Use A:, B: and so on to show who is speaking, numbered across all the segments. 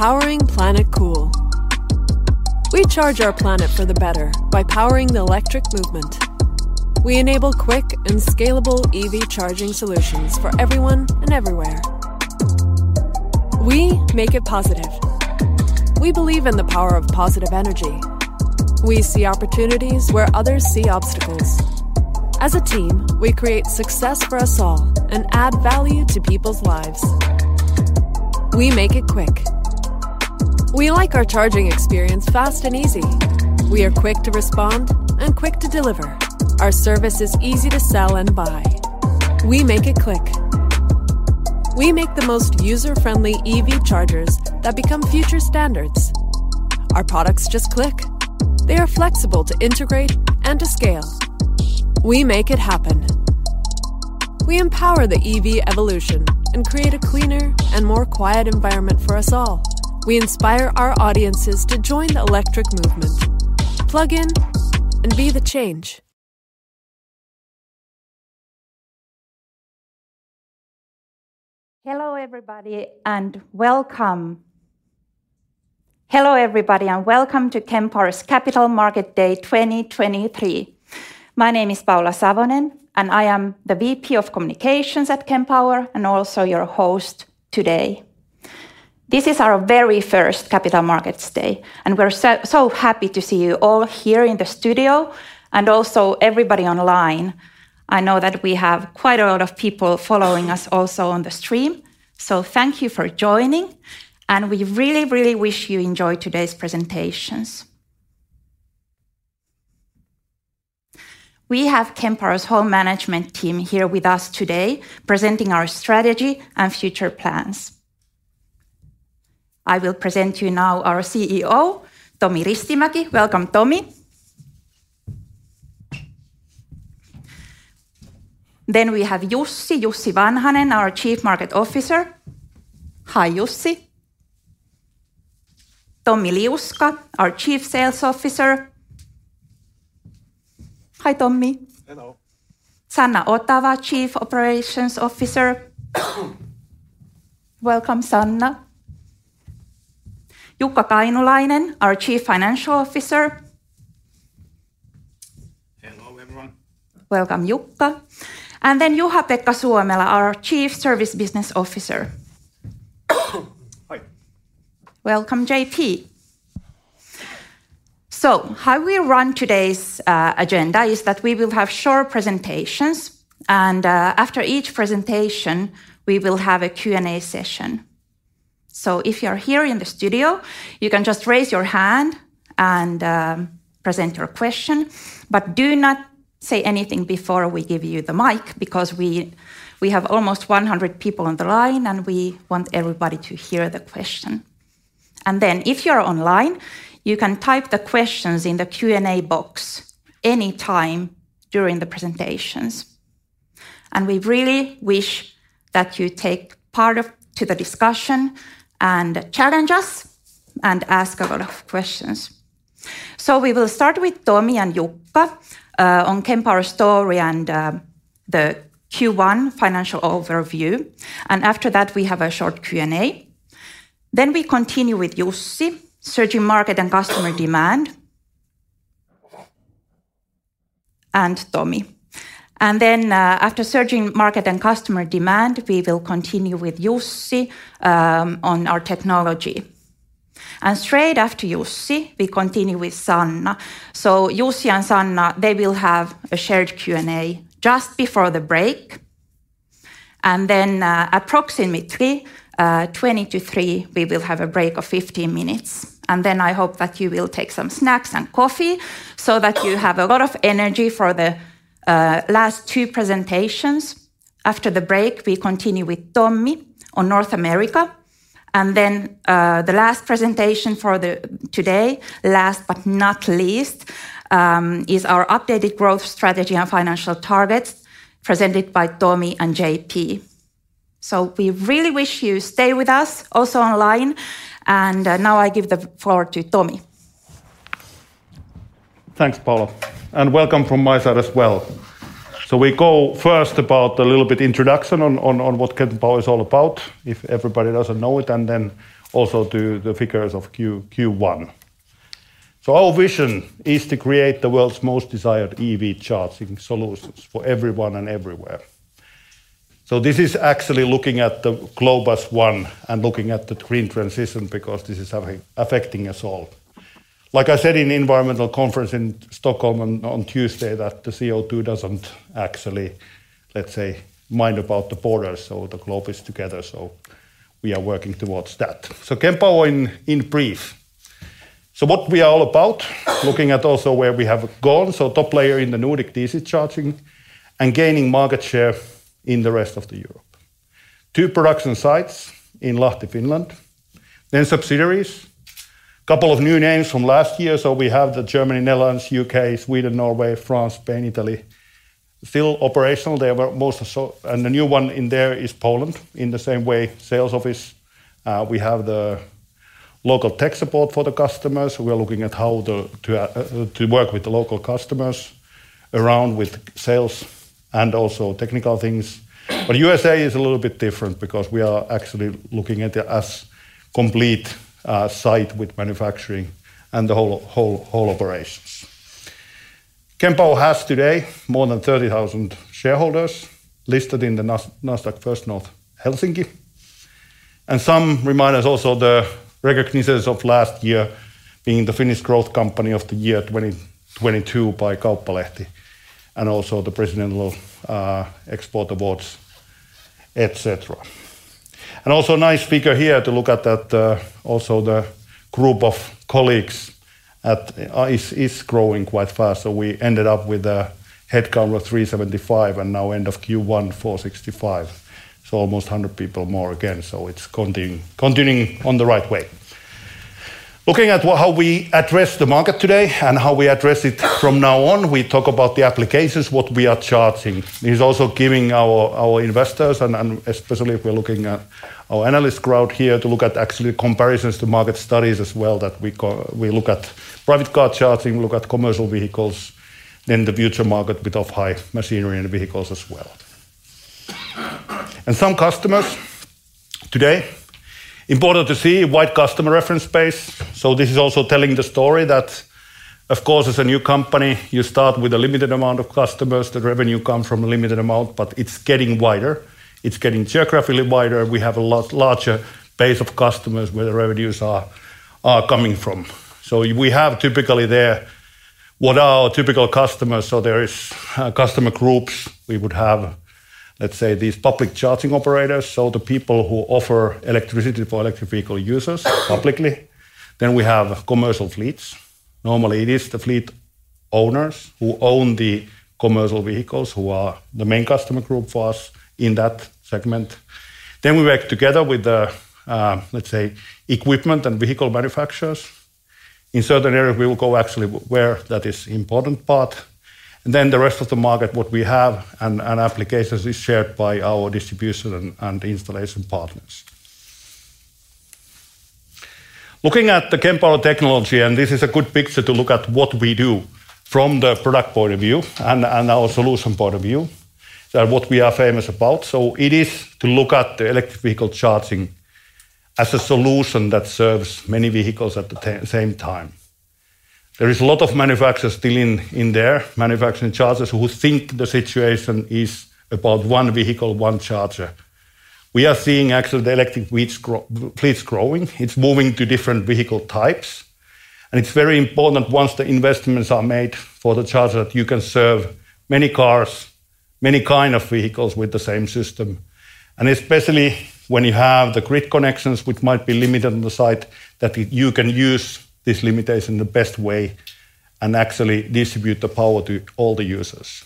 A: Powering Planet Cool. We charge our planet for the better by powering the electric movement. We enable quick and scalable EV charging solutions for everyone and everywhere. We make it positive. We believe in the power of positive energy. We see opportunities where others see obstacles. As a team, we create success for us all and add value to people's lives. We make it quick. We like our charging experience fast and easy. We are quick to respond and quick to deliver. Our service is easy to sell and buy. We make it click. We make the most user-friendly EV chargers that become future standards. Our products just click. They are flexible to integrate and to scale. We make it happen. We empower the EV evolution and create a cleaner and more quiet environment for us all. We inspire our audiences to join the electric movement. Plug in and be the change.
B: Hello everybody, welcome. Hello everybody, welcome to Kempower's Capital Market Day 2023. My name is Paula Savonen, I am the VP of Communications at Kempower and also your host today. This is our very first Capital Markets Day, and we're so happy to see you all here in the studio and also everybody online. I know that we have quite a lot of people following us also on the stream, thank you for joining, and we really wish you enjoy today's presentations. We have Kempower's home management team here with us today presenting our strategy and future plans. I will present to you now our CEO, Tomi Ristimäki. Welcome, Tomi. We have Jussi Vanhanen, our Chief Markets Officer. Hi, Jussi. Tommi Liuska, our Chief Sales Officer. Hi, Tommi.
C: Hello.
B: Sanna Otava, Chief Operations Officer. Welcome, Sanna. Jukka Kainulainen, our Chief Financial Officer.
D: Hello, everyone.
B: Welcome, Jukka. Juha-Pekka Suomela, our Chief Service Business Officer.
E: Hi.
B: Welcome, JP. How we run today's agenda is that we will have short presentations, and after each presentation, we will have a Q&A session. If you're here in the studio, you can just raise your hand and present your question. Do not say anything before we give you the mic because we have almost 100 people on the line, and we want everybody to hear the question. If you're online, you can type the questions in the Q&A box any time during the presentations. We really wish that you take part of to the discussion and challenge us and ask a lot of questions. We will start with Tomi and Jukka on Kempower story and the Q1 financial overview. After that, we have a short Q&A. We continue with Jussi, surging market and customer demand. Tomi. After surging market and customer demand, we will continue with Jussi on our technology. Straight after Jussi, we continue with Sanna. Jussi and Sanna, they will have a shared Q&A just before the break. Approximately 2:40 P.M., we will have a break of 15 minutes. I hope that you will take some snacks and coffee so that you have a lot of energy for the last two presentations. After the break, we continue with Tomi on North America. The last presentation for today, last but not least, is our updated growth strategy and financial targets presented by Tomi and JP. We really wish you stay with us also online, and now I give the floor to Tomi.
F: Thanks, Paula, and welcome from my side as well. We go first about a little bit introduction on what Kempower is all about, if everybody doesn't know it, and then also do the figures of Q1. Our vision is to create the world's most desired EV charging solutions for everyone and everywhere. This is actually looking at the globe as one and looking at the green transition because this is affecting us all. Like I said in environmental conference in Stockholm on Tuesday that the CO2 doesn't actually, let's say, mind about the borders, so the globe is together, so we are working towards that. Kempower in brief. What we are all about, looking at also where we have gone, so top player in the Nordic DC charging and gaining market share in the rest of the Europe. Two production sites in Lahti, Finland. Subsidiaries, couple of new names from last year. We have the Germany, Netherlands, U.K., Sweden, Norway, France, Spain, Italy. Still operational, they were most of. The new one in there is Poland. In the same way, sales office, we have the local tech support for the customers. We are looking at how to work with the local customers around with sales and also technical things. USA is a little bit different because we are actually looking at it as complete site with manufacturing and the whole operations. Kempower has today more than 30,000 shareholders listed in the Nasdaq First North Helsinki. Some reminders also the recognizers of last year being the Finnish Growth Company of the Year 2022 by Kauppalehti and also the Presidential Export Awards, et cetera. Also nice figure here to look at that, also the group of colleagues at is growing quite fast. We ended up with a head count of 375, and now end of Q1, 465, so almost 100 people more again. It's continuing on the right way. Looking at how we address the market today and how we address it from now on, we talk about the applications, what we are charging. It is also giving our investors, and especially if we're looking at our analyst crowd here, to look at actually comparisons to market studies as well that we look at private car charging, we look at commercial vehicles, then the future market with off-highway machinery and vehicles as well. Some customers today, important to see wide customer reference base. This is also telling the story that, of course, as a new company, you start with a limited amount of customers. The revenue comes from a limited amount, but it's getting wider. It's getting geographically wider. We have a lot larger base of customers where the revenues are coming from. We have typically there what are our typical customers. There is customer groups we would have, let's say, these public charging operators, so the people who offer electricity for electric vehicle users publicly. We have commercial fleets. Normally it is the fleet owners who own the commercial vehicles who are the main customer group for us in that segment. We work together with the, let's say, equipment and vehicle manufacturers. In certain areas, we will go actually where that is important part. The rest of the market, what we have and applications is shared by our distribution and installation partners. Looking at the Kempower technology, this is a good picture to look at what we do from the product point of view and our solution point of view, that what we are famous about. It is to look at the electric vehicle charging as a solution that serves many vehicles at the same time. There is a lot of manufacturers still in there, manufacturing chargers, who think the situation is about one vehicle, one charger. We are seeing actually the electric fleets growing. It's moving to different vehicle types. It's very important once the investments are made for the charger, you can serve many cars, many kind of vehicles with the same system. Especially when you have the grid connections which might be limited on the site, that you can use this limitation the best way and actually distribute the power to all the users.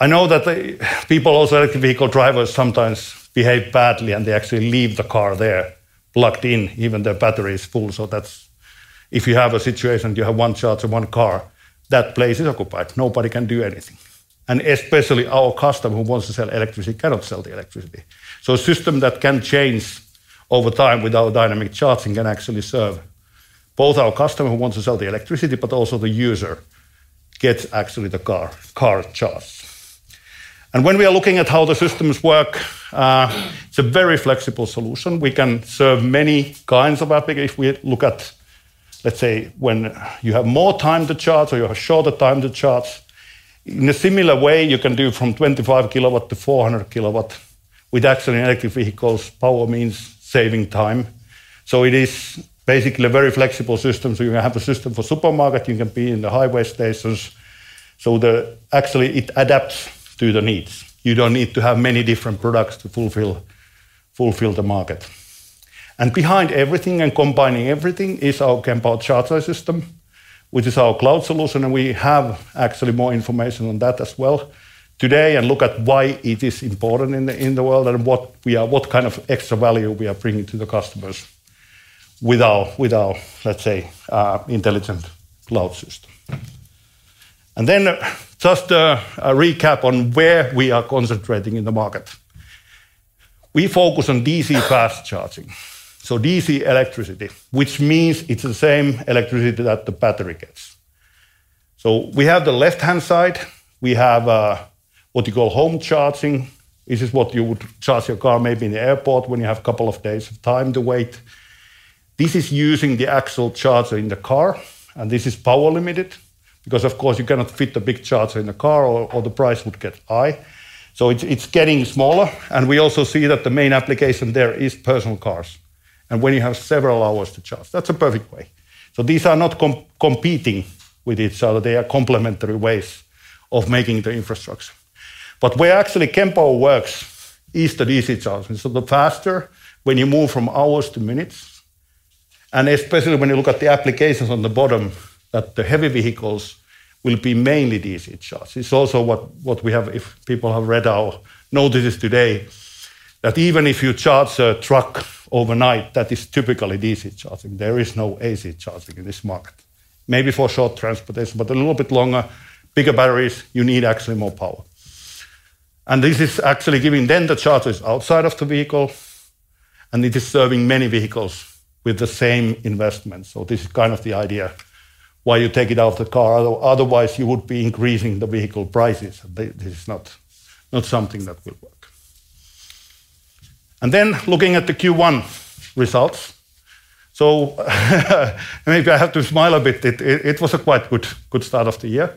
F: I know that the people, also electric vehicle drivers, sometimes behave badly, and they actually leave the car there plugged in, even the battery is full. If you have a situation, you have one charger, one car, that place is occupied. Nobody can do anything. Especially our customer who wants to sell electricity cannot sell the electricity. A system that can change over time with our dynamic charging can actually serve both our customer who wants to sell the electricity, but also the user gets actually the car charged. When we are looking at how the systems work, it's a very flexible solution. We can serve many kinds of. If we look at, let's say, when you have more time to charge or you have shorter time to charge, in a similar way, you can do from 25 kilowatt to 400 kilowatt. With actually electric vehicles, power means saving time. It is basically a very flexible system. You can have a system for supermarket, you can be in the highway stations. Actually, it adapts to the needs. You don't need to have many different products to fulfill the market. Behind everything and combining everything is our Kempower charger system, which is our cloud solution, and we have actually more information on that as well today and look at why it is important in the world and what kind of extra value we are bringing to the customers with our, let's say, intelligent cloud system. Just a recap on where we are concentrating in the market. We focus on DC fast charging, so DC electricity, which means it's the same electricity that the battery gets. We have the left-hand side. We have what you call home charging. This is what you would charge your car maybe in the airport when you have couple of days of time to wait. This is using the actual charger in the car, this is power limited because of course you cannot fit the big charger in the car or the price would get high. It's getting smaller, we also see that the main application there is personal cars, when you have several hours to charge, that's a perfect way. These are not competing with each other. They are complementary ways of making the infrastructure. Where actually Kempower works is the DC charging, so the faster when you move from hours to minutes, especially when you look at the applications on the bottom, that the heavy vehicles will be mainly DC charge. It's also what we have, if people have read our notices today, that even if you charge a truck overnight, that is typically DC charging. There is no AC charging in this market. Maybe for short transportation, but a little bit longer, bigger batteries, you need actually more power. This is actually giving then the chargers outside of the vehicle, and it is serving many vehicles with the same investment. This is kind of the idea why you take it out of the car, otherwise you would be increasing the vehicle prices. This is not something that will work. Looking at the Q1 results. Maybe I have to smile a bit. It was a quite good start of the year.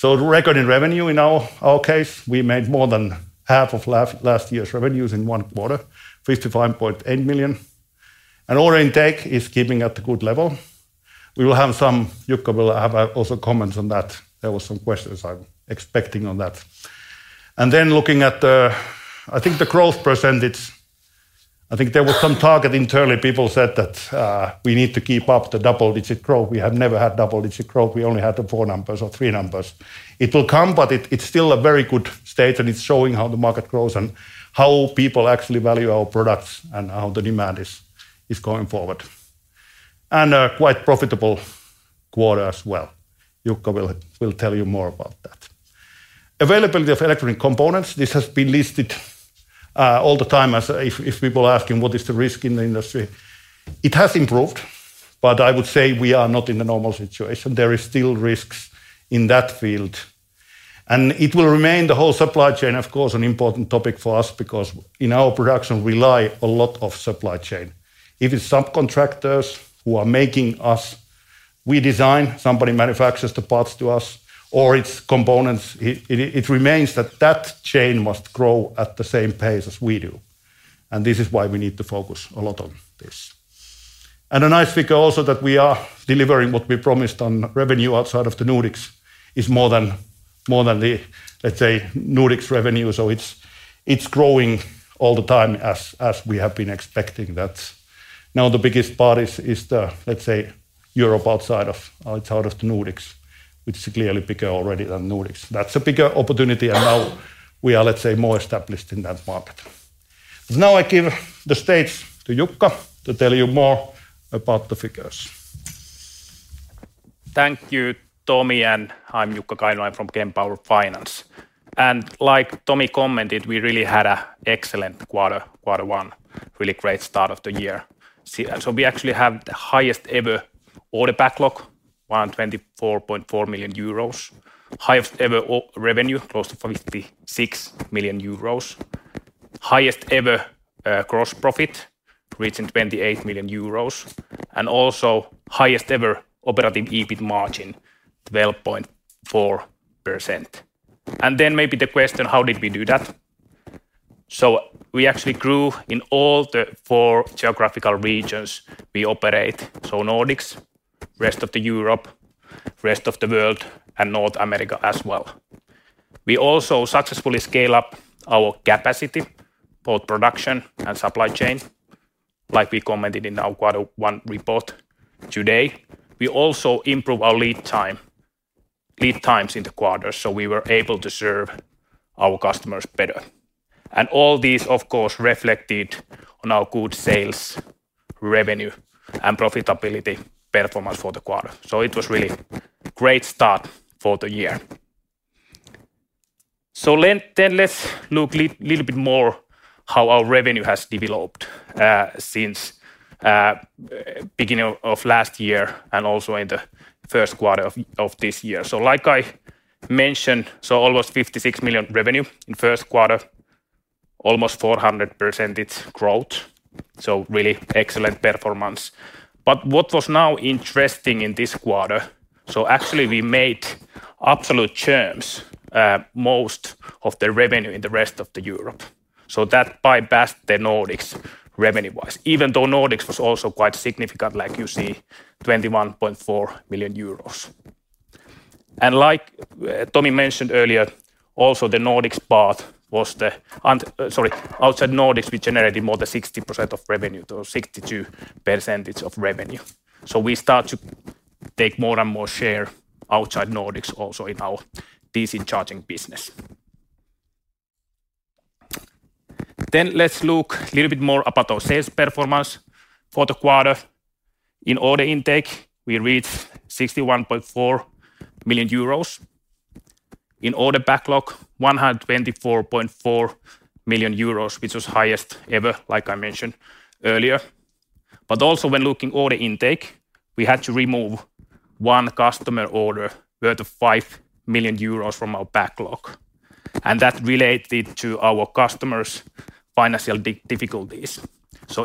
F: The record in revenue in our case, we made more than half of last year's revenues in one quarter, 55.8 million. Order intake is keeping at a good level. We will have some... Jukka will also have comments on that. There was some questions I'm expecting on that. Looking at the, I think the growth percentage, I think there was some target internally people said that, we need to keep up the double-digit growth. We have never had double-digit growth. We only had the four numbers or three numbers. It will come, but it's still a very good state, and it's showing how the market grows and how people actually value our products and how the demand is going forward. A quite profitable quarter as well. Jukka will tell you more about that. Availability of electronic components, this has been listed all the time as if people asking what is the risk in the industry. It has improved, but I would say we are not in a normal situation. There is still risks in that field. It will remain the whole supply chain, of course, an important topic for us because in our production rely a lot of supply chain. If it's subcontractors who are making us, we design, somebody manufactures the parts to us, or it's components, it remains that chain must grow at the same pace as we do. This is why we need to focus a lot on this. A nice figure also that we are delivering what we promised on revenue outside of the Nordics is more than the, let's say, Nordics revenue. It's growing all the time as we have been expecting that. Now the biggest part is the, let's say, Europe outside of, outside of the Nordics, which is clearly bigger already than Nordics. That's a bigger opportunity, and now we are, let's say, more established in that market. Now I give the stage to Jukka to tell you more about the figures.
D: Thank you, Tomi. I'm Jukka Kainulainen. I'm from Kempower Finance. Like Tomi commented, we really had a excellent quarter, Q1. Really great start of the year. We actually have the highest ever order backlog, 124.4 million euros, highest ever revenue, close to 56 million euros, highest ever gross profit, reaching 28 million euros, also highest ever operating EBIT margin, 12.4%. Then maybe the question, how did we do that? We actually grew in all four geographical regions we operate. Nordics, rest of the Europe, rest of the world, and North America as well. We also successfully scale up our capacity, both production and supply chain, like we commented in our Q1 report today. We also improve our lead times in the quarter, so we were able to serve our customers better. All these of course reflected on our good sales revenue and profitability performance for the quarter. It was really great start for the year. Let's look little bit more how our revenue has developed since beginning of last year and also in the first quarter of this year. Like I mentioned, so almost 56 million revenue in first quarter, almost 400% growth, so really excellent performance. What was now interesting in this quarter, so actually we made absolute churns most of the revenue in the rest of Europe, so that bypassed the Nordics revenue-wise, even though Nordics was also quite significant, like you see, 21.4 million euros. Like Tomi mentioned earlier, also outside Nordics, we generated more than 60% of revenue, so 62% of revenue. We start to take more and more share outside Nordics also in our DC charging business. Let's look little bit more about our sales performance for the quarter. In order intake, we reached 61.4 million euros. In order backlog, 124.4 million euros, which was highest ever, like I mentioned earlier. Also when looking order intake, we had to remove one customer order worth of 5 million euros from our backlog, that related to our customer's financial difficulties.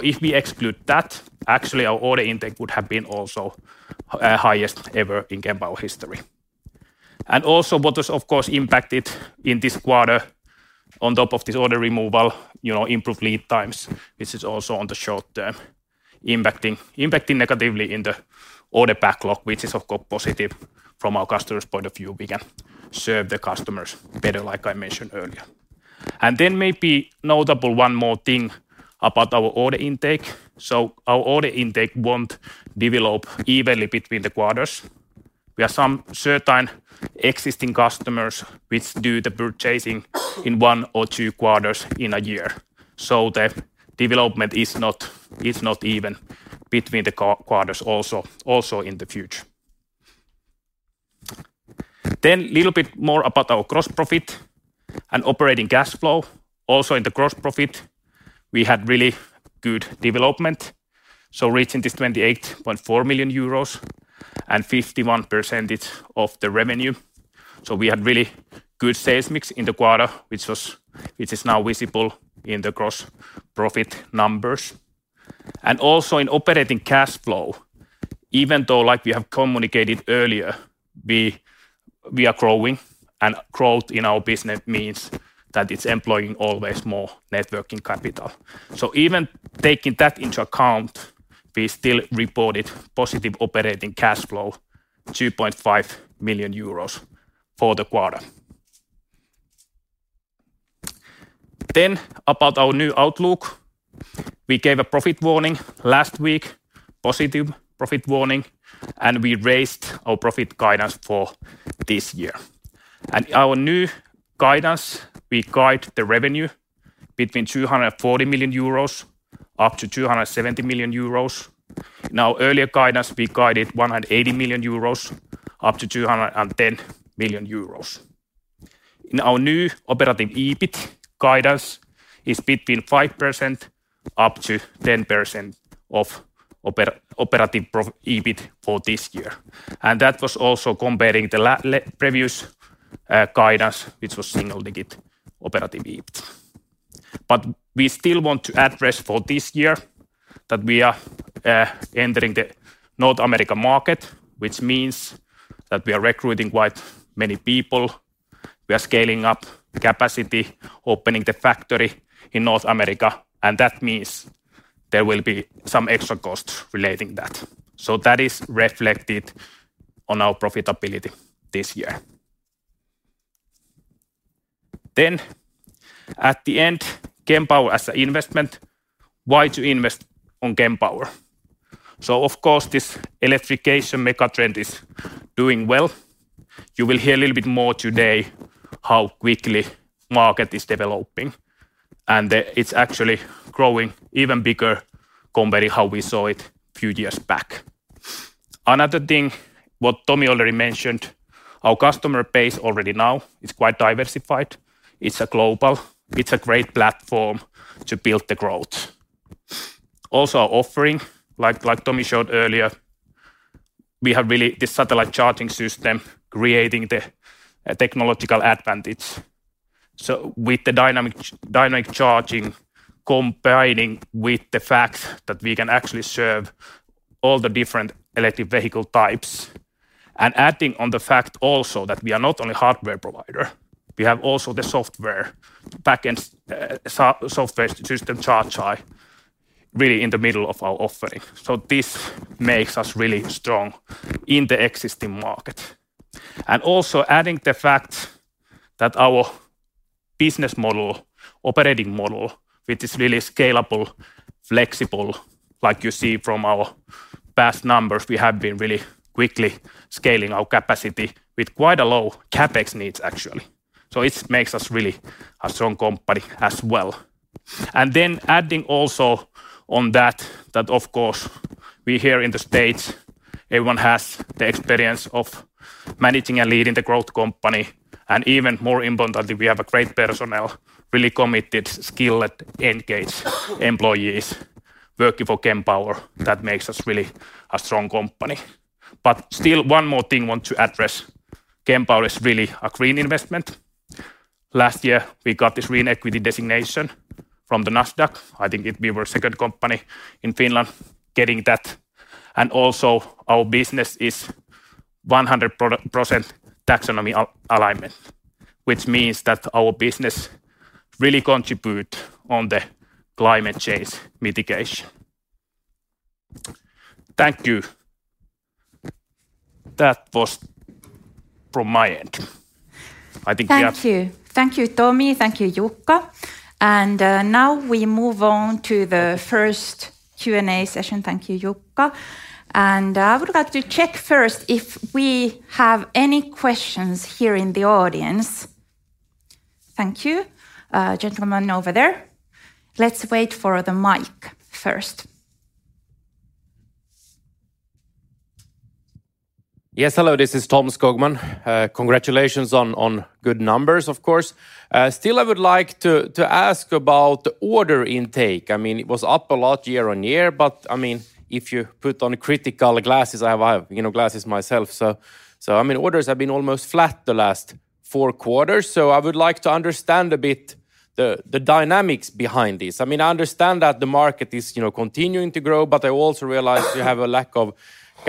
D: If we exclude that, actually our order intake would have been also highest ever in Kempower history. Also what was of course impacted in this quarter on top of this order removal, you know, improved lead times. This is also on the short term impacting negatively in the order backlog, which is of course positive from our customers' point of view. We can serve the customers better, like I mentioned earlier. Maybe notable one more thing about our order intake. Our order intake won't develop evenly between the quarters. We have some certain existing customers which do the purchasing in one or two quarters in a year. The development is not even between the quarters also in the future. Little bit more about our gross profit and operating cash flow. Also in the gross profit, we had really good development, so reaching this 28.4 million euros and 51% of the revenue. We had really good sales mix in the quarter, which is now visible in the gross profit numbers. Also in operating cash flow, even though, like we have communicated earlier, we are growing, and growth in our business means that it's employing always more networking capital. Even taking that into account, we still reported positive operating cash flow, 2.5 million euros, for the quarter. About our new outlook. We gave a profit warning last week, positive profit warning, and we raised our profit guidance for this year. Our new guidance, we guide the revenue between 240 million euros up to 270 million euros. Earlier guidance, we guided 180 million euros up to 210 million euros. In our new operating EBIT guidance is between 5% up to 10% of EBIT for this year. That was also comparing the previous guidance, which was single-digit operating EBIT. We still want to address for this year that we are entering the North America market, which means that we are recruiting quite many people. We are scaling up the capacity, opening the factory in North America, and that means there will be some extra costs relating that. That is reflected on our profitability this year. At the end, Kempower as a investment. Why to invest on Kempower? Of course, this electrification mega-trend is doing well. You will hear a little bit more today how quickly market is developing, and it's actually growing even bigger comparing how we saw it few years back. Another thing, what Tomi already mentioned, our customer base already now is quite diversified. It's a global. It's a great platform to build the growth. Our offering, like Tomi showed earlier, we have really this Satellite charging system creating the technological advantage. With the dynamic charging combining with the fact that we can actually serve all the different electric vehicle types, adding on the fact also that we are not only hardware provider, we have also the software, backend, software system ChargEye really in the middle of our offering. This makes us really strong in the existing market. Also adding the fact that our business model, operating model, which is really scalable, flexible, like you see from our past numbers, we have been really quickly scaling our capacity with quite a low CapEx needs actually. It makes us really a strong company as well. Adding also on that of course we here in the States, everyone has the experience of managing and leading the growth company, and even more importantly, we have a great personnel, really committed, skilled, engaged employees working for Kempower. That makes us really a strong company. One more thing want to address, Kempower is really a green investment. Last year, we got this green equity designation from the Nasdaq. We were second company in Finland getting that. Our business is 100% taxonomy alignment, which means that our business really contribute on the climate change mitigation. Thank you. That was from my end.
B: Thank you. Thank you, Tomi. Thank you, Jukka. Now we move on to the first Q&A session. Thank you, Jukka. I would like to check first if we have any questions here in the audience. Thank you, gentleman over there. Let's wait for the mic first.
G: Yes, hello, this is Tom Skogman. Congratulations on good numbers of course. Still I would like to ask about order intake. I mean, it was up a lot year-on-year, but I mean, if you put on critical glasses, I have, I have, you know, glasses myself, so I mean, orders have been almost flat the last four quarters. I would like to understand a bit the dynamics behind this. I mean, I understand that the market is, you know, continuing to grow, but I also realize you have a lack of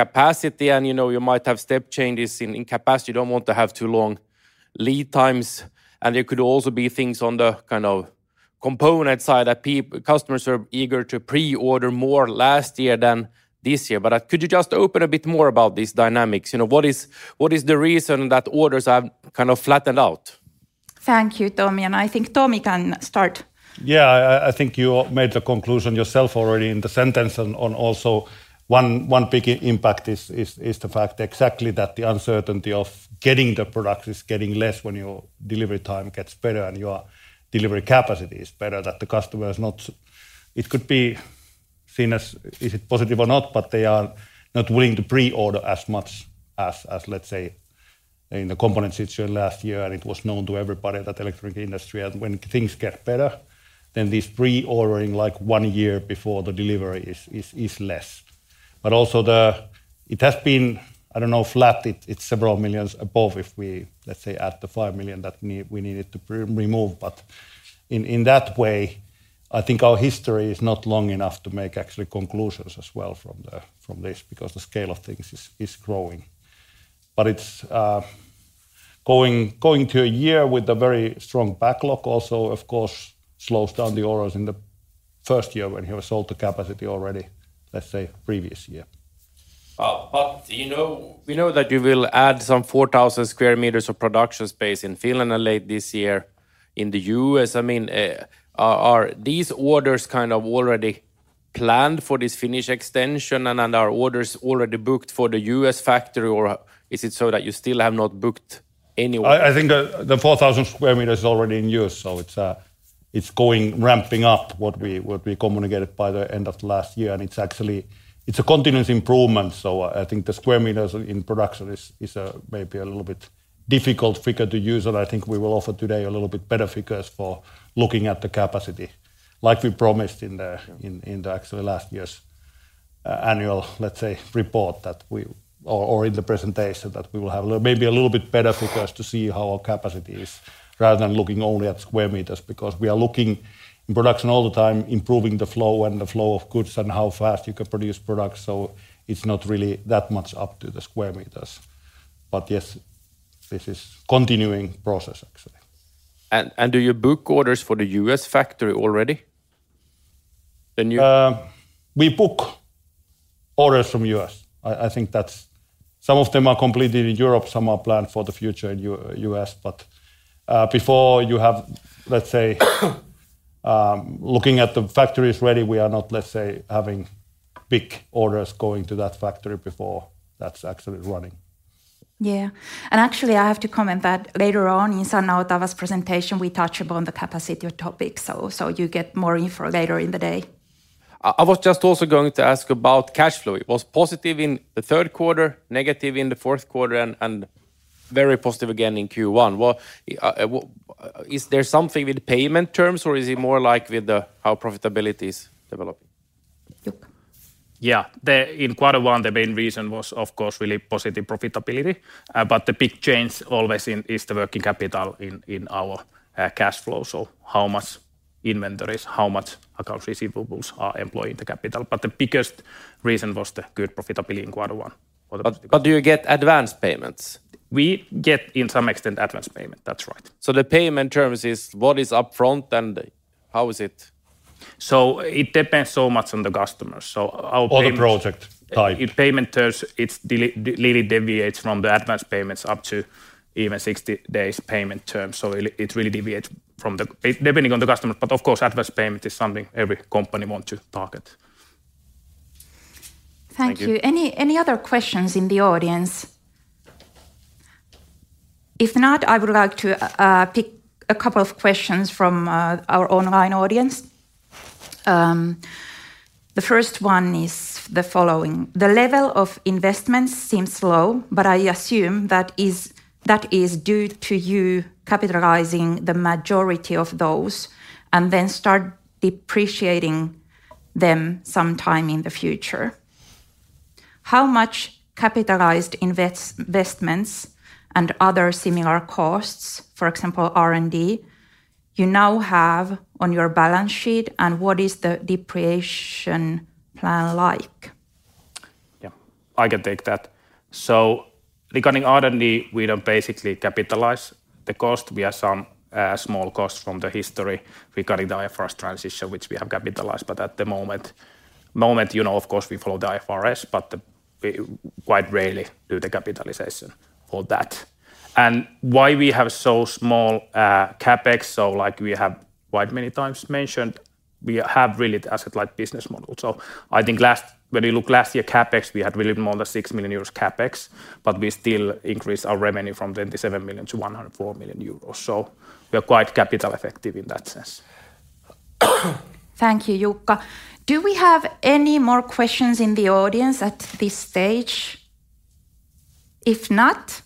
G: capacity, and you know, you might have step changes in capacity. You don't want to have too long lead times, and there could also be things on the kind of component side that customers are eager to pre-order more last year than this year. Could you just open a bit more about these dynamics? You know, what is, what is the reason that orders have kind of flattened out?
B: Thank you, Tom. I think Tomi can start.
F: Yeah, I think you made the conclusion yourself already in the sentence on also one big impact is the fact exactly that the uncertainty of getting the product is getting less when your delivery time gets better and your delivery capacity is better, that the customer is not. It could be Seen as, is it positive or not, but they are not willing to pre-order as much as let's say in the component situation last year, and it was known to everybody that electric industry. When things get better, then this pre-ordering, like one year before the delivery is less. It has been, I don't know, flat. It's several millions above if we, let's say, add the 5 million that we needed to remove. In that way, I think our history is not long enough to make actually conclusions as well from this because the scale of things is growing. It's going to a year with a very strong backlog also, of course, slows down the orders in the first year when you have sold the capacity already, let's say previous year.
G: You know, we know that you will add some 4,000 sq m of production space in Finland late this year. In the U.S., I mean, are these orders kind of already planned for this Finnish extension and are orders already booked for the U.S. factory or is it so that you still have not booked any orders?
F: I think the 4,000 sq m is already in use, so it's going, ramping up what we communicated by the end of last year. It's actually. It's a continuous improvement, so I think the square meters in production is maybe a little bit difficult figure to use, and I think we will offer today a little bit better figures for looking at the capacity like we promised in the actually last year's annual, let's say, report that we or in the presentation that we will have a little, maybe a little bit better figures to see how our capacity is rather than looking only at square meters because we are looking in production all the time, improving the flow and the flow of goods and how fast you can produce products. It's not really that much up to the square meters. Yes, this is continuing process actually.
G: Do you book orders for the U.S. factory already?
F: We book orders from U.S. Some of them are completed in Europe, some are planned for the future in U.S. Before you have, let's say, looking at the factories ready, we are not, let's say, having big orders going to that factory before that's actually running.
B: Yeah. Actually, I have to comment that later on in Sanna Otava's presentation, we touch upon the capacity topic, so you get more info later in the day.
G: I was just also going to ask about cash flow. It was positive in the third quarter, negative in the fourth quarter, and very positive again in Q1. Well, is there something with payment terms, or is it more like with the how profitability is developing?
B: Jukka.
D: Yeah. In quarter one, the main reason was, of course, really positive profitability. The big change always in is the working capital in our cash flow. How much inventories, how much accounts receivables are employed in the capital? The biggest reason was the good profitability in quarter one for the-
G: Do you get advance payments?
D: We get in some extent advance payment. That's right.
G: The payment terms is what is up front and how is it?
D: It depends so much on the customers.
G: The project type.
D: In payment terms, it's really deviates from the advance payments up to even 60 days payment terms. It really deviates from the, depending on the customer, but of course, advance payment is something every company want to target.
B: Thank you.
G: Thank you.
B: Any other questions in the audience? If not, I would like to pick a couple of questions from our online audience. The first one is the following: The level of investments seems low, but I assume that is due to you capitalizing the majority of those and then start depreciating them sometime in the future. How much capitalized investments and other similar costs, for example, R&D, you now have on your balance sheet, and what is the depreciation plan like?
D: I can take that. Regarding R&D, we don't basically capitalize the cost. We have some small costs from the history regarding the IFRS transition, which we have capitalized. At the moment, you know, of course, we follow the IFRS, but we quite rarely do the capitalization for that. Why we have so small CapEx, like we have quite many times mentioned, we have really the asset-light business model. I think when you look last year CapEx, we had really more than 6 million euros CapEx, we still increased our revenue from 27 million to 104 million euros. We are quite capital effective in that sense.
B: Thank you, Jukka. Do we have any more questions in the audience at this stage? If not,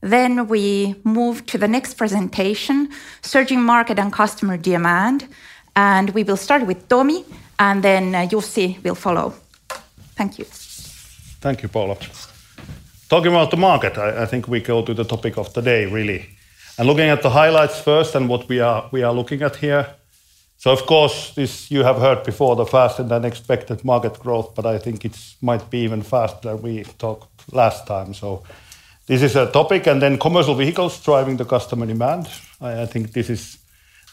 B: then we move to the next presentation, surging market and customer demand, and we will start with Tomi, and then Jussi will follow. Thank you.
F: Thank you, Paula. Talking about the market, I think we go to the topic of the day really. Looking at the highlights first and what we are looking at here, so of course, this you have heard before, the faster than expected market growth, but I think it's might be even faster than we talked last time. This is a topic. Commercial vehicles driving the customer demand, I think this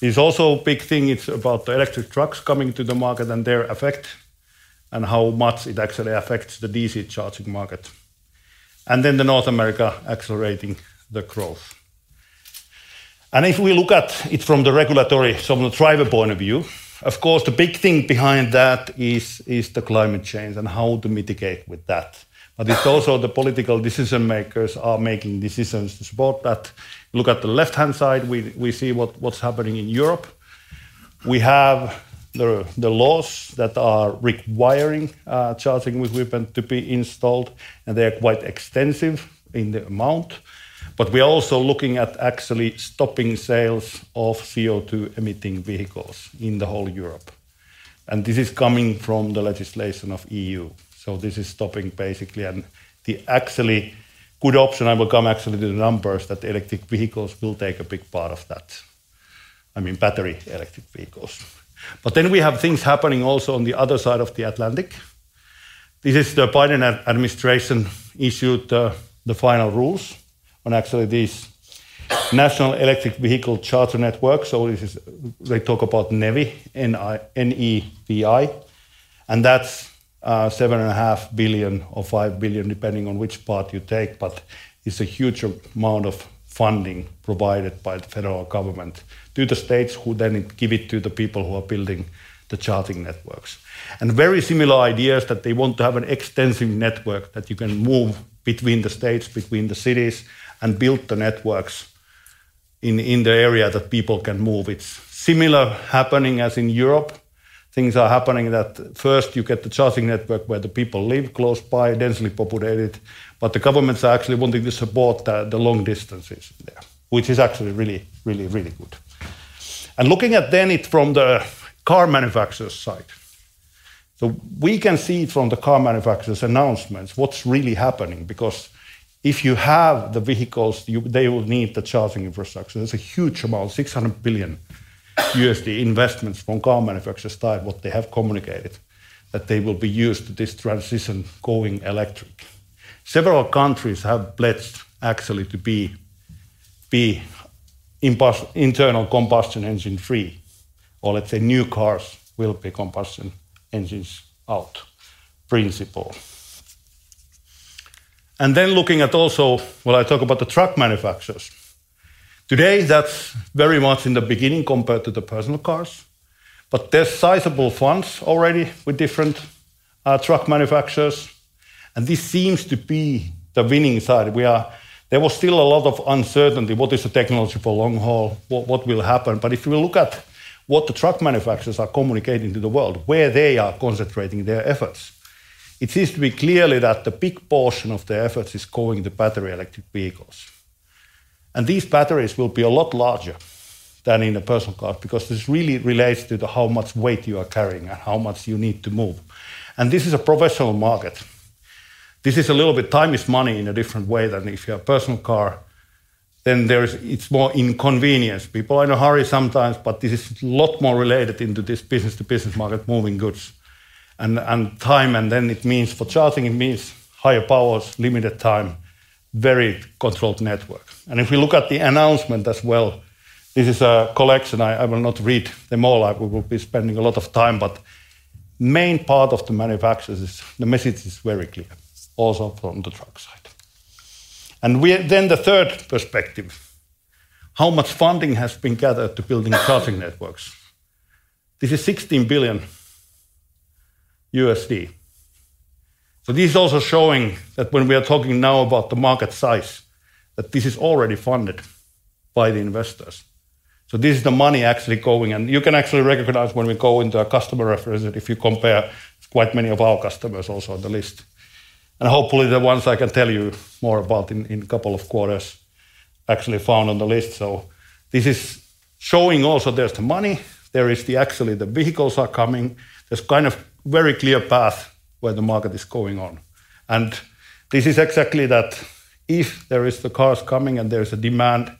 F: is also a big thing. It's about the electric trucks coming to the market and their effect and how much it actually affects the DC charging market. The North America accelerating the growth. If we look at it from the regulatory, from the driver point of view, of course, the big thing behind that is the climate change and how to mitigate with that. It's also the political decision-makers are making decisions to support that. Look at the left-hand side, we see what's happening in Europe. We have the laws that are requiring charging equipment to be installed, and they are quite extensive in the amount. We are also looking at actually stopping sales of CO2 emitting vehicles in the whole Europe, and this is coming from the legislation of EU. This is stopping basically, and the actually good option, I will come actually to the numbers, that electric vehicles will take a big part of that. I mean, battery electric vehicles. We have things happening also on the other side of the Atlantic. This is the Biden administration issued the final rules on actually these National Electric Vehicle Infrastructure network. They talk about NEVI, N-E-V-I, and that's $7.5 billion or 5 billion, depending on which part you take, but it's a huge amount of funding provided by the Federal Government to the states who then give it to the people who are building the charging networks. Very similar ideas that they want to have an extensive network that you can move between the states, between the cities, and build the networks in the area that people can move. It's similar happening as in Europe. Things are happening that first you get the charging network where the people live close by, densely populated, but the governments are actually wanting to support the long distances there, which is actually really, really, really good. Looking at then it from the car manufacturer's side. We can see from the car manufacturer's announcements what's really happening because if you have the vehicles, they will need the charging infrastructure. There's a huge amount, $600 billion investments from car manufacturers' side, what they have communicated that they will be used to this transition going electric. Several countries have pledged actually to be internal combustion engine-free, or let's say new cars will be combustion engines out principle. Looking at also when I talk about the truck manufacturers. Today, that's very much in the beginning compared to the personal cars, but there's sizable funds already with different truck manufacturers, and this seems to be the winning side. There was still a lot of uncertainty. What is the technology for long haul? What will happen? If you look at what the truck manufacturers are communicating to the world, where they are concentrating their efforts, it seems to be clearly that the big portion of their efforts is going to battery electric vehicles. These batteries will be a lot larger than in a personal car because this really relates to the how much weight you are carrying and how much you need to move. This is a professional market. This is a little bit time is money in a different way than if you're a personal car, then it's more inconvenience. People are in a hurry sometimes, but this is a lot more related into this business-to-business market moving goods and time. Then it means for charging, it means higher powers, limited time, very controlled networks. If we look at the announcement as well, this is a collection I will not read them all. I would be spending a lot of time. Main part of the manufacturers is the message is very clear, also from the truck side. Then the third perspective, how much funding has been gathered to building charging networks? This is $16 billion. This is also showing that when we are talking now about the market size, that this is already funded by the investors. This is the money actually going, and you can actually recognize when we go into a customer reference that if you compare quite many of our customers also on the list. Hopefully, the ones I can tell you more about in a couple of quarters actually found on the list. This is showing also there's the money, there is the actually the vehicles are coming. There's kind of very clear path where the market is going on. This is exactly that if there is the cars coming and there is a demand,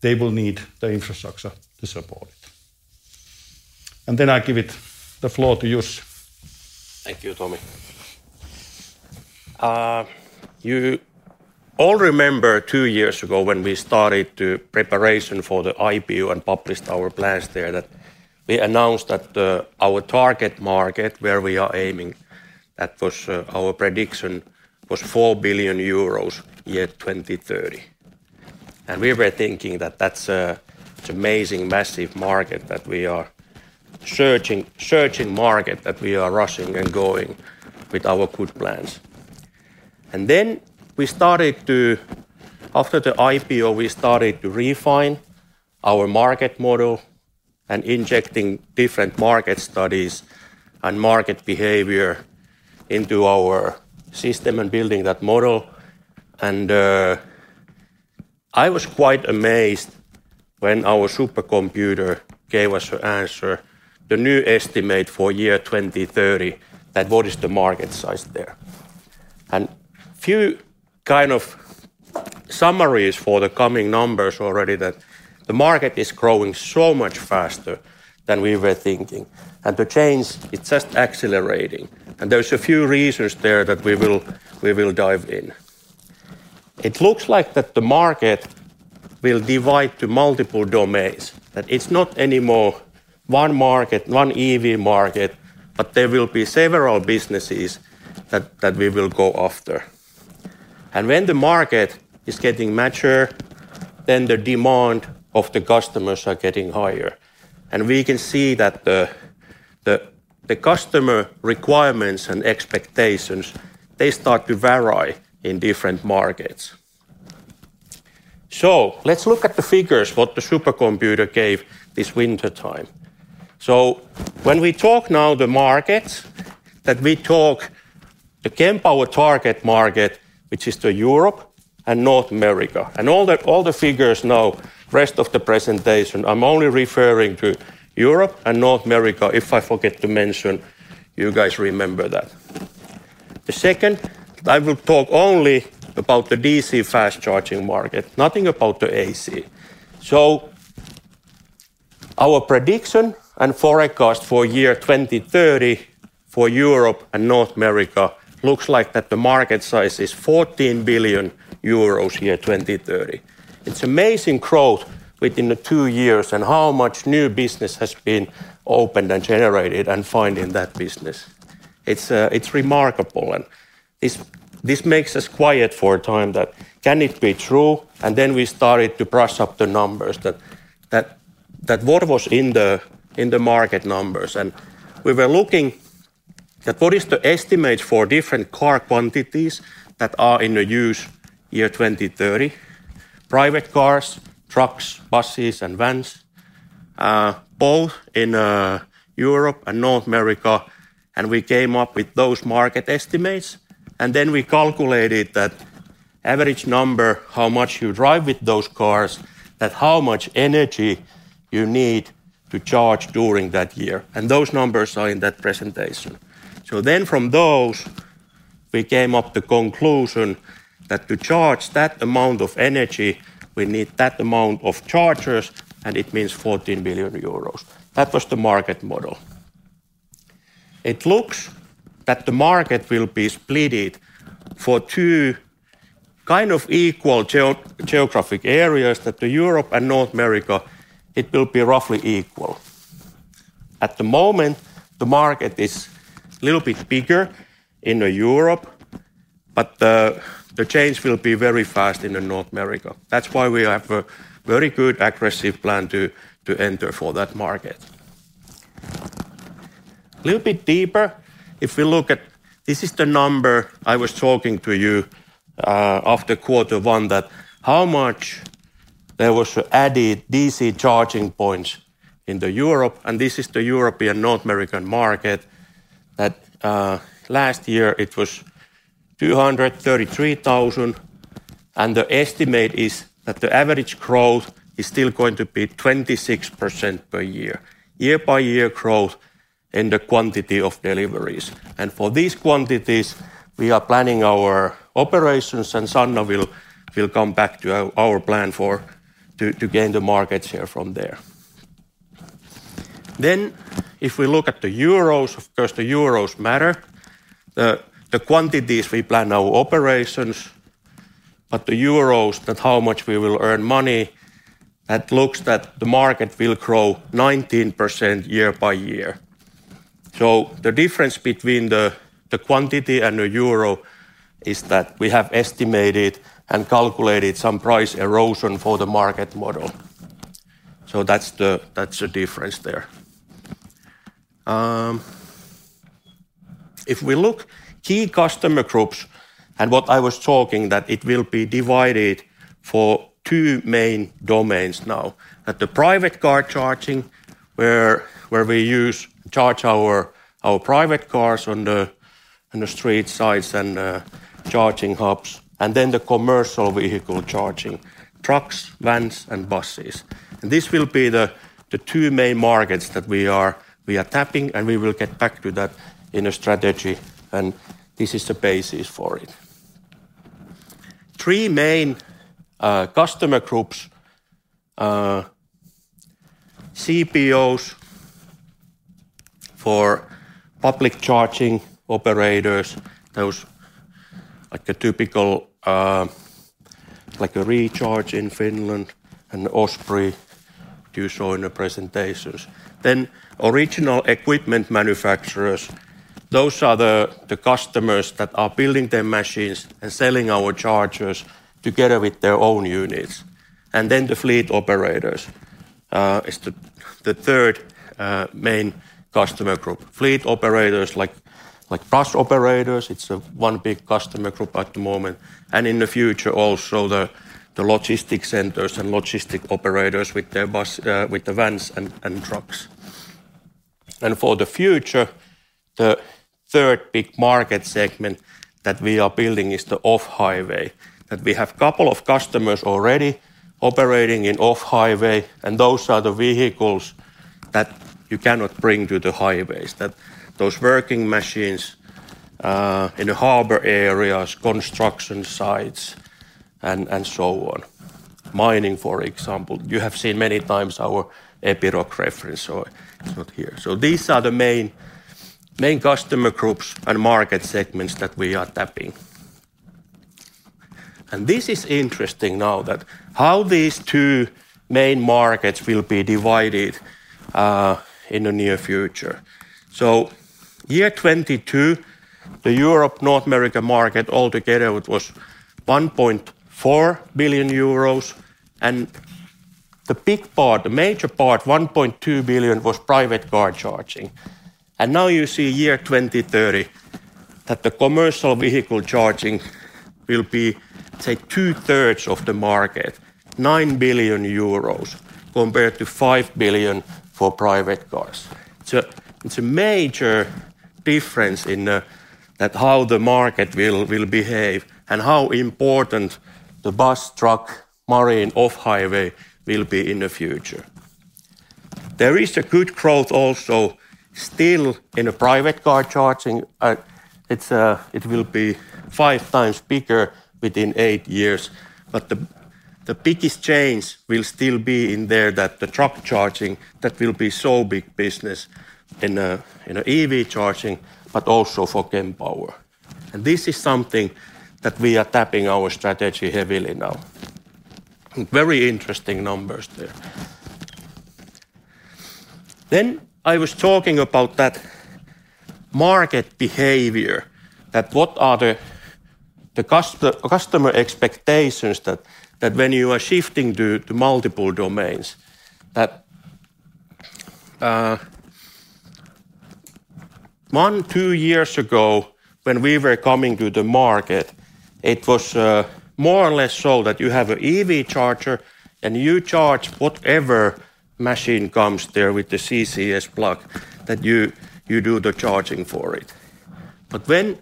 F: they will need the infrastructure to support it. Then I give it the floor to Jussi.
H: Thank you, Tommy. You all remember 2 years ago when we started the preparation for the IPO and published our plans there that we announced that our target market, where we are aiming, that was our prediction was 4 billion euros year 2030. We were thinking that that's it's amazing, massive market that we are searching market that we are rushing and going with our good plans. After the IPO, we started to refine our market model and injecting different market studies and market behavior into our system and building that model. I was quite amazed when our supercomputer gave us an answer, the new estimate for year 2030, that what is the market size there. A few kind of summaries for the coming numbers already that the market is growing so much faster than we were thinking. The change, it's just accelerating. There's a few reasons there that we will dive in. It looks like that the market will divide to multiple domains, that it's not anymore one market, one EV market, but there will be several businesses that we will go after. When the market is getting mature, the demand of the customers are getting higher. We can see that the customer requirements and expectations, they start to vary in different markets. Let's look at the figures what the supercomputer gave this wintertime. When we talk now the markets that we talk, the Kempower target market, which is the Europe and North America, all the figures now, rest of the presentation, I'm only referring to Europe and North America. If I forget to mention, you guys remember that. Second, I will talk only about the DC fast charging market, nothing about the AC. Our prediction and forecast for year 2030 for Europe and North America looks like that the market size is 14 billion euros year 2030. It's amazing growth within the two years and how much new business has been opened and generated and finding that business. It's remarkable, and this makes us quiet for a time that can it be true? Then we started to brush up the numbers that what was in the market numbers. We were looking at what is the estimate for different car quantities that are in the use year 2030. Private cars, trucks, buses, and vans, both in Europe and North America. We came up with those market estimates, and then we calculated that average number, how much you drive with those cars, that how much energy you need to charge during that year. Those numbers are in that presentation. From those, we came up the conclusion that to charge that amount of energy, we need that amount of chargers, and it means 14 billion euros. That was the market model. It looks that the market will be splitted for two kind of equal geo-geographic areas that the Europe and North America, it will be roughly equal. At the moment, the market is little bit bigger in Europe, the change will be very fast in North America. That's why we have a very good aggressive plan to enter for that market. Little bit deeper, if we look at this is the number I was talking to you after quarter one, that how much there was added DC charging points in Europe. This is the European North American market, that last year it was 233,000, and the estimate is that the average growth is still going to be 26% per year, year-by-year growth in the quantity of deliveries. For these quantities we are planning our operations, and Sanna will come back to our plan for to gain the market share from there. If we look at the euros, of course, the euros matter. The quantities we plan our operations, but the euros that how much we will earn money, that looks that the market will grow 19% year-by-year. The difference between the quantity and the euro is that we have estimated and calculated some price erosion for the market model. That's the difference there. If we look key customer groups and what I was talking, that it will be divided for two main domains now. The private car charging where we use charge our private cars on the street sides and charging hubs, and then the commercial vehicle charging trucks, vans, and buses. This will be the two main markets that we are tapping, and we will get back to that in a strategy and this is the basis for it. Three main customer groups, CPOs for public charging operators, those like a typical Recharge in Finland and Osprey to show in the presentations. Original equipment manufacturers, those are the customers that are building their machines and selling our chargers together with their own units. The fleet operators is the third main customer group. Fleet operators like bus operators. It's one big customer group at the moment. In the future also the logistics centers and logistic operators with their bus, with the vans and trucks. For the future, the third big market segment that we are building is the off-highway, that we have couple of customers already operating in off-highway, and those are the vehicles that you cannot bring to the highways. Those working machines in the harbor areas, construction sites, and so on. Mining, for example. You have seen many times our Epiroc reference, or it's not here. These are the main customer groups and market segments that we are tapping. This is interesting now that how these two main markets will be divided in the near future. Year 2022, the Europe-North America market all together, it was 1.4 billion euros. The big part, the major part, 1.2 billion, was private car charging. Now you see year 2030 that the commercial vehicle charging will be, say, two-thirds of the market. 9 billion euros compared to 5 billion for private cars. It's a major difference in that how the market will behave and how important the bus, truck, marine, off-highway will be in the future. There is a good growth also still in the private car charging. It will be five times bigger within eight years. The biggest change will still be in there that the truck charging that will be so big business in EV charging but also for Kempower. This is something that we are tapping our strategy heavily now. Very interesting numbers there. I was talking about that market behavior, that what are the customer expectations that when you are shifting to multiple domains that, one, two years ago, when we were coming to the market, it was more or less so that you have a EV charger and you charge whatever machine comes there with the CCS plug, that you do the charging for it. When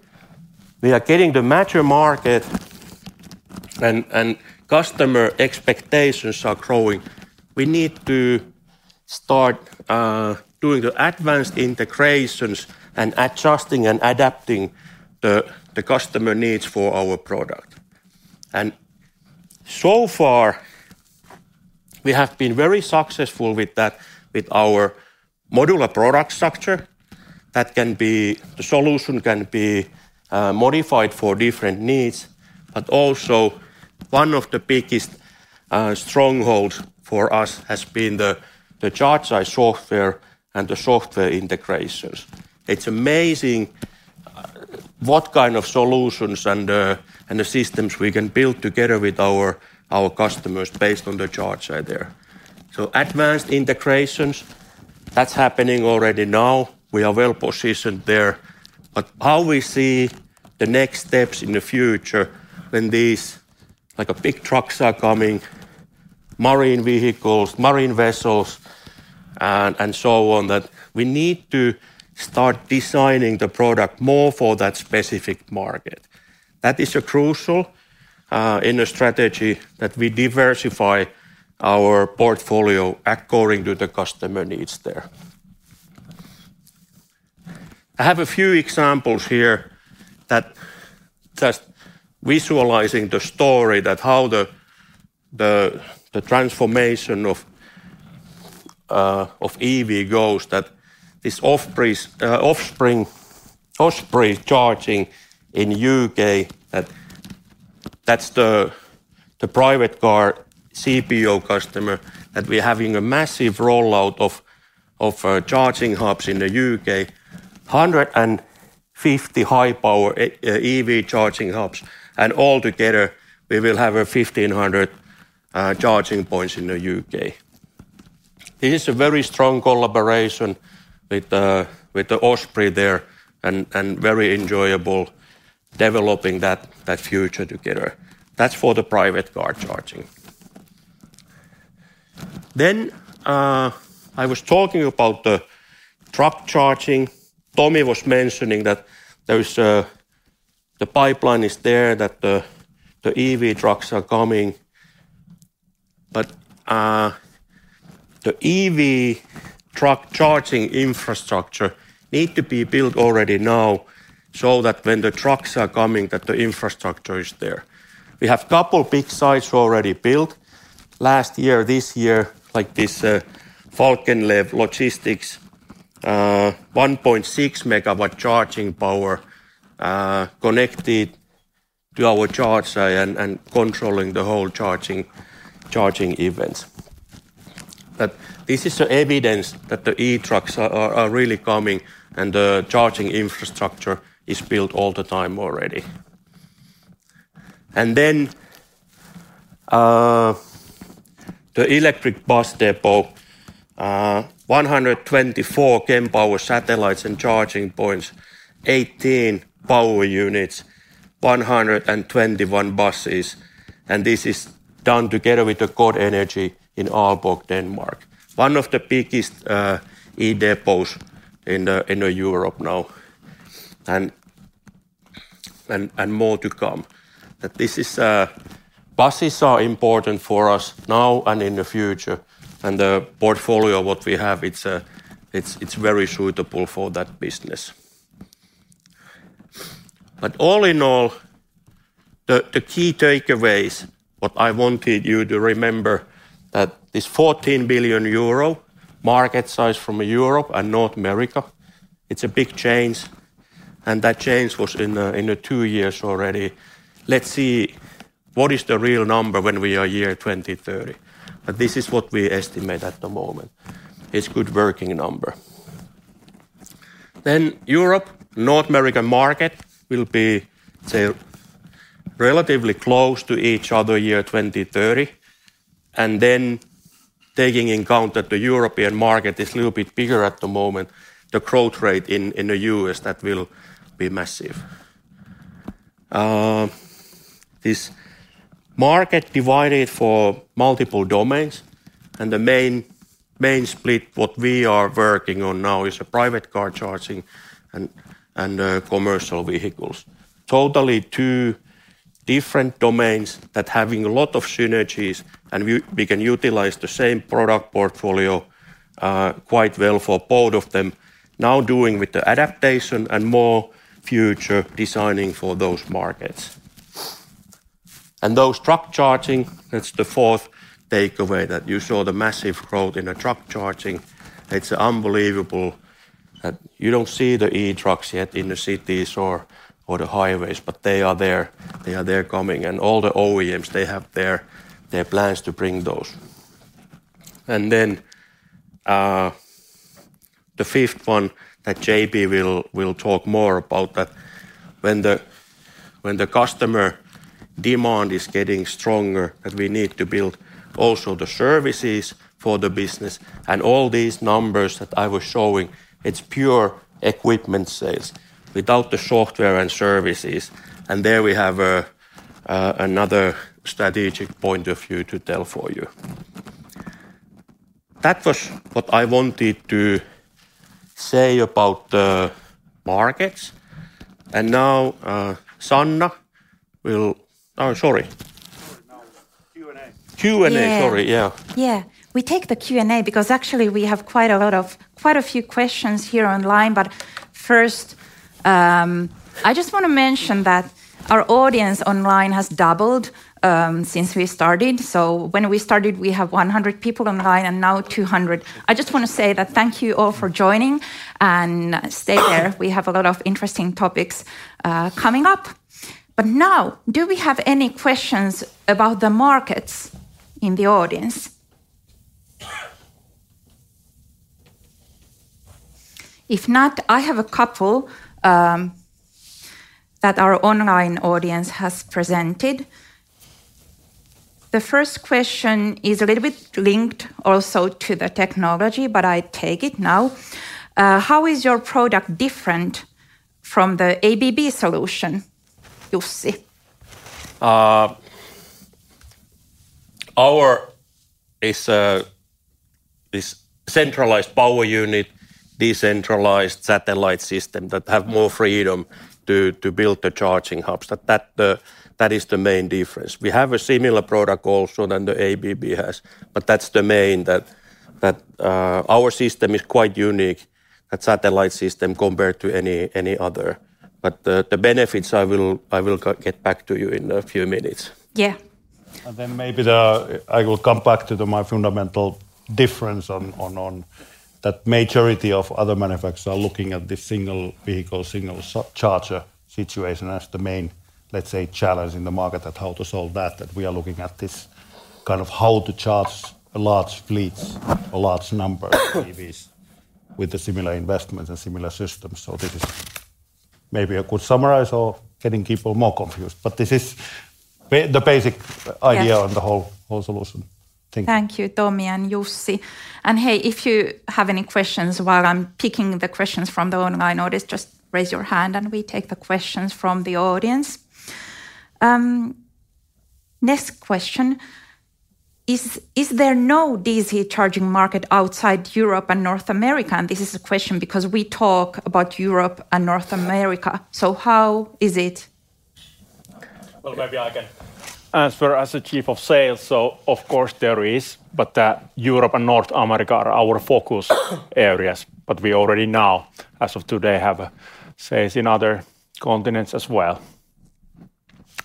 H: we are getting the mature market and customer expectations are growing, we need to start doing the advanced integrations and adjusting and adapting the customer needs for our product. So far we have been very successful with that with our modular product structure that the solution can be modified for different needs, but also one of the biggest stronghold for us has been the ChargEye software and the software integrations. It's amazing what kind of solutions and the systems we can build together with our customers based on the ChargEye there. Advanced integrations, that's happening already now. We are well positioned there. How we see the next steps in the future when these, like, big trucks are coming, marine vehicles, marine vessels, and so on, that we need to start designing the product more for that specific market. That is a crucial in the strategy that we diversify our portfolio according to the customer needs there. I have a few examples here that just visualizing the story that how the transformation of EV goes that this Osprey Charging in U.K. that that's the private car CPO customer that we're having a massive rollout of charging hubs in the U.K. 150 high-power EV charging hubs, altogether we will have 1,500 charging points in the U.K. This is a very strong collaboration with the Osprey there and very enjoyable developing that future together. That's for the private car charging. I was talking about the truck charging. Tomi was mentioning that there is the pipeline is there, that the EV trucks are coming. The EV truck charging infrastructure need to be built already now so that when the trucks are coming, that the infrastructure is there. We have couple big sites already built. Last year, this year, like this, Falkenklev Logistik, 1.6 MW charging power, connected to our ChargEye and controlling the whole charging events. This is the evidence that the e-trucks are really coming and the charging infrastructure is built all the time already. The electric bus depot, 124 Kempower Satellites and charging points, 18 Power Units, 121 buses, and this is done together with the GodEnergi in Aalborg, Denmark. One of the biggest e-depots in Europe now and more to come. That this is, buses are important for us now and in the future, and the portfolio what we have, it's very suitable for that business. All in all, the key takeaways what I wanted you to remember that this 14 billion euro market size from Europe and North America, it's a big change, and that change was in the two years already. Let's see what is the real number when we are year 2030. This is what we estimate at the moment. It's good working number. Then Europe, North American market will be say relatively close to each other year 2030. Taking in account that the European market is little bit bigger at the moment, the growth rate in the U.S., that will be massive. This market divided for multiple domains, and the main split what we are working on now is the private car charging and commercial vehicles. Totally two different domains that having a lot of synergies, and we can utilize the same product portfolio quite well for both of them. Now doing with the adaptation and more future designing for those markets. Those truck charging, that's the fourth takeaway that you saw the massive growth in the truck charging. It's unbelievable that you don't see the e-trucks yet in the cities or the highways, but they are there. They are there coming. All the OEMs, they have their plans to bring those. The fifth one that JP will talk more about that when the customer demand is getting stronger as we need to build also the services for the business. All these numbers that I was showing, it's pure equipment sales without the software and services, and there we have another strategic point of view to tell for you. That was what I wanted to say about the markets. Oh, sorry. Q&A. Sorry. Yeah.
B: Yeah. We take the Q&A because actually we have quite a few questions here online. First, I just wanna mention that our audience online has doubled since we started. When we started, we have 100 people online, and now 200. I just wanna say that thank you all for joining and stay there. We have a lot of interesting topics coming up. Now, do we have any questions about the markets in the audience? If not, I have a couple that our online audience has presented. The first question is a little bit linked also to the technology, but I take it now. How is your product different from the ABB solution, Jussi?
H: Our is a centralized Power Unit, decentralized Satellite system that have more freedom to build the charging hubs. That is the main difference. We have a similar product also than the ABB has, but that's the main that our system is quite unique, that Satellite system, compared to any other. The benefits I will get back to you in few minutes.
B: Yeah.
F: Maybe the, I will come back to the my fundamental difference on that majority of other manufacturers are looking at the single vehicle, single charger situation as the main, let's say, challenge in the market that how to solve that. We are looking at this kind of how to charge large fleets, a large number of EVs with the similar investments and similar systems. This is maybe a good summarize or getting people more confused, but this is the basic idea.
B: Yes
F: ...on the whole solution thing.
B: Thank you, Tomi and Jussi. Hey, if you have any questions while I'm picking the questions from the online audience, just raise your hand, and we take the questions from the audience. Next question. Is there no DC charging market outside Europe and North America? This is a question because we talk about Europe and North America. How is it?
H: Maybe I can answer as the chief of sales. Of course there is, but, Europe and North America are our focus areas. We already now, as of today, have sales in other continents as well.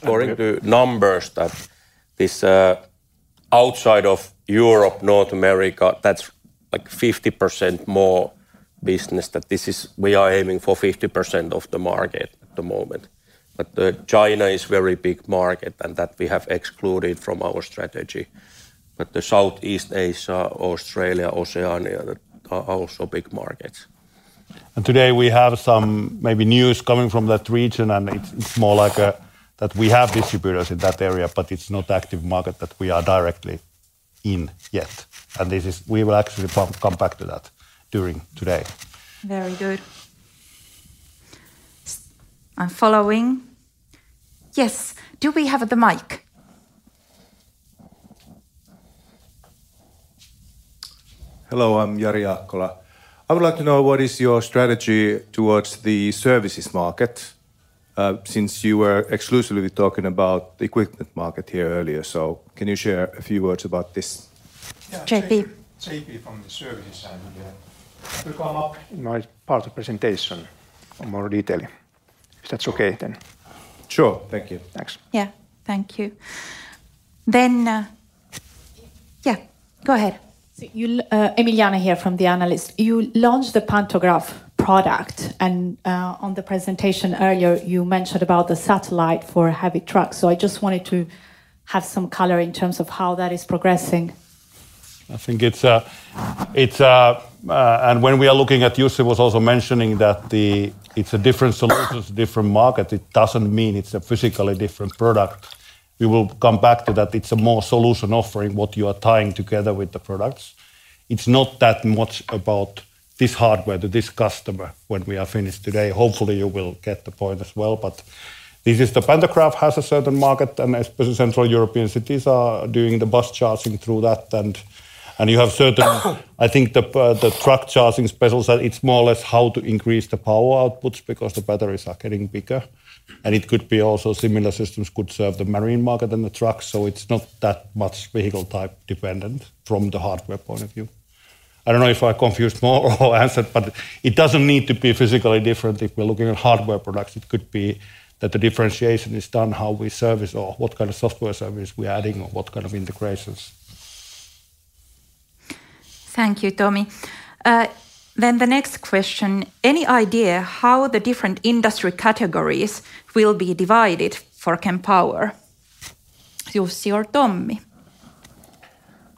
H: According to numbers that this, outside of Europe, North America, that's like 50% more business, we are aiming for 50% of the market at the moment. China is very big market and that we have excluded from our strategy. The Southeast Asia, Australia, Oceania are also big markets.
F: Today we have some maybe news coming from that region, and it's more like that we have distributors in that area, but it's not active market that we are directly in yet. We will actually come back to that during today.
B: Very good. Following... Yes. Do we have the mic?
I: Hello, I'm Jari Akola. I would like to know what is your strategy towards the services market, since you were exclusively talking about the equipment market here earlier. Can you share a few words about this?
B: JP.
E: Yeah. JP from the service side will come up in my part of presentation in more detail, if that's okay then.
I: Sure. Thank you.
E: Thanks.
B: Yeah. Thank you. Yeah. Go ahead.
J: You Emiliana here from the analyst. You launched the Pantograph product, and on the presentation earlier, you mentioned about the Satellite for heavy trucks. I just wanted to have some color in terms of how that is progressing.
F: I think it's, and when we are looking at Jussi was also mentioning that it's a different solutions, different market, it doesn't mean it's a physically different product. We will come back to that. It's a more solution offering what you are tying together with the products. It's not that much about this hardware to this customer when we are finished today. Hopefully you will get the point as well. This is the Pantograph has a certain market. Central European cities are doing the bus charging through that. You have I think the truck charging specials that it's more or less how to increase the power outputs because the batteries are getting bigger. It could be also similar systems could serve the marine market than the trucks. It's not that much vehicle type dependent from the hardware point of view. I don't know if I confused more or answered. It doesn't need to be physically different if we're looking at hardware products. It could be that the differentiation is done how we service or what kind of software service we're adding or what kind of integrations.
B: Thank you, Tomi. The next question, any idea how the different industry categories will be divided for Kempower? Jussi or Tomi?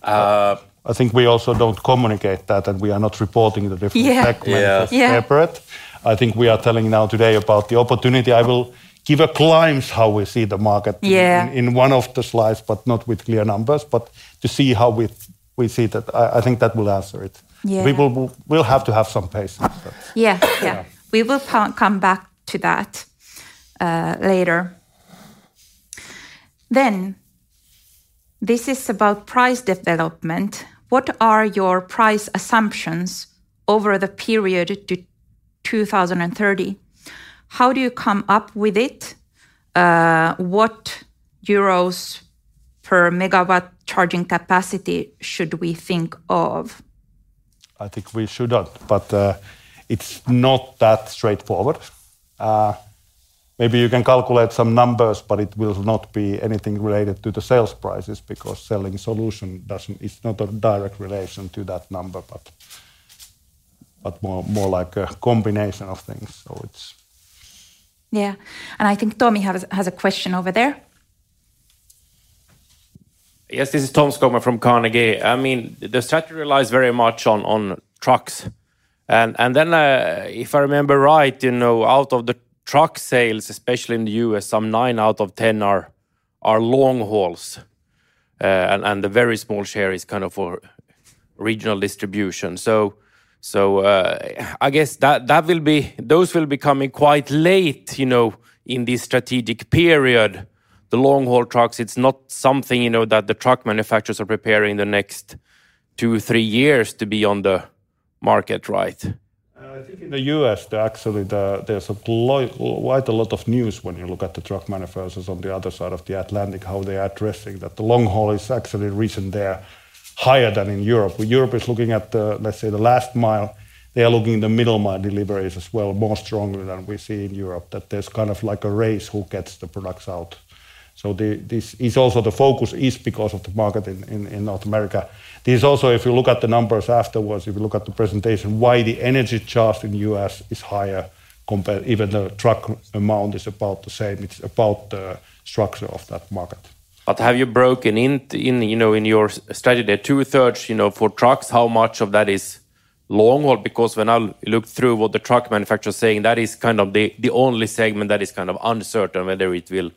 F: I think we also don't communicate that. We are not reporting.
B: Yeah.
H: Yeah....
F: segments separate. I think we are telling now today about the opportunity. I will give a glimpse how we see the market.
B: Yeah...
F: in one of the slides, but not with clear numbers. To see how we see that, I think that will answer it.
B: Yeah.
F: We'll have to have some patience.
B: Yeah. Yeah. We will come back to that later. This is about price development. What are your price assumptions over the period to 2030? How do you come up with it? What euros per megawatt charging capacity should we think of?
F: I think we should, but it's not that straightforward. Maybe you can calculate some numbers, but it will not be anything related to the sales prices because selling solution is not a direct relation to that number, but more like a combination of things. It's.
B: Yeah. I think Tom has a question over there.
G: Yes. This is Tom Skogman from Carnegie. I mean, the strategy relies very much on trucks, and then, if I remember right, you know, out of the truck sales, especially in the U.S., some nine out of 10 are long hauls. The very small share is kind of for regional distribution. I guess that, those will be coming quite late, you know, in this strategic period, the long-haul trucks. It's not something, you know, that the truck manufacturers are preparing the next two, three years to be on the market, right?
F: I think in the U.S. there actually, there's quite a lot of news when you look at the truck manufacturers on the other side of the Atlantic, how they are addressing that. The long haul is actually recent. They're higher than in Europe. Where Europe is looking at the, let's say, the last mile, they are looking the middle mile deliveries as well, more strongly than we see in Europe, that there's kind of like a race who gets the products out. This is also the focus is because of the market in North America. This is also, if you look at the numbers afterwards, if you look at the presentation, why the energy charge in the U.S. is higher compared even the truck amount is about the same. It's about the structure of that market.
G: Have you broken in your strategy there, 2/3, you know, for trucks, how much of that is long haul? When I look through what the truck manufacturer is saying, that is kind of the only segment that is kind of uncertain whether it will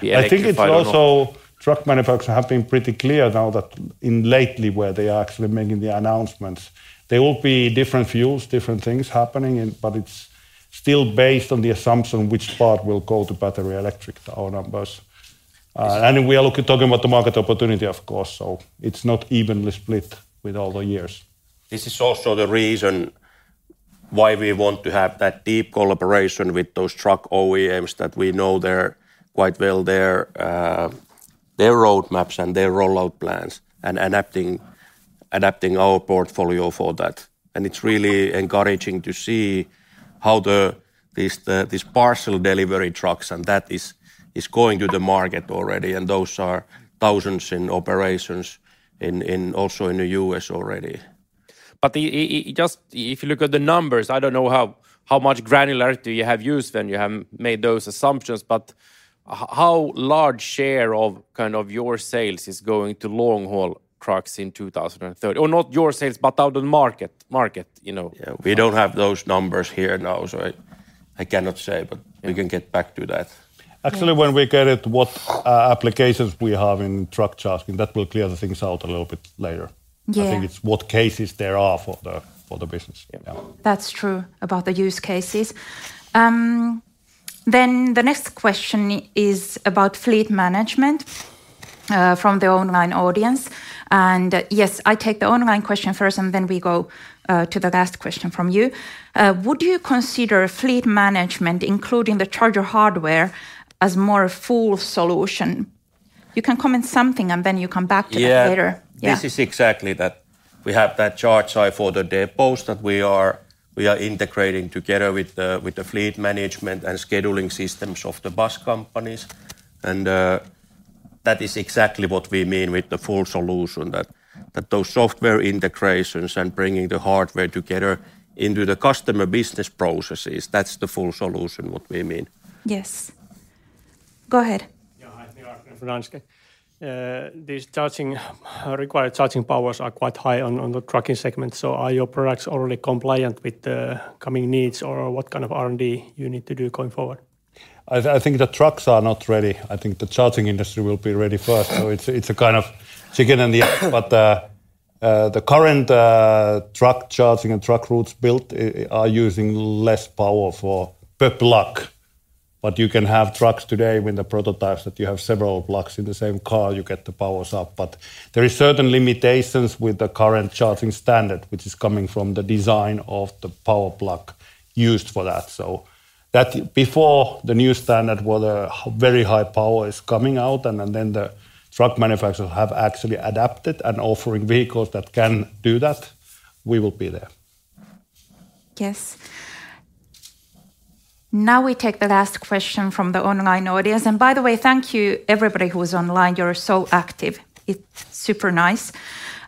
G: be electrified or not.
F: I think it's also truck manufacturers have been pretty clear now that in lately where they are actually making the announcements, there will be different fuels, different things happening and. It's still based on the assumption which part will go to battery electric, our numbers. We are talking about the market opportunity of course, so it's not evenly split with all the years.
H: This is also the reason why we want to have that deep collaboration with those truck OEMs that we know they're quite well their roadmaps and their rollout plans and adapting our portfolio for that. It's really encouraging to see how these parcel delivery trucks and that is going to the market already, and those are thousands in operations in also in the U.S. already.
G: It just if you look at the numbers, I don't know how much granularity you have used when you have made those assumptions, but how large share of kind of your sales is going to long-haul trucks in 2030? Or not your sales, but out of the market, you know?
H: Yeah. We don't have those numbers here now. I cannot say. We can get back to that.
F: Actually, when we get it, what applications we have in truck charging, that will clear the things out a little bit later.
B: Yeah.
F: I think it's what cases there are for the business.
B: That's true about the use cases. The next question is about fleet management, from the online audience. Yes, I take the online question first, and then we go to the last question from you. Would you consider fleet management, including the charger hardware, as more a full solution? You can comment something, and then you come back to that later. Yeah.
H: Yeah. This is exactly that. We have that charge site for the depots that we are integrating together with the, with the fleet management and scheduling systems of the bus companies. That is exactly what we mean with the full solution, that those software integrations and bringing the hardware together into the customer business processes, that's the full solution what we mean.
B: Yes Go ahead.
G: This charging, required charging powers are quite high on the trucking segment so are your products already compliant with the company needs or what kind of R&D you need to do going forward?
F: I think the trucks are not ready. I think the charging industry will be ready first. It's a kind of chicken and the egg. The current truck charging and truck routes built are using less power per plug. You can have trucks today with the prototypes that you have several plugs in the same car, you get the powers up. There is certain limitations with the current charging standard, which is coming from the design of the power plug used for that. Before the new standard where the very high power is coming out and then the truck manufacturers have actually adapted and offering vehicles that can do that, we will be there.
B: Yes. Now we take the last question from the online audience. By the way, thank you everybody who is online. You're so active. It's super nice.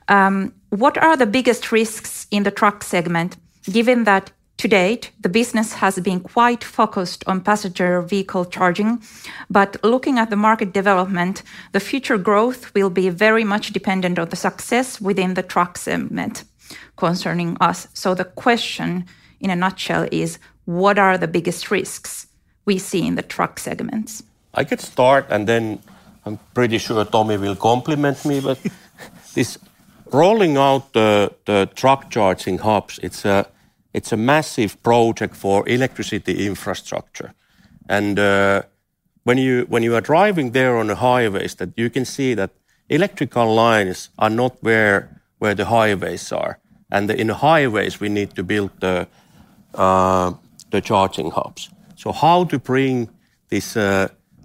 B: What are the biggest risks in the truck segment given that to date the business has been quite focused on passenger vehicle charging? Looking at the market development, the future growth will be very much dependent on the success within the truck segment concerning us. The question in a nutshell is: what are the biggest risks we see in the truck segments?
H: I could start, and then I'm pretty sure Tomi will compliment me. This rolling out the truck charging hubs, it's a massive project for electricity infrastructure. When you are driving there on the highways that you can see that electrical lines are not where the highways are. In the highways, we need to build the charging hubs. How to bring this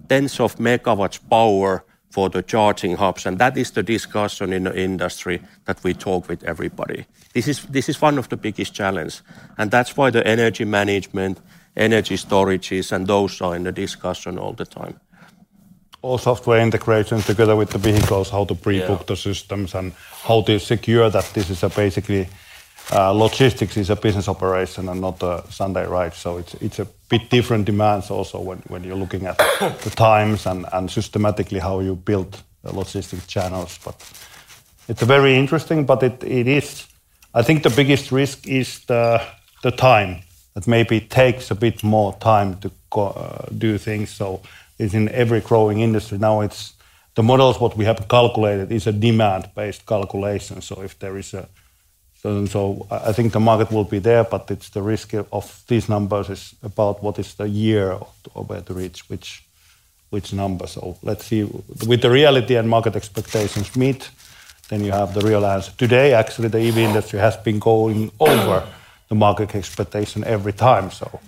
H: tens of megawatts power for the charging hubs, and that is the discussion in the industry that we talk with everybody. This is one of the biggest challenge, and that's why the energy management, energy storages, and those are in the discussion all the time.
F: All software integration together with the vehicles
H: Yeah
F: how to pre-book the systems and how to secure that this is a basically, logistics is a business operation and not a Sunday ride. It's a bit different demands also when you're looking at the times and systematically how you build the logistics channels. It's very interesting, but it is, I think the biggest risk is the time, that maybe takes a bit more time to do things. It's in every growing industry. Now, the models what we have calculated is a demand-based calculation. If there is a... I think the market will be there, but the risk of these numbers is about what is the year of where to reach which number. Let's see. With the reality and market expectations meet, you have the real answer. Today, actually, the EV industry has been going over the market expectation every time, so.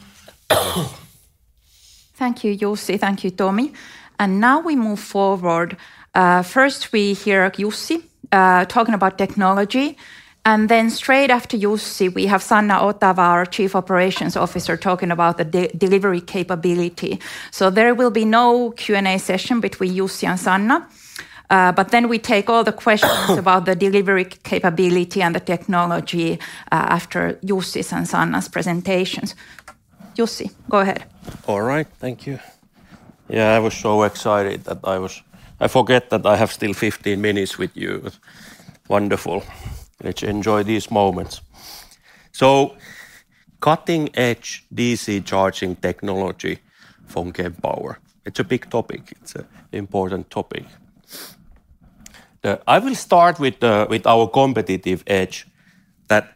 B: Thank you, Jussi. Thank you, Tomi. Now we move forward. First we hear Jussi talking about technology, and then straight after Jussi, we have Sanna Otava, our Chief Operating Officer, talking about the de-delivery capability. There will be no Q&A session between Jussi and Sanna. We take all the questions about the delivery capability and the technology after Jussi's and Sanna's presentations. Jussi, go ahead.
H: All right. Thank you. Yeah, I forget that I have still 15 minutes with you. Wonderful. Let's enjoy these moments. Cutting edge DC charging technology from Kempower. It's a big topic. It's a important topic. I will start with our competitive edge that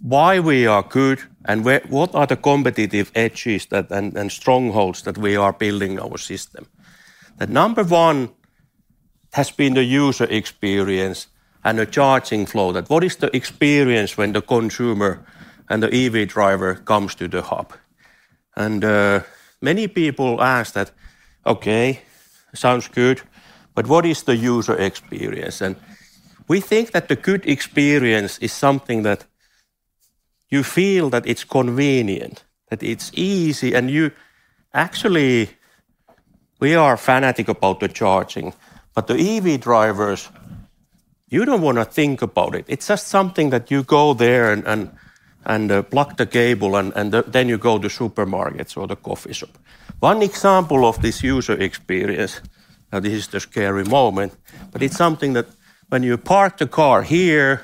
H: why we are good and what are the competitive edges that and strongholds that we are building our system. The number one has been the user experience and the charging flow. What is the experience when the consumer and the EV driver comes to the hub? Many people ask that, "Okay, sounds good, but what is the user experience?" We think that the good experience is something that you feel that it's convenient, that it's easy, and you... Actually, we are fanatic about the charging, but the EV drivers, you don't wanna think about it. It's just something that you go there and plug the cable and then you go to supermarkets or the coffee shop. One example of this user experience, now this is the scary moment, but it's something that when you park the car here,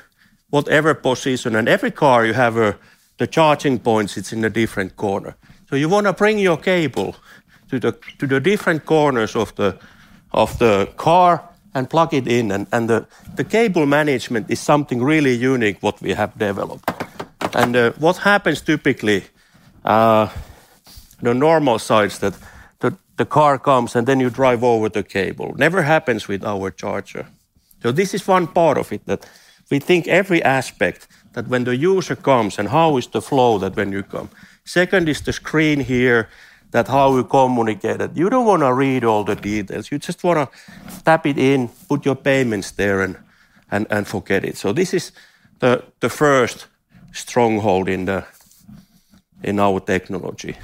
H: whatever position, in every car you have the charging points, it's in a different corner. So you wanna bring your cable to the different corners of the car and plug it in. The cable management is something really unique what we have developed. What happens typically, the normal sites that the car comes, and then you drive over the cable. Never happens with our charger. This is one part of it that we think every aspect that when the user comes and how is the flow that when you come. Second is the screen here that how we communicate it. You don't wanna read all the details. You just wanna tap it in, put your payments there, and forget it. This is the first stronghold in the, in our technology.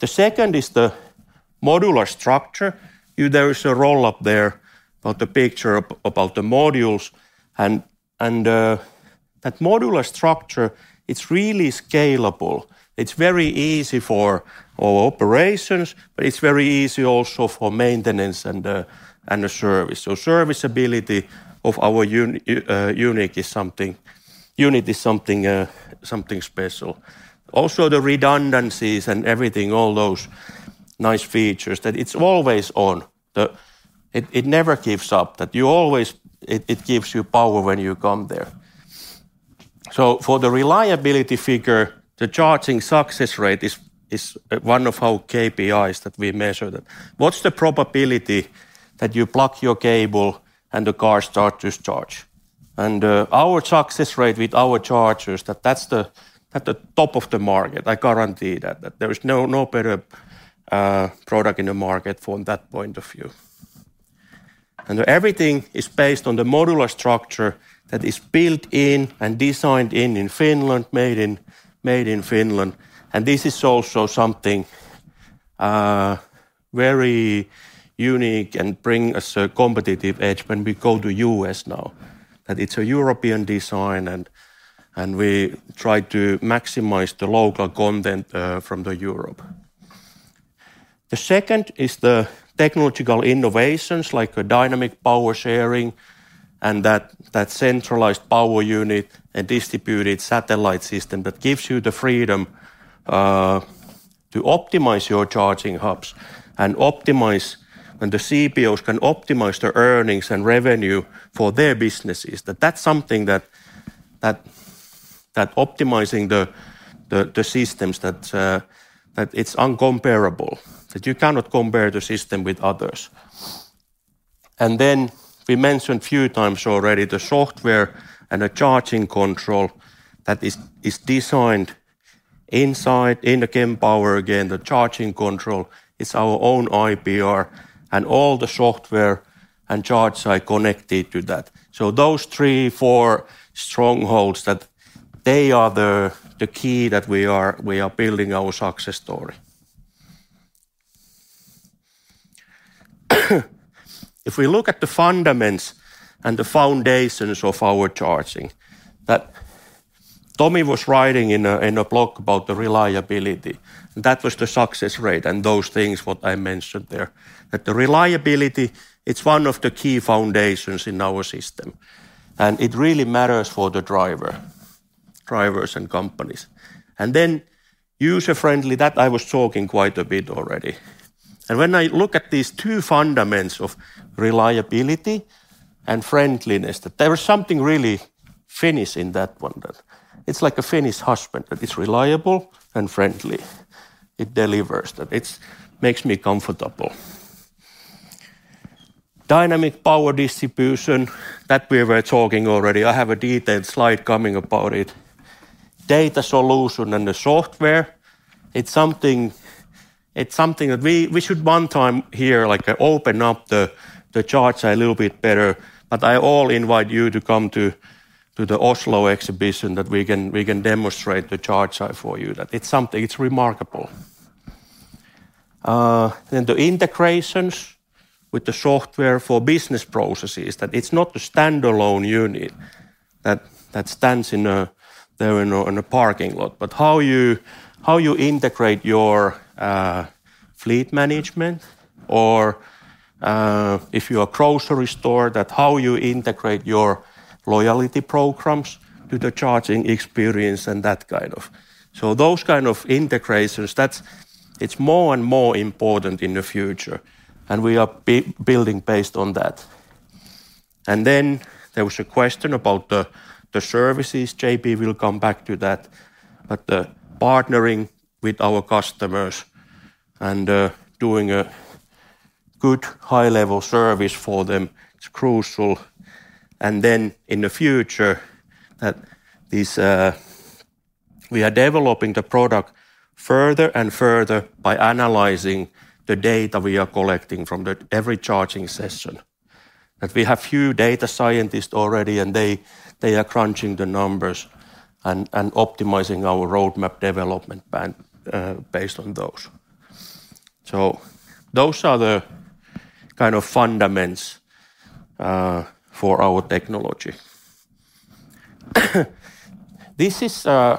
H: The second is the modular structure. There is a roll-up there about the picture about the modules. That modular structure, it's really scalable. It's very easy for our operations, but it's very easy also for maintenance and and service. Serviceability of our unit is something something special. Also the redundancies and everything, all those nice features, that it's always on. It never gives up. That you always it gives you power when you come there. For the reliability figure, the charging success rate is one of our KPIs that we measure. That what's the probability that you plug your cable and the car starts to charge? Our success rate with our chargers, that's the at the top of the market. I guarantee that there is no better product in the market from that point of view. Everything is based on the modular structure that is built in and designed in Finland, made in Finland. This is also something very unique and bring us a competitive edge when we go to U.S. now. That it's a European design and we try to maximize the local content from the Europe. The second is the technological innovations like a dynamic power sharing and that centralized Power Unit and distributed Satellite system that gives you the freedom to optimize your charging hubs and optimize, and the CPOs can optimize their earnings and revenue for their businesses. That's something that optimizing the systems that it's incomparable. That you cannot compare the system with others. We mentioned few times already the software and the charging control that is designed inside, in the Kempower again. The charging control is our own IPR, and all the software and ChargEye connected to that. Those three, four strongholds, that they are the key that we are building our success story. If we look at the fundamentals and the foundations of our charging, that Tomi was writing in a blog about the reliability. That was the success rate and those things what I mentioned there. That the reliability, it's one of the key foundations in our system, and it really matters for the drivers and companies. User-friendly, that I was talking quite a bit already. When I look at these two fundamentals of reliability and friendliness, that there was something really Finnish in that one. That it's like a Finnish husband, that it's reliable and friendly. It delivers. That it's makes me comfortable. Dynamic power distribution, that we were talking already. I have a detailed slide coming about it. Data solution and the software, it's something that we should one time here like open up the ChargEye a little bit better, but I all invite you to come to the Oslo exhibition that we can demonstrate the ChargEye for you. That it's something, it's remarkable. The integrations with the software for business processes, that it's not a standalone unit that stands in a there in a in a parking lot, but how you integrate your fleet management or if you're a grocery store, that how you integrate your loyalty programs to the charging experience and that kind of. Those kind of integrations, that's it's more and more important in the future, and we are building based on that. There was a question about the services. JP will come back to that. Partnering with our customers and doing a good high-level service for them, it's crucial. In the future, that this, we are developing the product further and further by analyzing the data we are collecting from the every charging session. That we have few data scientists already, and they are crunching the numbers and optimizing our roadmap development plan based on those. Those are the kind of fundaments for our technology. This is, there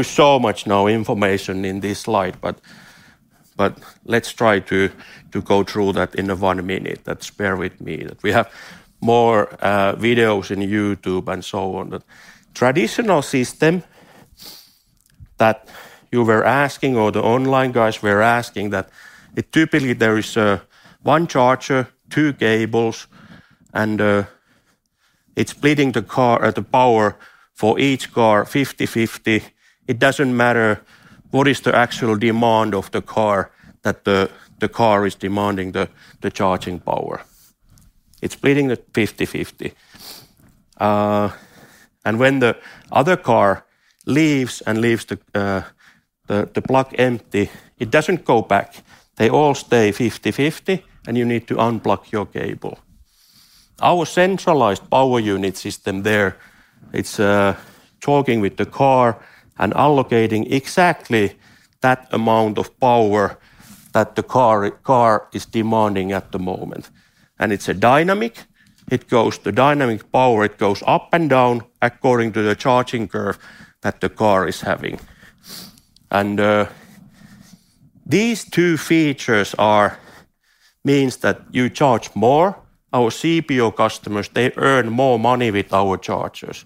H: is so much now information in this slide, but let's try to go through that in a one minute. Let's bear with me. That we have more videos in YouTube and so on. The traditional system that you were asking, or the online guys were asking, that it typically there is one charger, two cables, and it's splitting the car, the power for each car 50/50. It doesn't matter what is the actual demand of the car, that the car is demanding the charging power. It's splitting it 50/50. When the other car leaves and leaves the plug empty, it doesn't go back. They all stay 50/50, and you need to unblock your cable. Our centralized Power Unit system there, it's talking with the car and allocating exactly that amount of power that the car is demanding at the moment. It's a dynamic. It goes to dynamic power. It goes up and down according to the charging curve that the car is having. These two features are means that you charge more. Our CPO customers, they earn more money with our chargers.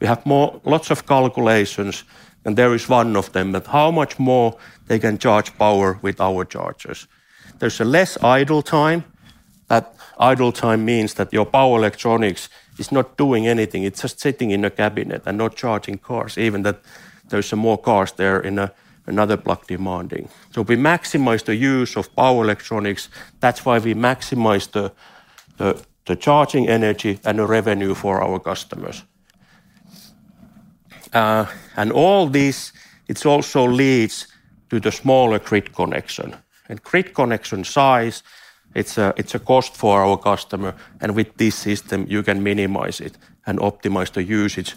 H: We have lots of calculations, there is one of them that how much more they can charge power with our chargers. There's a less idle time, idle time means that your power electronics is not doing anything. It's just sitting in a cabinet and not charging cars, even that there's some more cars there in another plug demanding. We maximize the use of power electronics. That's why we maximize the charging energy and the revenue for our customers. All this it's also leads to the smaller grid connection. Grid connection size, it's a cost for our customer, and with this system, you can minimize it and optimize the usage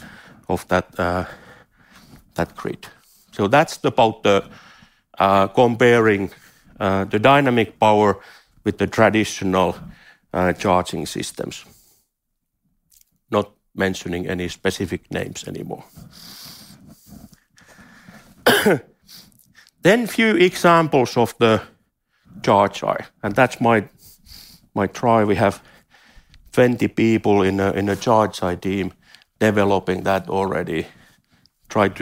H: of that grid. That's about the comparing the dynamic power with the traditional charging systems. Not mentioning any specific names anymore. Few examples of the ChargEye, and that's my try. We have 20 people in a ChargEye team developing that already. Tried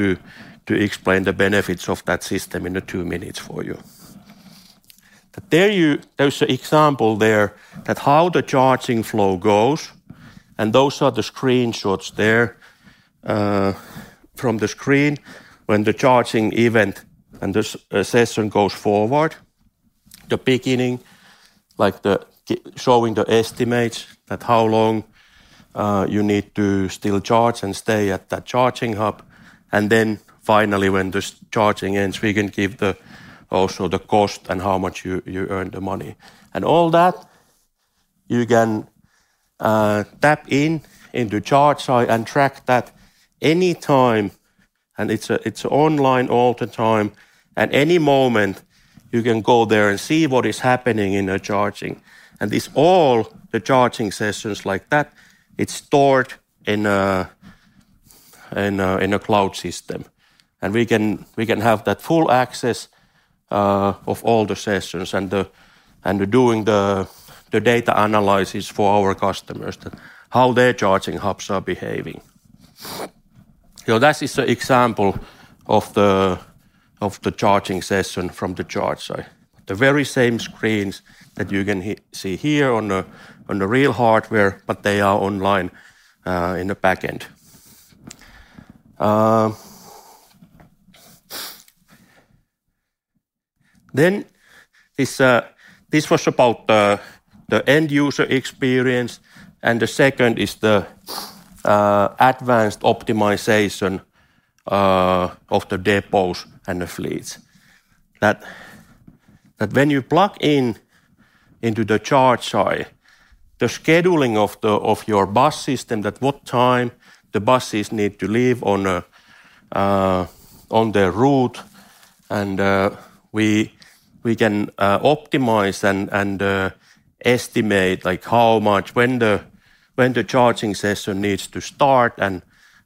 H: to explain the benefits of that system in the two minutes for you. There's a example there that how the charging flow goes, and those are the screenshots there from the screen when the charging event and this session goes forward. The beginning, like the showing the estimates that how long you need to still charge and stay at that charging hub. Finally when this charging ends, we can give the, also the cost and how much you earn the money. All that you can tap in into ChargEye and track that any time, and it's online all the time. At any moment, you can go there and see what is happening in the charging. This all the charging sessions like that, it's stored in a cloud system. We can have that full access of all the sessions and doing the data analysis for our customers that how their charging hubs are behaving. This is a example of the charging session from the ChargEye. The very same screens that you can see here on a real hardware, but they are online in the back end. This, this was about the end user experience, and the second is the advanced optimization of the depots and the fleets. That, that when you plug in into the ChargEye, the scheduling of the, of your bus system, that what time the buses need to leave on a, on their route, and we can optimize and estimate, like, how much, when the, when the charging session needs to start and,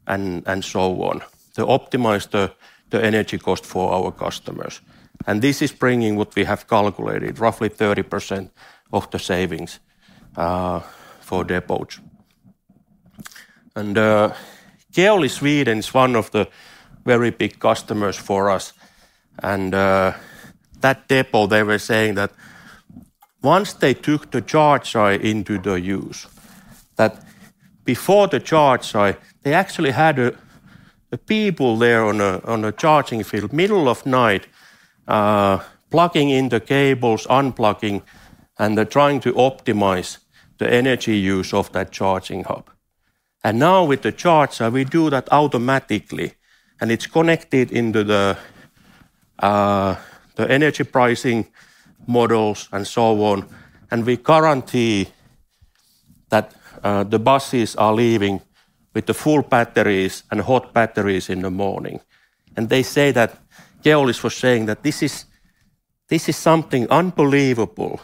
H: and so on to optimize the energy cost for our customers. This is bringing what we have calculated, roughly 30% of the savings, for depots. Keolis Sweden is one of the very big customers for us, that depot they were saying that once they took the ChargEye into the use, that before the ChargEye, they actually had the people there on a, on a charging field middle of night, plugging in the cables, unplugging, and they're trying to optimize the energy use of that charging hub. Now with the ChargEye, we do that automatically, and it's connected into the energy pricing models and so on. We guarantee that the buses are leaving with the full batteries and hot batteries in the morning. They say that... Keolis was saying that this is something unbelievable,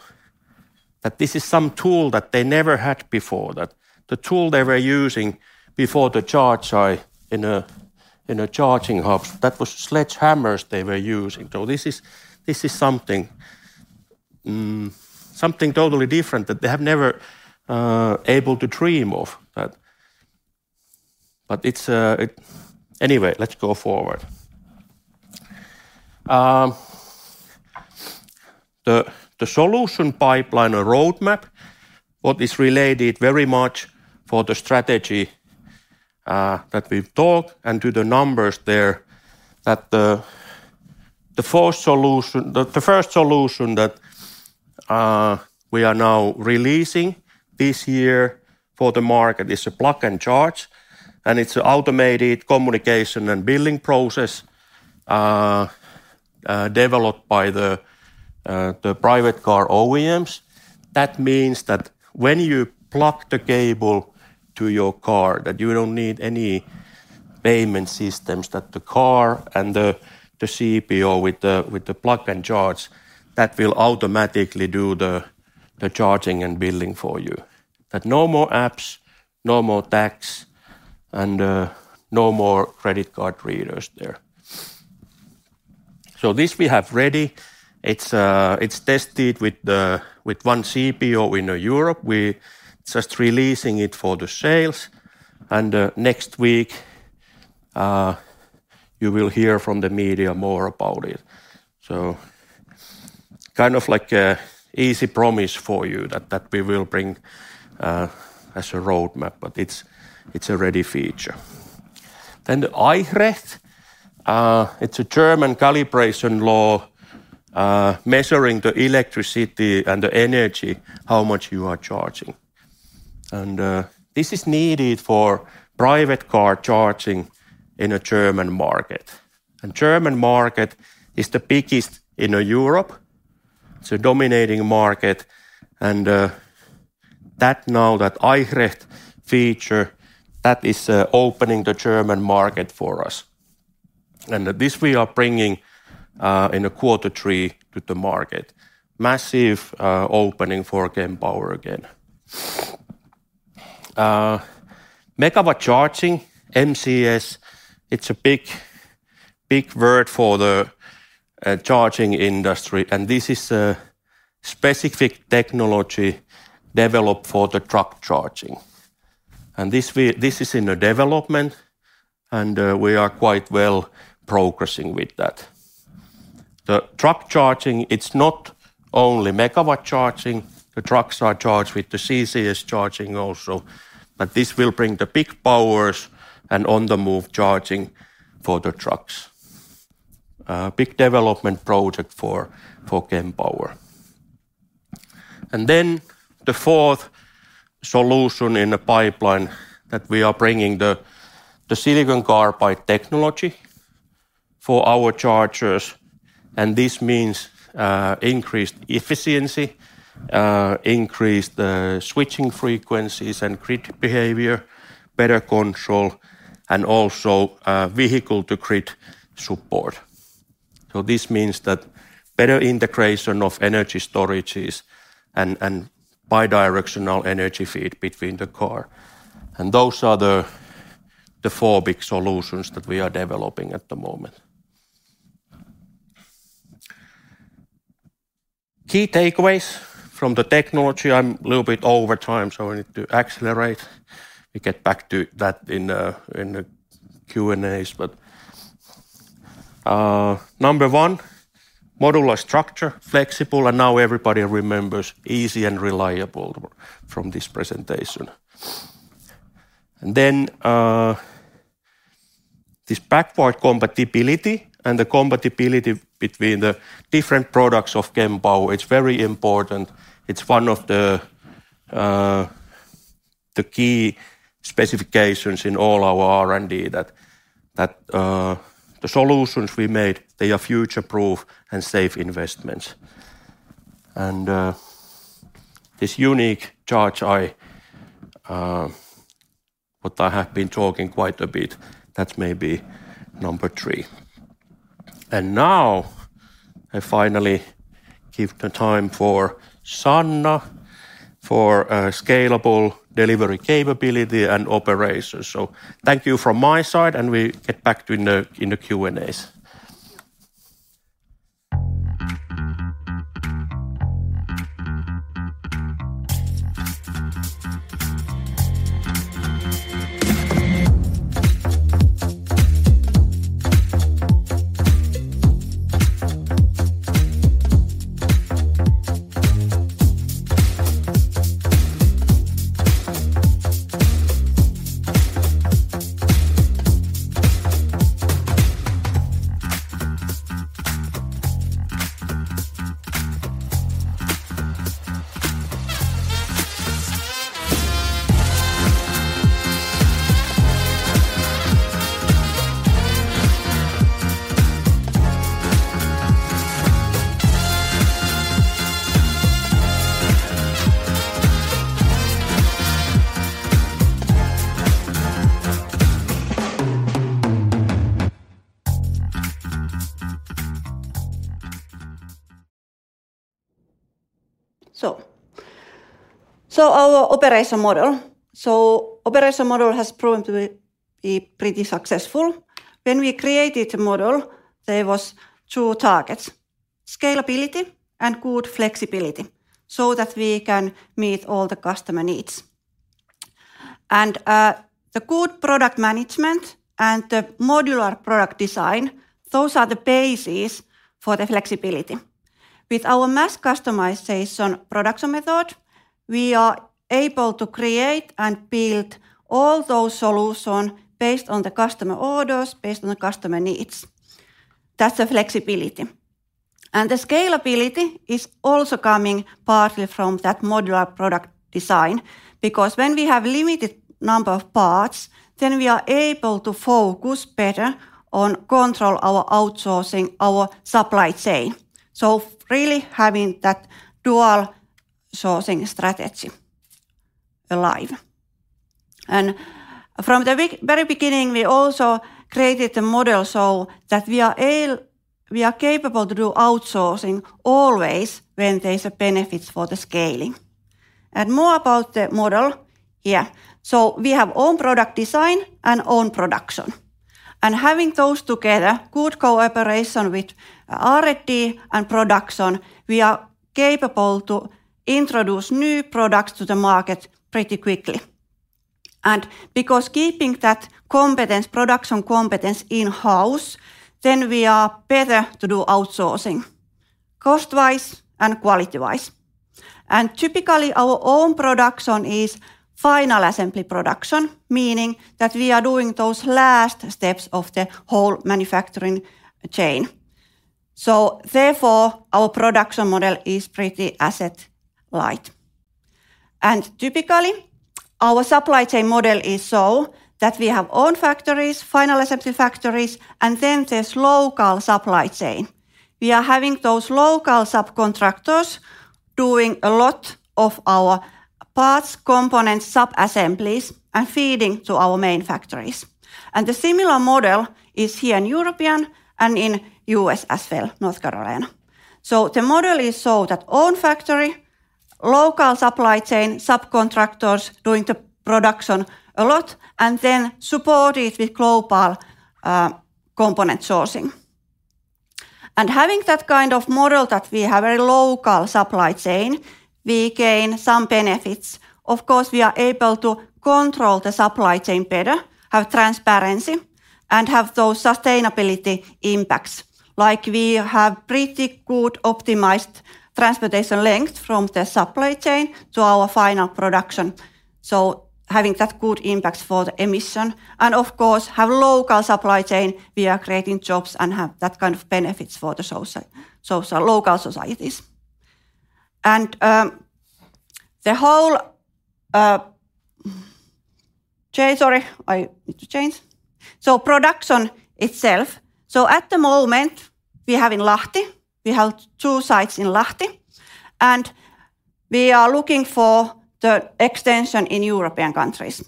H: that this is some tool that they never had before, that the tool they were using before the ChargEye in a, in a charging hub, that was sledgehammers they were using. This is something totally different that they have never able to dream of that. Anyway, let's go forward. The solution pipeline or roadmap, what is related very much for the strategy that we've talked and to the numbers there, that the first solution that we are now releasing this year for the market is a Plug and Charge. It's automated communication and billing process developed by the private car OEMs. Means that when you plug the cable to your car, that you don't need any payment systems, that the car and the CPO with the Plug and Charge, that will automatically do the charging and billing for you. No more apps, no more tags, no more credit card readers there. This we have ready. It's tested with one CPO in Europe. We just releasing it for the sales. Next week, you will hear from the media more about it. Kind of like a easy promise for you that we will bring as a roadmap, but it's a ready feature. The Eichrecht, it's a German calibration law, measuring the electricity and the energy, how much you are charging. This is needed for private car charging in a German market. German market is the biggest in Europe, it's a dominating market, and that now, that Eichrecht feature, that is opening the German market for us. This we are bringing in the quarter three to the market. Massive opening for Kempower again. Megawatt charging, MCS, it's a big word for the charging industry. This is a specific technology developed for the truck charging. This is in the development, and we are quite well progressing with that. The truck charging, it's not only megawatt charging, the trucks are charged with the CCS charging also, but this will bring the big powers and on-the-move charging for the trucks. Big development project for Kempower. The fourth solution in the pipeline that we are bringing the silicon carbide technology for our chargers, and this means increased efficiency, increased switching frequencies and grid behavior, better control, and also vehicle-to-grid support. This means that better integration of energy storages and bi-directional energy feed between the car. Those are the four big solutions that we are developing at the moment. Key takeaways from the technology. I'm a little bit over time, so I need to accelerate. We get back to that in the Q&As. Number one, modular structure, flexible, and now everybody remembers easy and reliable from this presentation. Then this backward compatibility and the compatibility between the different products of Kempower, it's very important. It's one of the key specifications in all our R&D that the solutions we made, they are future-proof and safe investments. This unique ChargEye, what I have been talking quite a bit, that may be number three. Now I finally give the time for Sanna for scalable delivery capability and operations. Thank you from my side, and we get back to in the Q&As.
K: Our operation model. Operation model has proven to be pretty successful. When we created the model, there was two targets: scalability and good flexibility so that we can meet all the customer needs. The good product management and the modular product design, those are the basis for the flexibility. With our mass customization production method, we are able to create and build all those solution based on the customer orders, based on the customer needs. That's the flexibility. The scalability is also coming partly from that modular product design because when we have limited number of parts, then we are able to focus better on control our outsourcing, our supply chain. Really having that dual sourcing strategy. Alive. From the very beginning, we also created the model so that we are capable to do outsourcing always when there's a benefits for the scaling. More about the model here. We have own product design and own production. Having those together, good cooperation with R&D and production, we are capable to introduce new products to the market pretty quickly. Because keeping that competence, production competence in-house, then we are better to do outsourcing cost-wise and quality-wise. Typically, our own production is final assembly production, meaning that we are doing those last steps of the whole manufacturing chain. Therefore, our production model is pretty asset-light. Typically, our supply chain model is so that we have own factories, final assembly factories, and then there's local supply chain. We are having those local subcontractors doing a lot of our parts, components, sub-assemblies, and feeding to our main factories. The similar model is here in Europe and in U.S. as well, North Carolina. The model is so that own factory, local supply chain, subcontractors doing the production a lot, then supported with global component sourcing. Having that kind of model that we have a local supply chain, we gain some benefits. Of course, we are able to control the supply chain better, have transparency, and have those sustainability impacts. Like, we have pretty good optimized transportation length from the supply chain to our final production, so having that good impact for the emission. Of course, have local supply chain, we are creating jobs and have that kind of benefits for the local societies. The whole. Sorry, I need to change. Production itself. At the moment, we have in Lahti, we have two sites in Lahti, and we are looking for the extension in European countries.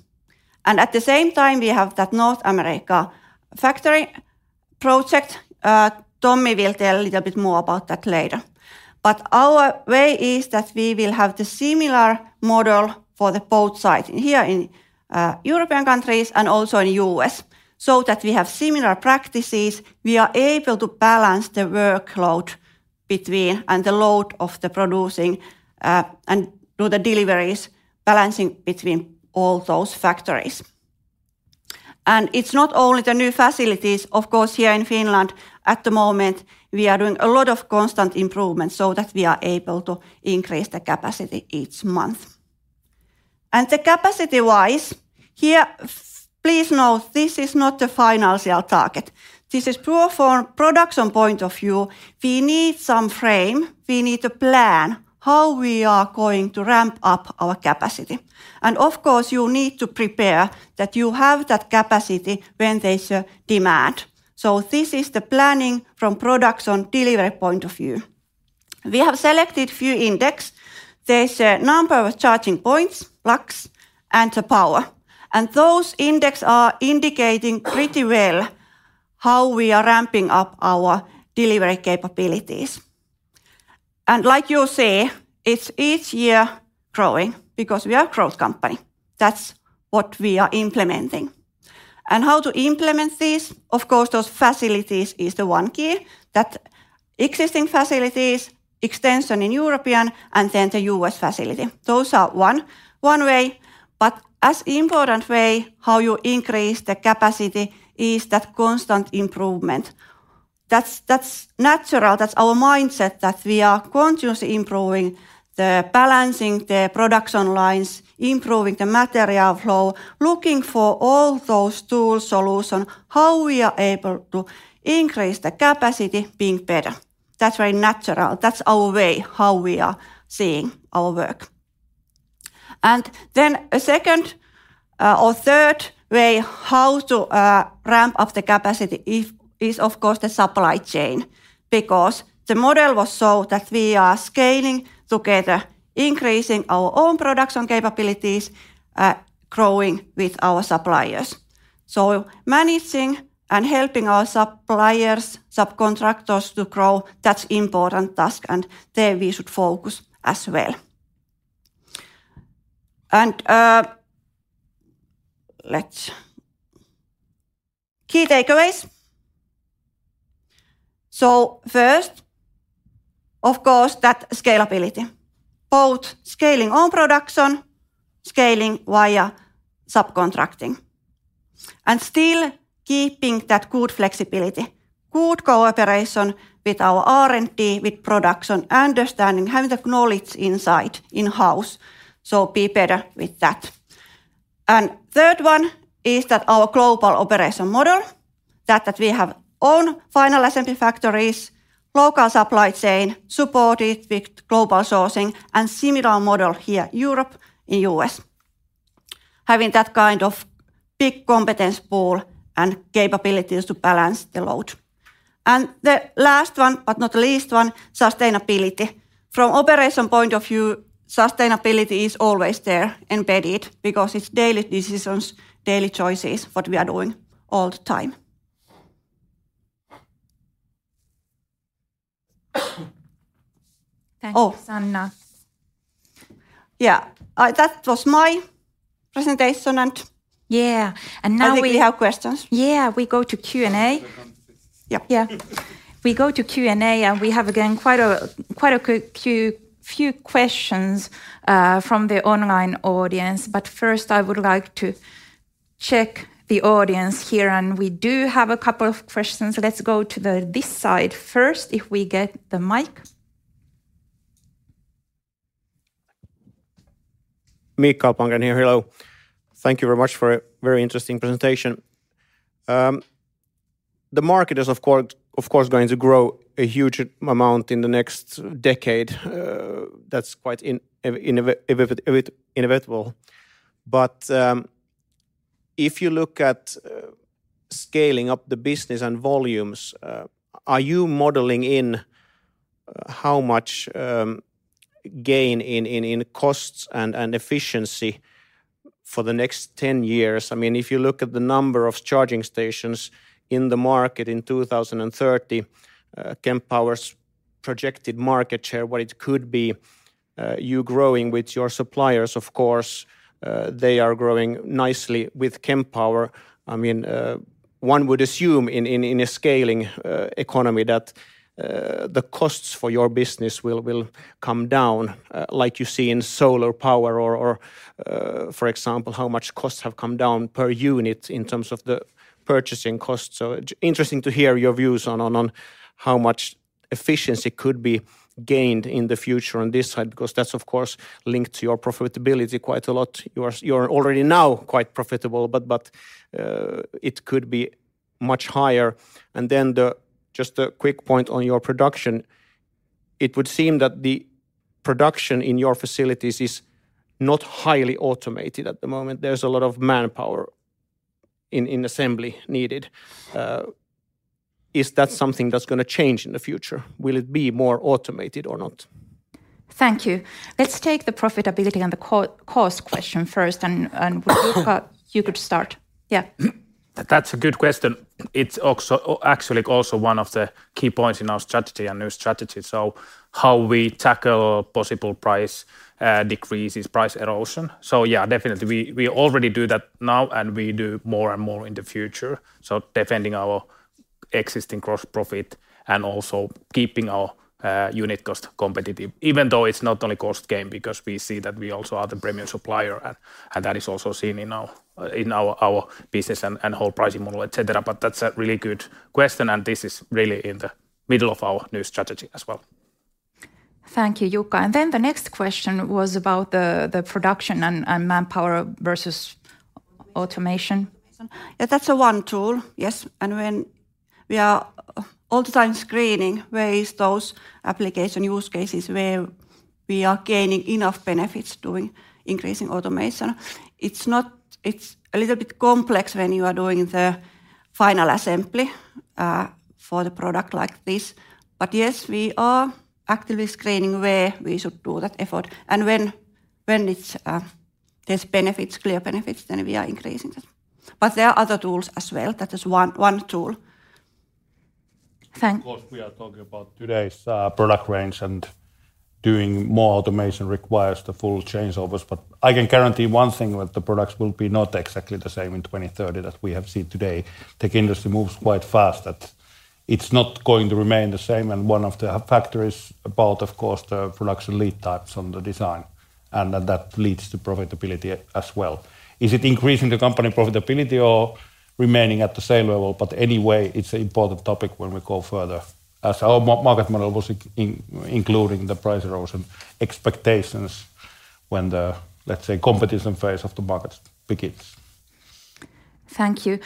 K: At the same time, we have that North America factory project. Tommi will tell a little bit more about that later. Our way is that we will have the similar model for the both sides, here in European countries and also in U.S., so that we have similar practices. We are able to balance the workload between, and the load of the producing, and do the deliveries balancing between all those factories. It's not only the new facilities. Of course, here in Finland, at the moment, we are doing a lot of constant improvements so that we are able to increase the capacity each month. The capacity-wise, here, please note this is not the financial target. This is pure form production point of view. We need some frame. We need to plan how we are going to ramp up our capacity. Of course, you need to prepare that you have that capacity when there's a demand. So this is the planning from production delivery point of view. We have selected few index. There's a number of charging points, plugs, and the power. Those index are indicating pretty well how we are ramping up our delivery capabilities. Like you see, it's each year growing because we are growth company. That's what we are implementing. How to implement this, of course, those facilities is the one key, that existing facilities, extension in European, and then the U.S. facility. Those are one way. As important way how you increase the capacity is that constant improvement. That's natural. That's our mindset, that we are continuously improving the balancing the production lines, improving the material flow, looking for all those tools solution, how we are able to increase the capacity being better. That's very natural. That's our way how we are seeing our work. A second, or third way how to ramp up the capacity is of course the supply chain, because the model was so that we are scaling together, increasing our own production capabilities, growing with our suppliers. Managing and helping our suppliers, subcontractors to grow, that's important task, and there we should focus as well. Let's key takeaways. First, of course, that scalability, both scaling own production, scaling via subcontracting, and still keeping that good flexibility, good cooperation with our R&D, with production, understanding, having the knowledge inside, in-house, so be better with that. Third one is that our global operation model, that we have own final assembly factories, local supply chain supported with global sourcing and similar model here Europe, in U.S. Having that kind of big competence pool and capabilities to balance the load. The last one but not least one, sustainability. From operation point of view, sustainability is always there embedded because it's daily decisions, daily choices what we are doing all the time.
B: Thanks, Sanna.
K: Yeah. That was my presentation.
B: Yeah, now we-
K: I think we have questions.
B: Yeah, we go to Q&A.
K: Yeah.
B: Yeah. We go to Q&A, we have, again, quite a few questions from the online audience. First I would like to check the audience here, and we do have a couple of questions. Let's go to the, this side first if we get the mic.
L: Mika Karppinen here. Hello. Thank you very much for a very interesting presentation. The market is of course going to grow a huge amount in the next decade. That's quite inevitable. If you look at scaling up the business and volumes, are you modeling in how much gain in costs and efficiency for the next 10 years? I mean, if you look at the number of charging stations in the market in 2030, Kempower's projected market share, what it could be, you growing with your suppliers, of course, they are growing nicely with Kempower. I mean, one would assume in a scaling economy that the costs for your business will come down, like you see in solar power or, for example, how much costs have come down per unit in terms of the purchasing cost. It's interesting to hear your views on how much efficiency could be gained in the future on this side because that's of course linked to your profitability quite a lot. You're already now quite profitable, but it could be much higher. Then just a quick point on your production. It would seem that the production in your facilities is not highly automated at the moment. There's a lot of manpower in assembly needed. Is that something that's gonna change in the future? Will it be more automated or not?
B: Thank you. Let's take the profitability and the cost question first, and Jukka, you could start. Yeah.
D: That's a good question. It's actually also one of the key points in our strategy, our new strategy. How we tackle possible price decreases, price erosion. Yeah, definitely we already do that now and we do more and more in the future. Defending our existing gross profit and also keeping our unit cost competitive, even though it's not only cost game because we see that we also are the premium supplier and that is also seen in our business and whole pricing model, et cetera. That's a really good question, and this is really in the middle of our new strategy as well.
B: Thank you, Jukka. Then the next question was about the production and manpower versus automation.
K: Yeah, that's one tool. Yes. When we are all the time screening where is those application use cases where we are gaining enough benefits doing increasing automation. It's a little bit complex when you are doing the final assembly for the product like this. Yes, we are actively screening where we should do that effort. When it's, there's benefits, clear benefits, then we are increasing that. There are other tools as well. That is one tool.
B: Thank-
F: Of course, we are talking about today's product range, and doing more automation requires the full changeovers. I can guarantee one thing, that the products will be not exactly the same in 2030 that we have seen today. Tech industry moves quite fast that it's not going to remain the same. One of the factors about of course the production lead times on the design, and that leads to profitability as well. Is it increasing the company profitability or remaining at the same level? Anyway, it's important topic when we go further as our market model was including the price erosion expectations when the, let's say, competition phase of the market begins.
B: Thank you.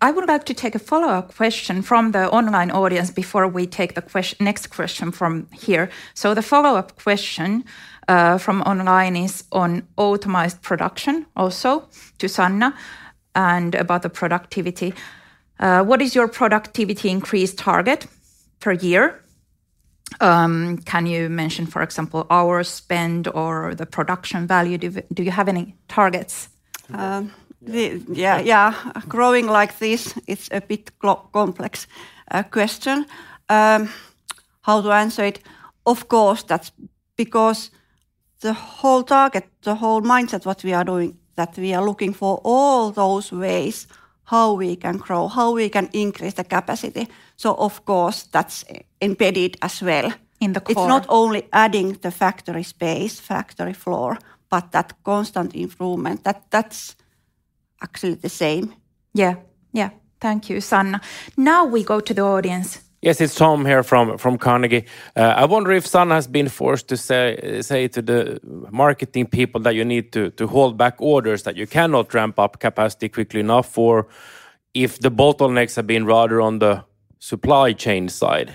B: I would like to take a follow-up question from the online audience before we take the next question from here. The follow-up question from online is on optimized production also to Sanna and about the productivity. What is your productivity increase target per year? Can you mention, for example, hour spend or the production value? Do you have any targets?
K: Yeah, yeah. Growing like this, it's a bit complex question. How to answer it? Of course, that's because the whole target, the whole mindset what we are doing, that we are looking for all those ways how we can grow, how we can increase the capacity. Of course, that's embedded as well.
B: In the core.
K: It's not only adding the factory space, factory floor, but that constant improvement. That's actually the same.
B: Yeah. Yeah. Thank you, Sanna. Now we go to the audience.
G: Yes, it's Tom here from Carnegie. I wonder if Sanna has been forced to say to the marketing people that you need to hold back orders, that you cannot ramp up capacity quickly enough, or if the bottlenecks have been rather on the supply chain side.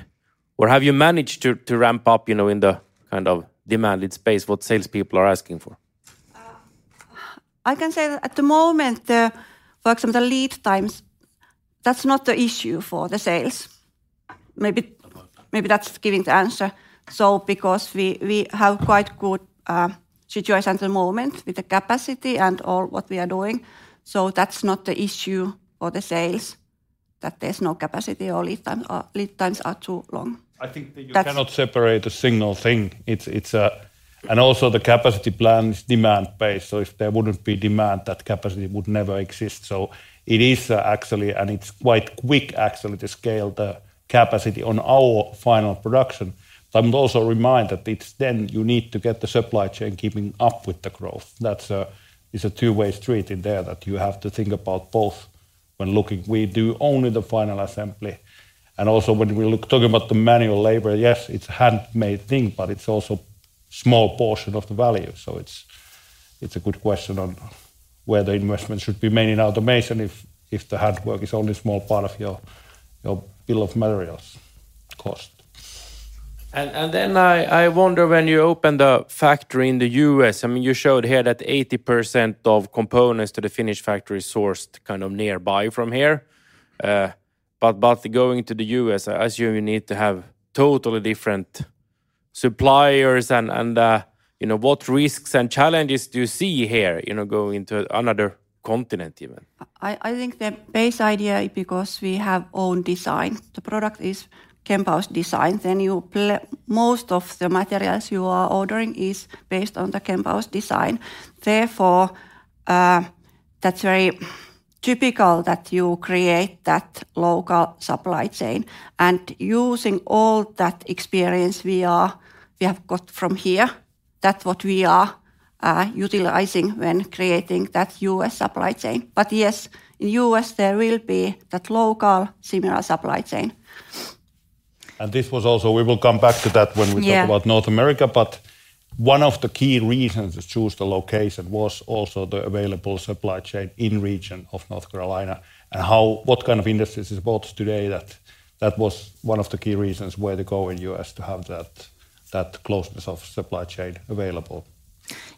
G: Have you managed to ramp up, you know, in the kind of demanded space what salespeople are asking for?
K: I can say that at the moment, the, for example, the lead times, that's not the issue for the sales. Maybe that's giving the answer. Because we have quite good situation at the moment with the capacity and all what we are doing, so that's not the issue for the sales, that there's no capacity or lead time or lead times are too long.
F: I think that you cannot separate a single thing. It's, it's... Also the capacity plans demand base, so if there wouldn't be demand, that capacity would never exist. It is actually, and it's quite quick actually to scale the capacity on our final production, but I would also remind that it's then you need to get the supply chain keeping up with the growth. That's a two-way street in there that you have to think about both when looking. We do only the final assembly. Also when we look talking about the manual labor, yes, it's handmade thing, but it's also small portion of the value, so it's a good question on whether investment should be made in automation if the hand work is only small part of your bill of materials cost.
G: Then I wonder when you open the factory in the U.S., I mean, you showed here that 80% of components to the Finnish factory sourced kind of nearby from here. Going to the U.S., I assume you need to have totally different suppliers and, you know, what risks and challenges do you see here, you know, going to another continent even?
K: I think the base idea because we have own design, the product is Kempower's design. Most of the materials you are ordering is based on the Kempower's design. That's very typical that you create that local supply chain. Using all that experience we have got from here, that's what we are utilizing when creating that U.S. supply chain. Yes, in U.S. there will be that local similar supply chain.
F: This was also. We will come back to that.
K: Yeah...
F: about North America, but one of the key reasons to choose the location was also the available supply chain in region of North Carolina and how, what kind of industries is both today that was one of the key reasons where to go in U.S. to have that closeness of supply chain available.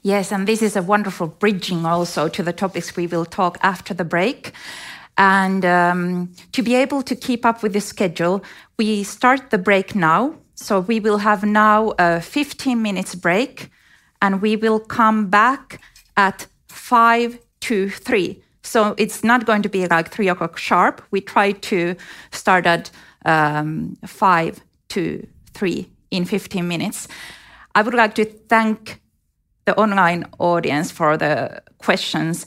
B: Yes, this is a wonderful bridging also to the topics we will talk after the break. To be able to keep up with the schedule, we start the break now. We will have now a 15 minutes break, and we will come back at 2:55 P.M. It's not going to be like 3:00 P.M. sharp. We try to start at 2:55 P.M., in 15 minutes. I would like to thank the online audience for the questions.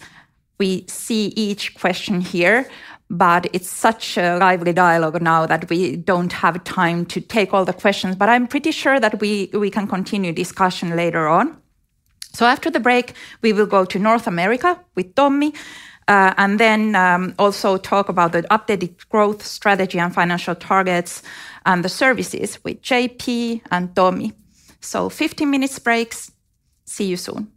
B: We see each question here, it's such a lively dialogue now that we don't have time to take all the questions. I'm pretty sure that we can continue discussion later on. After the break, we will go to North America with Tommi, also talk about the updated growth strategy and financial targets and the services with JP and Tommi. 15 minutes breaks. See you soon.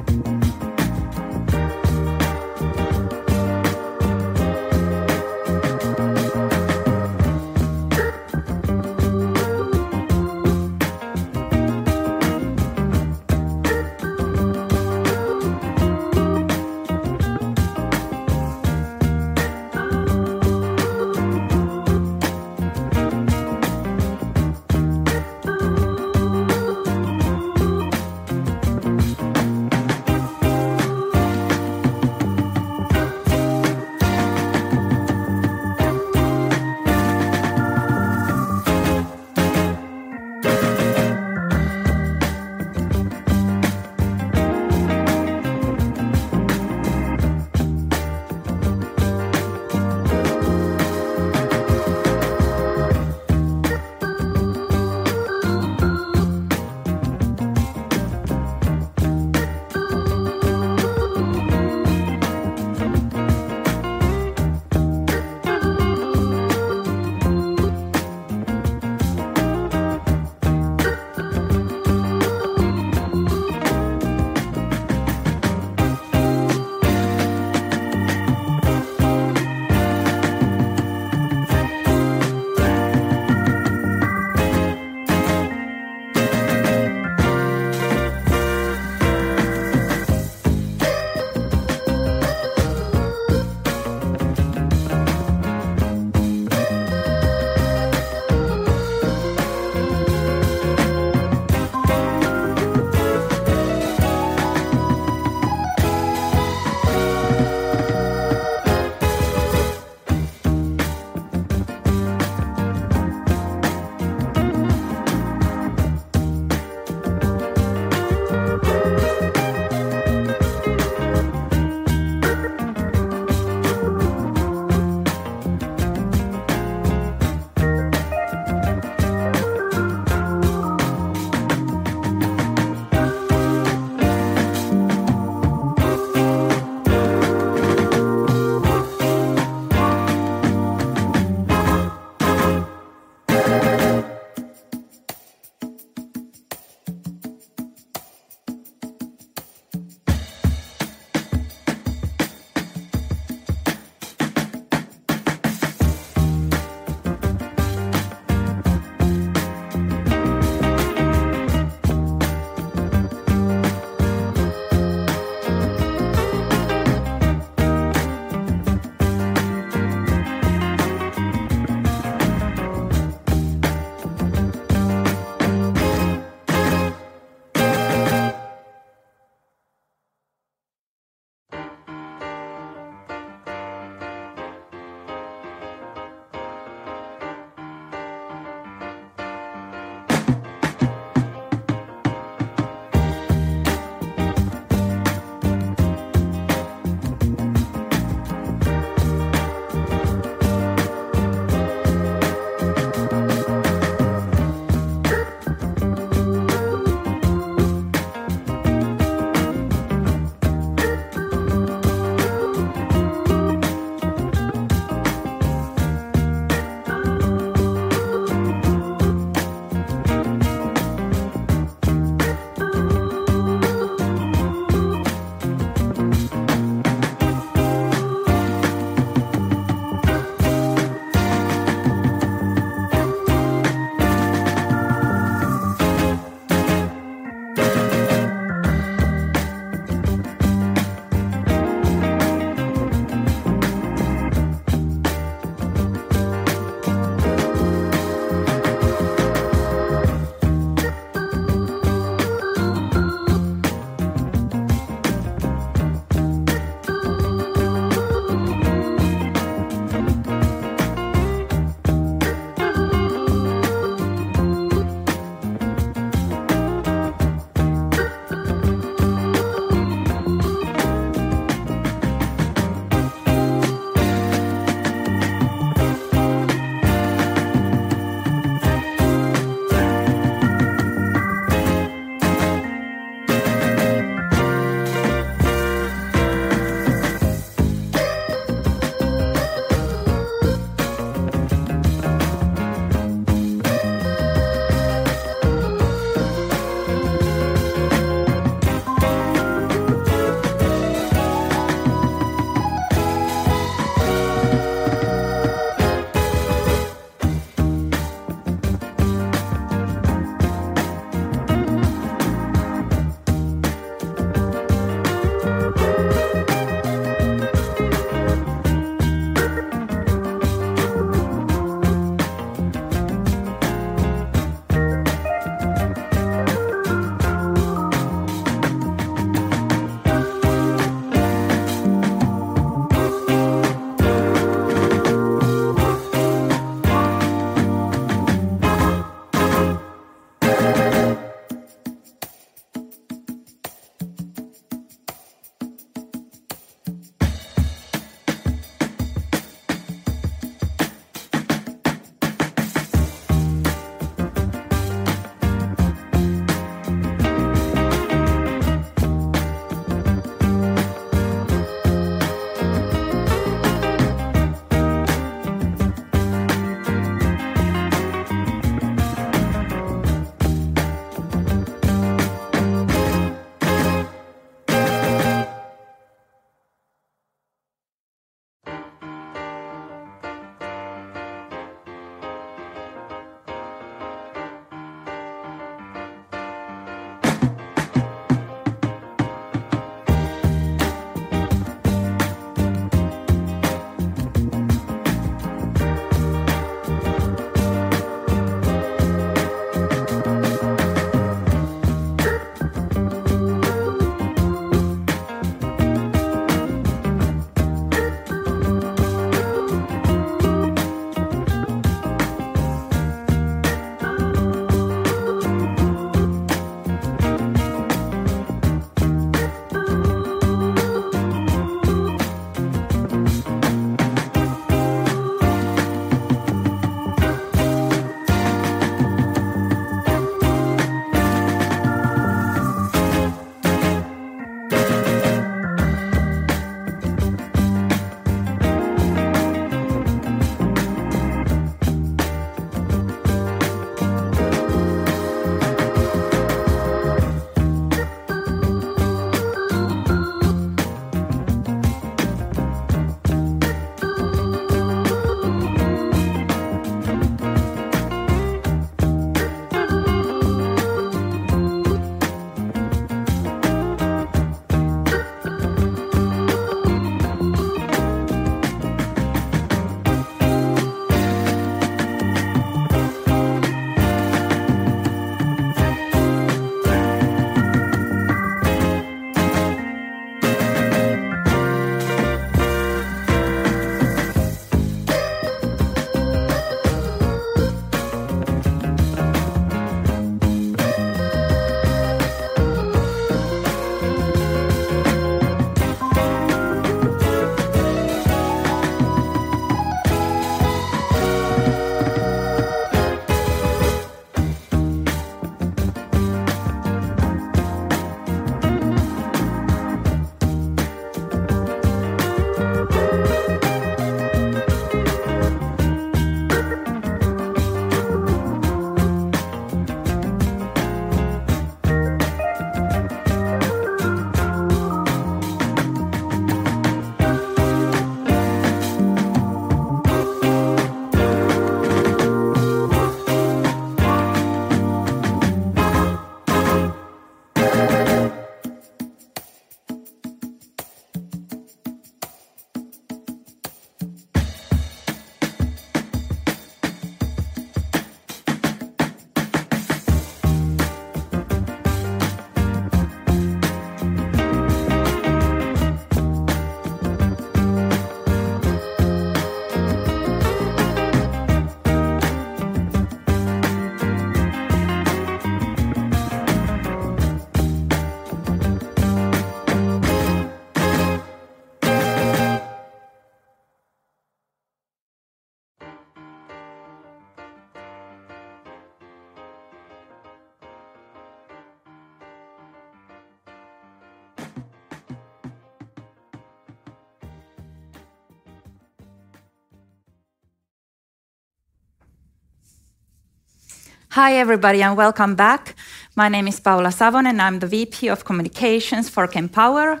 B: Hi, everybody, welcome back. My name is Paula Savonen, and I'm the VP of Communications for Kempower.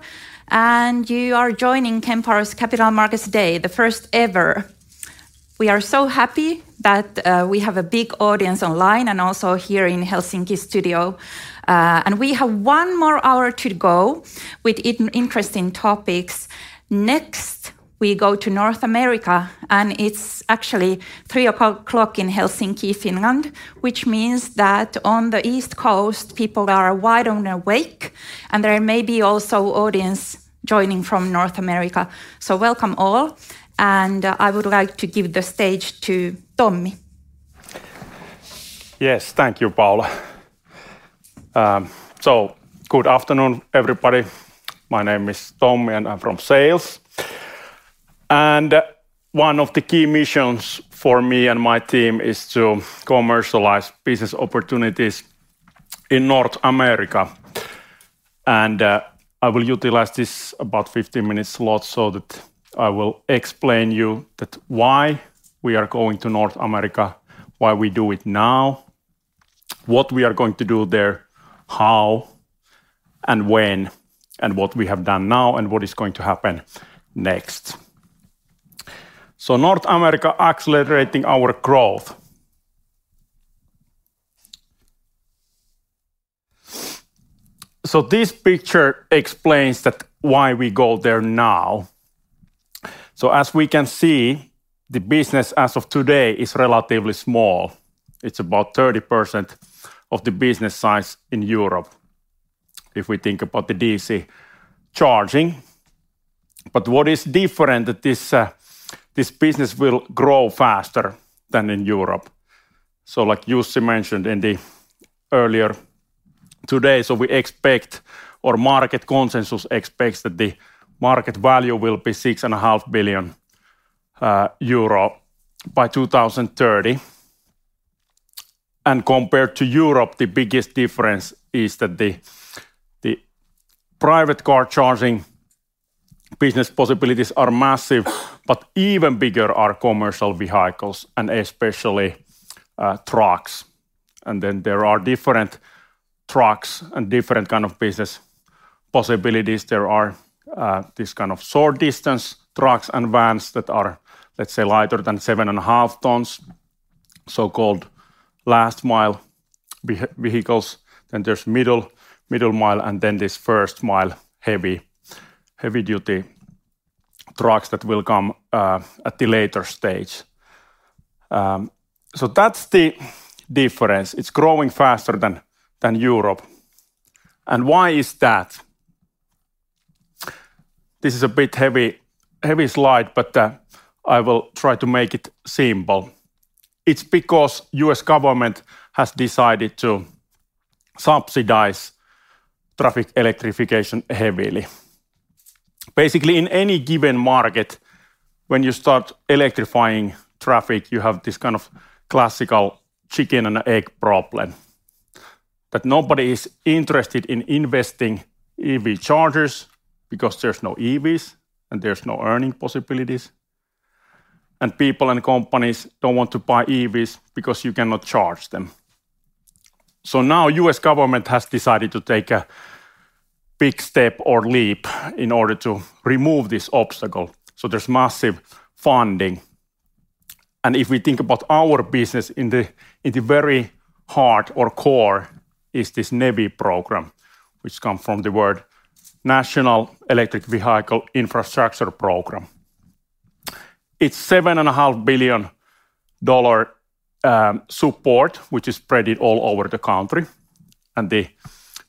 B: You are joining Kempower's Capital Markets Day, the first ever. We are so happy that we have a big audience online and also here in Helsinki studio. We have 1 more hour to go with interesting topics. Next, we go to North America. It's actually 3:00 P.M. in Helsinki, Finland, which means that on the East Coast, people are wide and awake, and there may be also audience joining from North America. Welcome all. I would like to give the stage to Tommi.
C: Yes. Thank you, Paula. Good afternoon, everybody. My name is Tommi, and I'm from sales. One of the key missions for me and my team is to commercialize business opportunities in North America. I will utilize this about 50 minutes lot so that I will explain you that why we are going to North America, why we do it now, what we are going to do there, how and when, and what we have done now, and what is going to happen next. North America accelerating our growth. This picture explains that why we go there now. As we can see, the business as of today is relatively small. It's about 30% of the business size in Europe if we think about the DC charging. What is different that this business will grow faster than in Europe. Like Jussi mentioned in the earlier today, we expect or market consensus expects that the market value will be 6.5 billion euro by 2030. Compared to Europe, the biggest difference is that the private car charging business possibilities are massive, but even bigger are commercial vehicles, and especially trucks. There are different trucks and different kind of business possibilities. There are this kind of short distance trucks and vans that are, let's say, lighter than 7.5 tons, so-called last mile vehicles. There's middle mile, and then this first mile heavy-duty trucks that will come at the later stage. That's the difference. It's growing faster than Europe. Why is that? This is a bit heavy slide, but I will try to make it simple. It's because U.S. government has decided to subsidize traffic electrification heavily. Basically, in any given market, when you start electrifying traffic, you have this kind of classical chicken and egg problem, that nobody is interested in investing EV chargers because there's no EVs, and there's no earning possibilities, and people and companies don't want to buy EVs because you cannot charge them. Now U.S. government has decided to take a big step or leap in order to remove this obstacle, there's massive funding. If we think about our business in the, in the very heart or core is this NEVI program, which come from the word National Electric Vehicle Infrastructure program. It's seven and a half billion dollar support, which is spread all over the country. The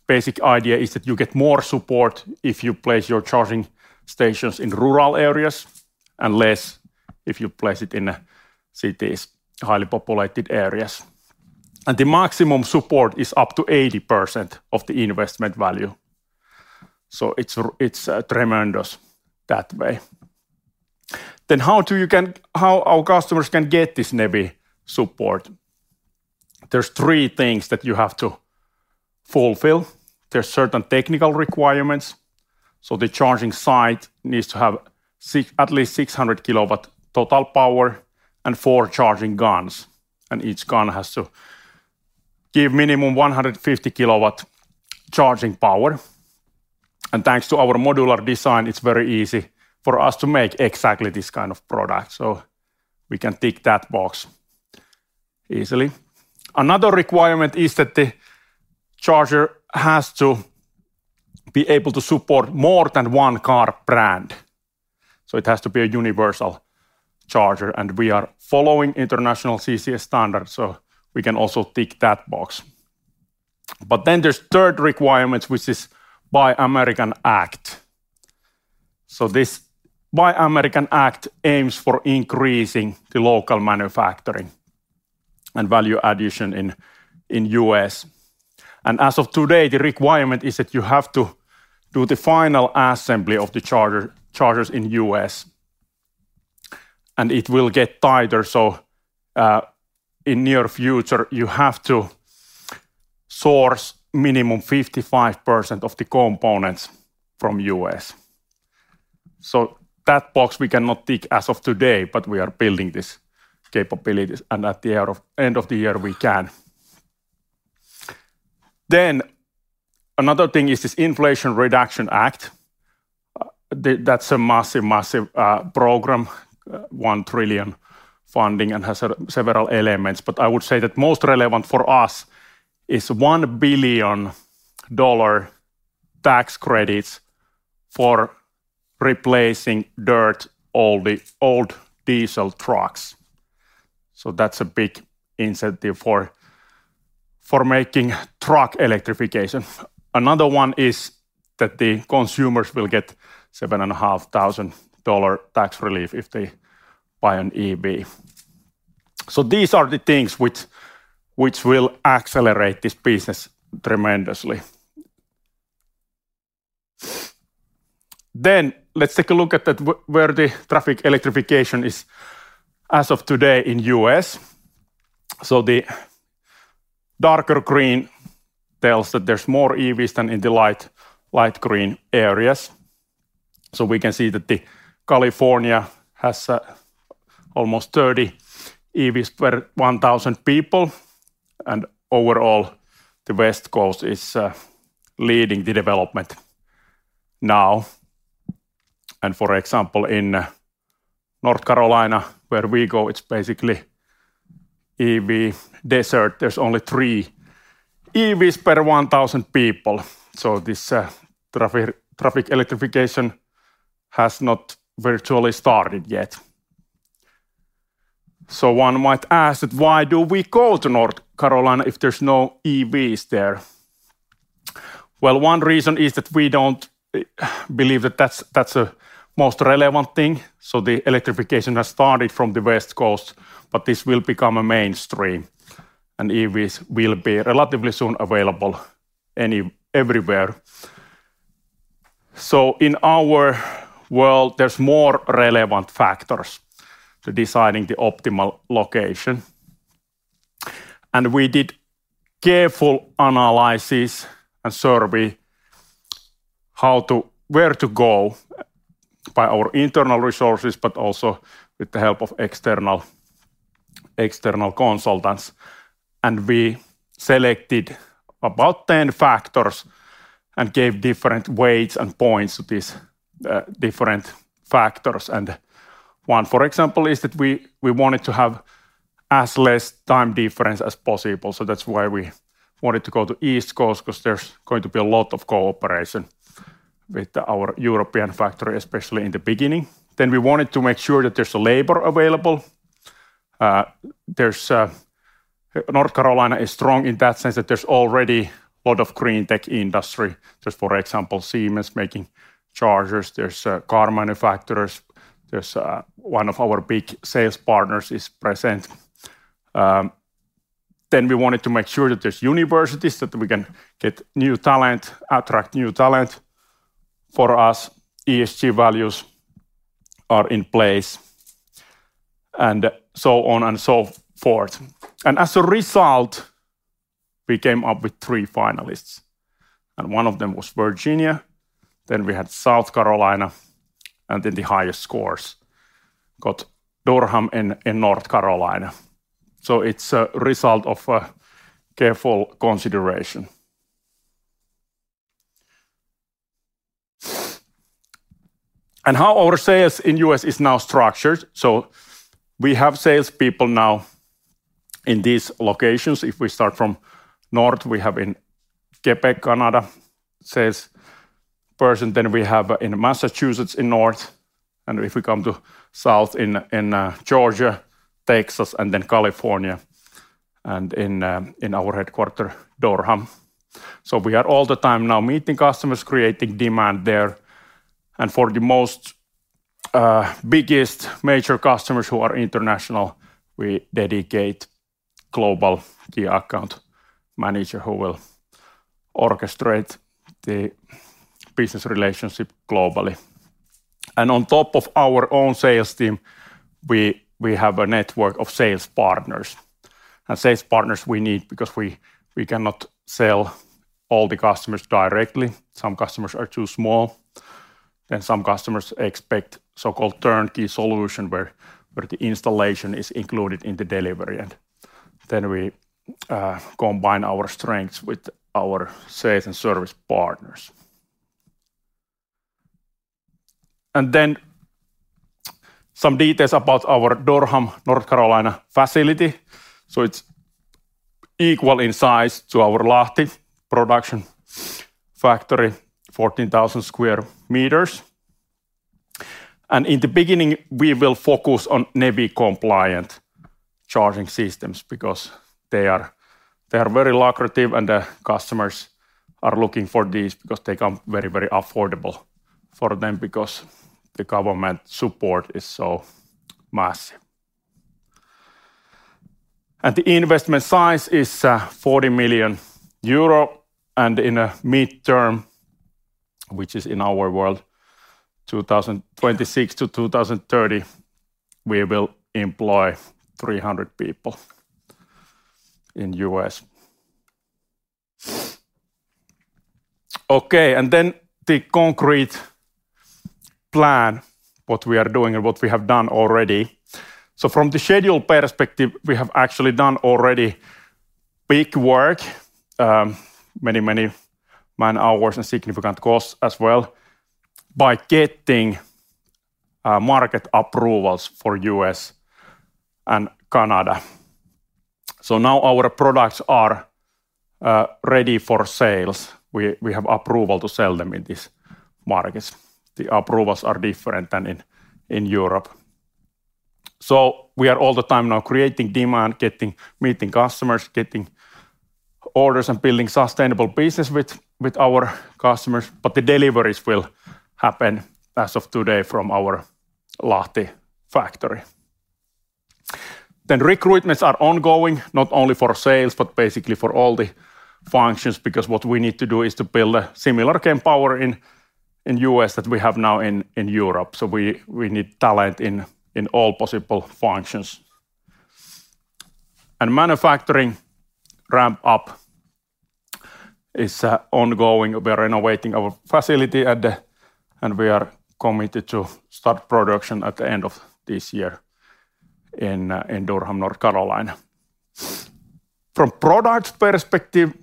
C: basic idea is that you get more support if you place your charging stations in rural areas, unless if you place it in cities, highly populated areas. The maximum support is up to 80% of the investment value. It's tremendous that way. How our customers can get this NEVI support? There's three things that you have to fulfill. There's certain technical requirements. The charging site needs to have at least 600 kW total power and four charging guns. Each gun has to give minimum 150 kW charging power. Thanks to our modular design, it's very easy for us to make exactly this kind of product, so we can tick that box easily. Another requirement is that the charger has to be able to support more than one car brand. It has to be a universal charger, and we are following international CCS standards, so we can also tick that box. There's third requirements, which is Buy American Act. This Buy American Act aims for increasing the local manufacturing and value addition in U.S. As of today, the requirement is that you have to do the final assembly of the chargers in U.S. It will get tighter. In near future, you have to source minimum 55% of the components from U.S. That box we cannot tick as of today, but we are building these capabilities, and at the end of the year, we can. Another thing is this Inflation Reduction Act. That's a massive program, $1 trillion funding, and has several elements. I would say that most relevant for us is $1 billion tax credits for replacing dirty, old diesel trucks. That's a big incentive for making truck electrification. Another one is that the consumers will get $7,500 tax relief if they buy an EV. These are the things which will accelerate this business tremendously. Let's take a look at where the traffic electrification is as of today in U.S. The darker green tells that there's more EVs than in the light green areas. We can see that the California has almost 30 EVs per 1,000 people, and overall, the West Coast is leading the development. For example, in North Carolina, where we go, it's basically EV desert. There's only three EVs per 1,000 people. This traffic electrification has not virtually started yet. One might ask that why do we go to North Carolina if there's no EVs there? One reason is that we don't believe that that's the most relevant thing. The electrification has started from the West Coast, but this will become a mainstream. EVs will be relatively soon available everywhere. In our world, there's more relevant factors to deciding the optimal location. We did careful analysis and survey where to go by our internal resources, but also with the help of external consultants. We selected about 10 factors and gave different weights and points to these different factors. One, for example, is that we wanted to have as less time difference as possible. That's why we wanted to go to East Coast 'cause there's going to be a lot of cooperation with our European factory, especially in the beginning. We wanted to make sure that there's labor available. There's North Carolina is strong in that sense that there's already a lot of green tech industry. There's, for example, Siemens making chargers, there's car manufacturers, there's one of our big sales partners is present. We wanted to make sure that there's universities, that we can get new talent, attract new talent. For us, ESG values are in place, and so on and so forth. As a result, we came up with three finalists. One of them was Virginia, then we had South Carolina, and then the highest scores got Durham in North Carolina. It's a result of a careful consideration. How our sales in U.S. is now structured. We have sales people now in these locations. If we start from north, we have in Quebec, Canada, sales person. We have in Massachusetts in north. If we come to south in Georgia, Texas, and then California, and in our headquarter, Durham. We are all the time now meeting customers, creating demand there. For the most biggest major customers who are international, we dedicate global, the account manager who will orchestrate the business relationship globally. On top of our own sales team, we have a network of sales partners. Sales partners we need because we cannot sell all the customers directly. Some customers are too small, and some customers expect so-called turnkey solution where the installation is included in the delivery. Then we combine our strengths with our sales and service partners. Then some details about our Durham, North Carolina facility. It's equal in size to our Lahti production factory, 14,000 sq m. In the beginning, we will focus on NEVI compliant charging systems because they are very lucrative, and the customers are looking for these because they come very, very affordable for them because the government support is so massive. The investment size is 40 million euro, and in a midterm, which is in our world, 2026 to 2030, we will employ 300 people in U.S. The concrete plan, what we are doing and what we have done already. From the schedule perspective, we have actually done already big work, many, many man-hours and significant costs as well, by getting market approvals for U.S. and Canada. Now our products are ready for sales. We have approval to sell them in these markets. The approvals are different than in Europe. We are all the time now creating demand, meeting customers, getting orders, and building sustainable business with our customers. The deliveries will happen as of today from our Lahti factory. Recruitments are ongoing, not only for sales, but basically for all the functions, because what we need to do is to build a similar Kempower in U.S. that we have now in Europe. We need talent in all possible functions. Manufacturing ramp up is ongoing. We're renovating our facility. We are committed to start production at the end of this year in Durham, North Carolina. From products perspective,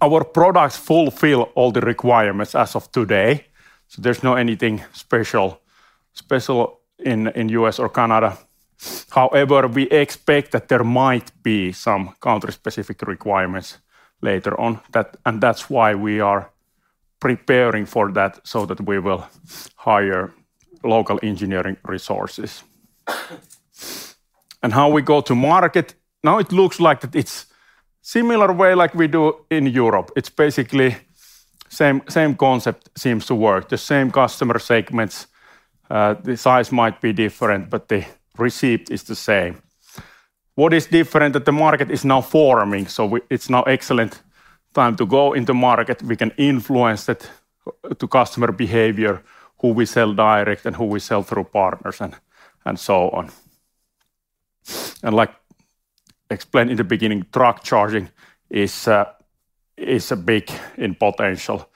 C: our products fulfill all the requirements as of today. There's no anything special in U.S. or Canada. However, we expect that there might be some country-specific requirements later on. That's why we are preparing for that, so that we will hire local engineering resources. How we go to market, now it looks like that it's similar way like we do in Europe. It's basically same concept seems to work. The same customer segments. The size might be different, but the receipt is the same. What is different that the market is now forming, so it's now excellent time to go in the market. We can influence it to customer behavior, who we sell direct and who we sell through partners and so on. Like explained in the beginning, truck charging is big in potential,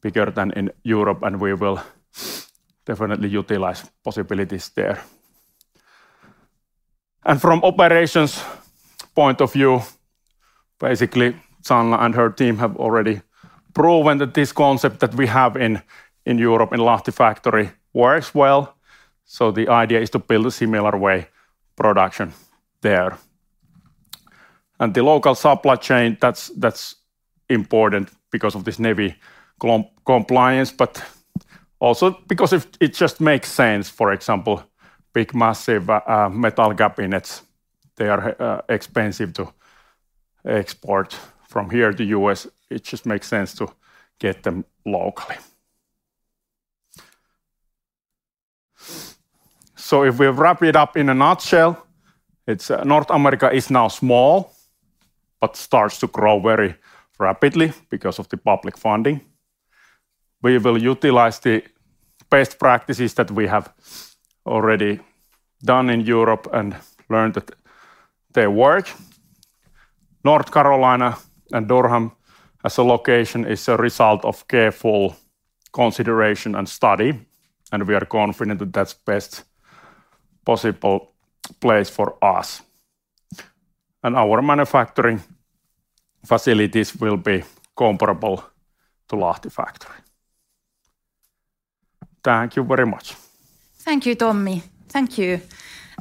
C: bigger than in Europe, and we will definitely utilize possibilities there. From operations point of view, basically Sanna and her team have already proven that this concept that we have in Europe, in Lahti factory works well, so the idea is to build a similar way production there. The local supply chain, that's important because of this NEVI compliance, but also because it just makes sense. For example, big, massive metal cabinets, they are expensive to export from here to U.S. It just makes sense to get them locally. If we wrap it up in a nutshell, it's North America is now small, but starts to grow very rapidly because of the public funding. We will utilize the best practices that we have already done in Europe and learned that they work. North Carolina and Durham as a location is a result of careful consideration and study, we are confident that that's best possible place for us. Our manufacturing facilities will be comparable to Lahti factory. Thank you very much.
B: Thank you, Tommi. Thank you.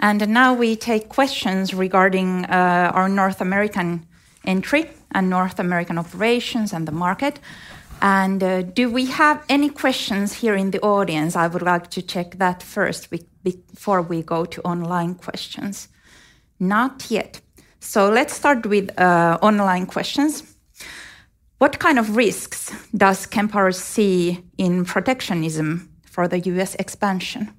B: Now we take questions regarding our North American entry and North American operations and the market. Do we have any questions here in the audience? I would like to check that first before we go to online questions. Not yet. Let's start with online questions. What kind of risks does Kempower see in protectionism for the U.S. expansion?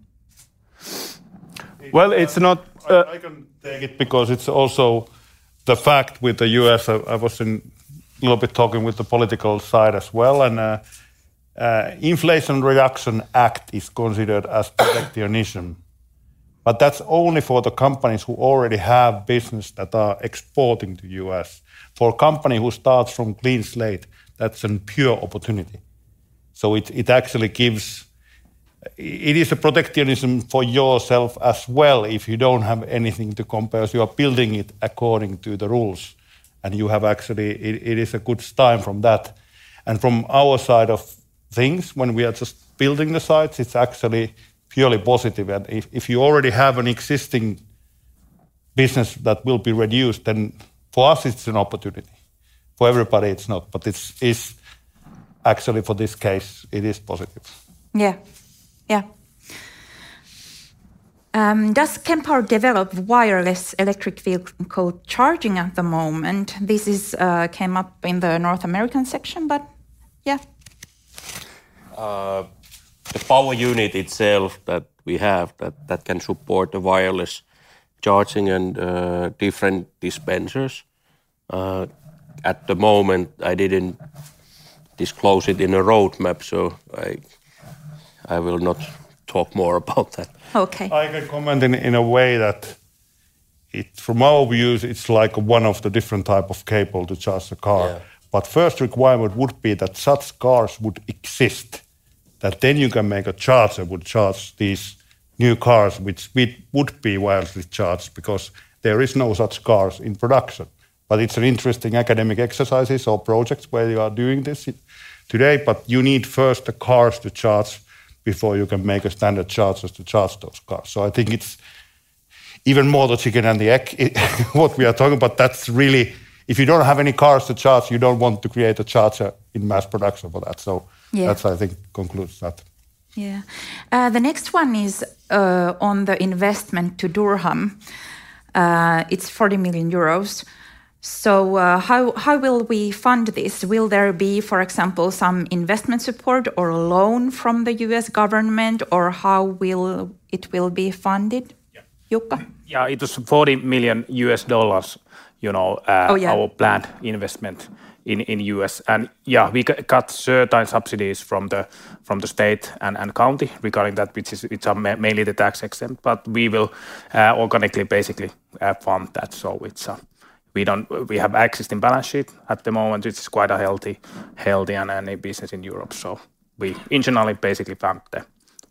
C: Well, it's not.
F: I can take it because it's also the fact with the U.S., I was in little bit talking with the political side as well, and Inflation Reduction Act is considered as protectionism. That's only for the companies who already have business that are exporting to U.S. For a company who starts from clean slate, that's an pure opportunity. It actually gives. It is a protectionism for yourself as well if you don't have anything to compare, so you are building it according to the rules. You have actually. It is a good start from that. From our side of things, when we are just building the sites, it's actually purely positive. If you already have an existing business that will be reduced, then for us it's an opportunity. For everybody, it's not. It's actually for this case, it is positive.
B: Yeah. Yeah. Does Kempower develop wireless electric vehicle charging at the moment? This is, came up in the North American section, but yeah.
D: The Power Unit itself that we have that can support the wireless charging and different dispensers, at the moment I didn't disclose it in a roadmap, so I will not talk more about that.
B: Okay.
F: I can comment in a way that from our view, it's like one of the different type of cable to charge the car.
D: Yeah.
F: First requirement would be that such cars would exist, that then you can make a charger would charge these new cars which we would be wirelessly charged, because there is no such cars in production. It's an interesting academic exercises or projects where you are doing this today, but you need first the cars to charge before you can make a standard chargers to charge those cars. I think it's even more the chicken and the egg, what we are talking about. That's really. If you don't have any cars to charge, you don't want to create a charger in mass production for that.
B: Yeah
F: that's I think concludes that.
B: The next one is on the investment to Durham. It's 40 million euros. How will we fund this? Will there be, for example, some investment support or loan from the U.S. government, or how will it will be funded?
D: Yeah.
B: Jukka?
D: Yeah. It was $40 million, you know.
B: Oh, yeah....
D: our planned investment in U.S. Yeah, we got certain subsidies from the state and county regarding that, it's mainly the tax-exempt. We will, organically basically, fund that. It's, we have existing balance sheet at the moment. It's quite a healthy and earning business in Europe. We internally basically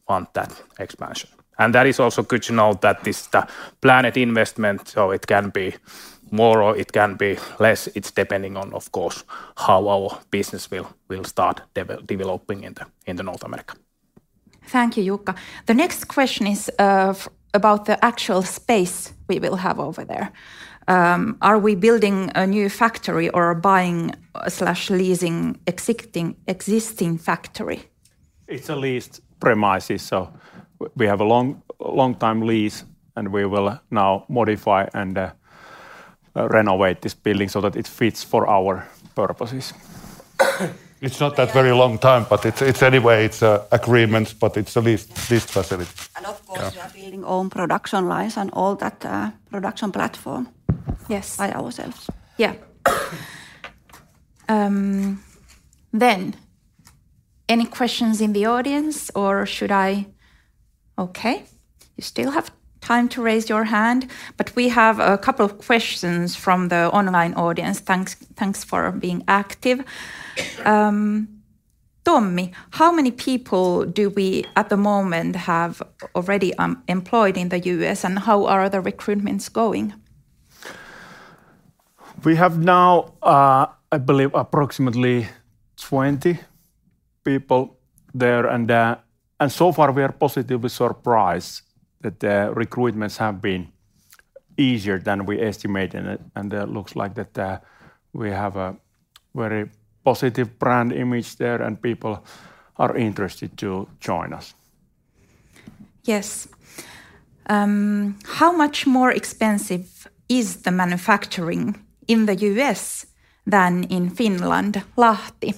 D: fund that expansion. That is also good to know that this, the planned investment, it can be more or it can be less. It's depending on, of course, how our business will start developing in North America.
B: Thank you, Jukka. The next question is about the actual space we will have over there. Are we building a new factory or buying/leasing existing factory?
C: It's a leased premises, so we have a long, long-time lease, and we will now modify and renovate this building so that it fits for our purposes.
F: It's not that very long time. It's anyway, it's agreements. It's a leased facility.
C: Yeah.
K: Of course, we are building own production lines and all that, production platform-
F: Yes
K: by ourselves.
B: Yeah. Any questions in the audience? Okay, you still have time to raise your hand. We have a couple of questions from the online audience. Thanks for being active. Tommi, how many people do we, at the moment, have already employed in the U.S., and how are the recruitments going?
C: We have now, I believe, approximately 20 people there. So far we are positively surprised that the recruitments have been easier than we estimated it. It looks like that, we have a very positive brand image there. People are interested to join us.
B: Yes. How much more expensive is the manufacturing in the U.S. than in Finland, Lahti?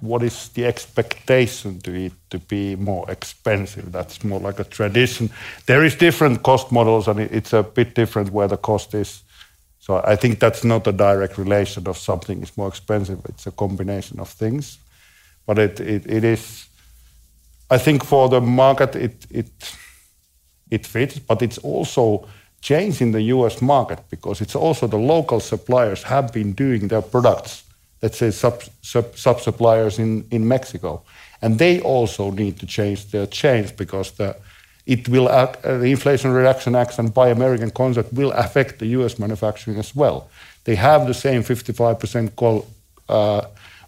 F: What is the expectation to it to be more expensive? That's more like a tradition. There is different cost models, and it's a bit different where the cost is. I think that's not a direct relation of something is more expensive. It's a combination of things. it is, I think, for the market, it fits, but it's also changing the U.S. market because it's also the local suppliers have been doing their products, let's say sub-sub-sub-suppliers in Mexico, and they also need to change their chains because the Inflation Reduction Act and Buy American concept will affect the U.S. manufacturing as well. They have the same 55% coal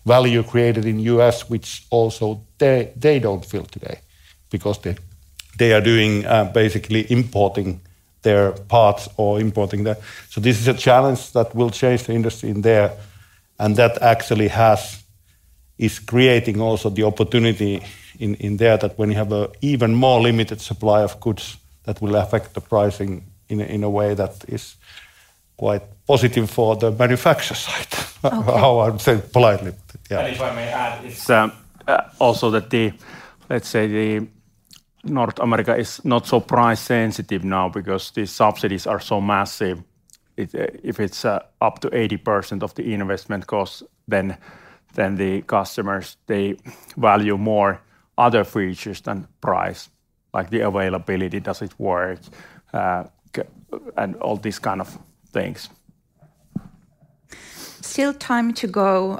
F: value created in U.S., which also they don't fill today because they are doing basically importing their parts or importing the. This is a challenge that will change the industry in there, and that actually is creating also the opportunity in there that when you have a even more limited supply of goods, that will affect the pricing in a way that is quite positive for the manufacturer side, how I would say it politely. Yeah.
C: If I may add, it's also that the North America is not so price sensitive now because the subsidies are so massive. If it's up to 80% of the investment costs, then the customers, they value more other features than price, like the availability, does it work and all these kind of things.
B: Still time to go,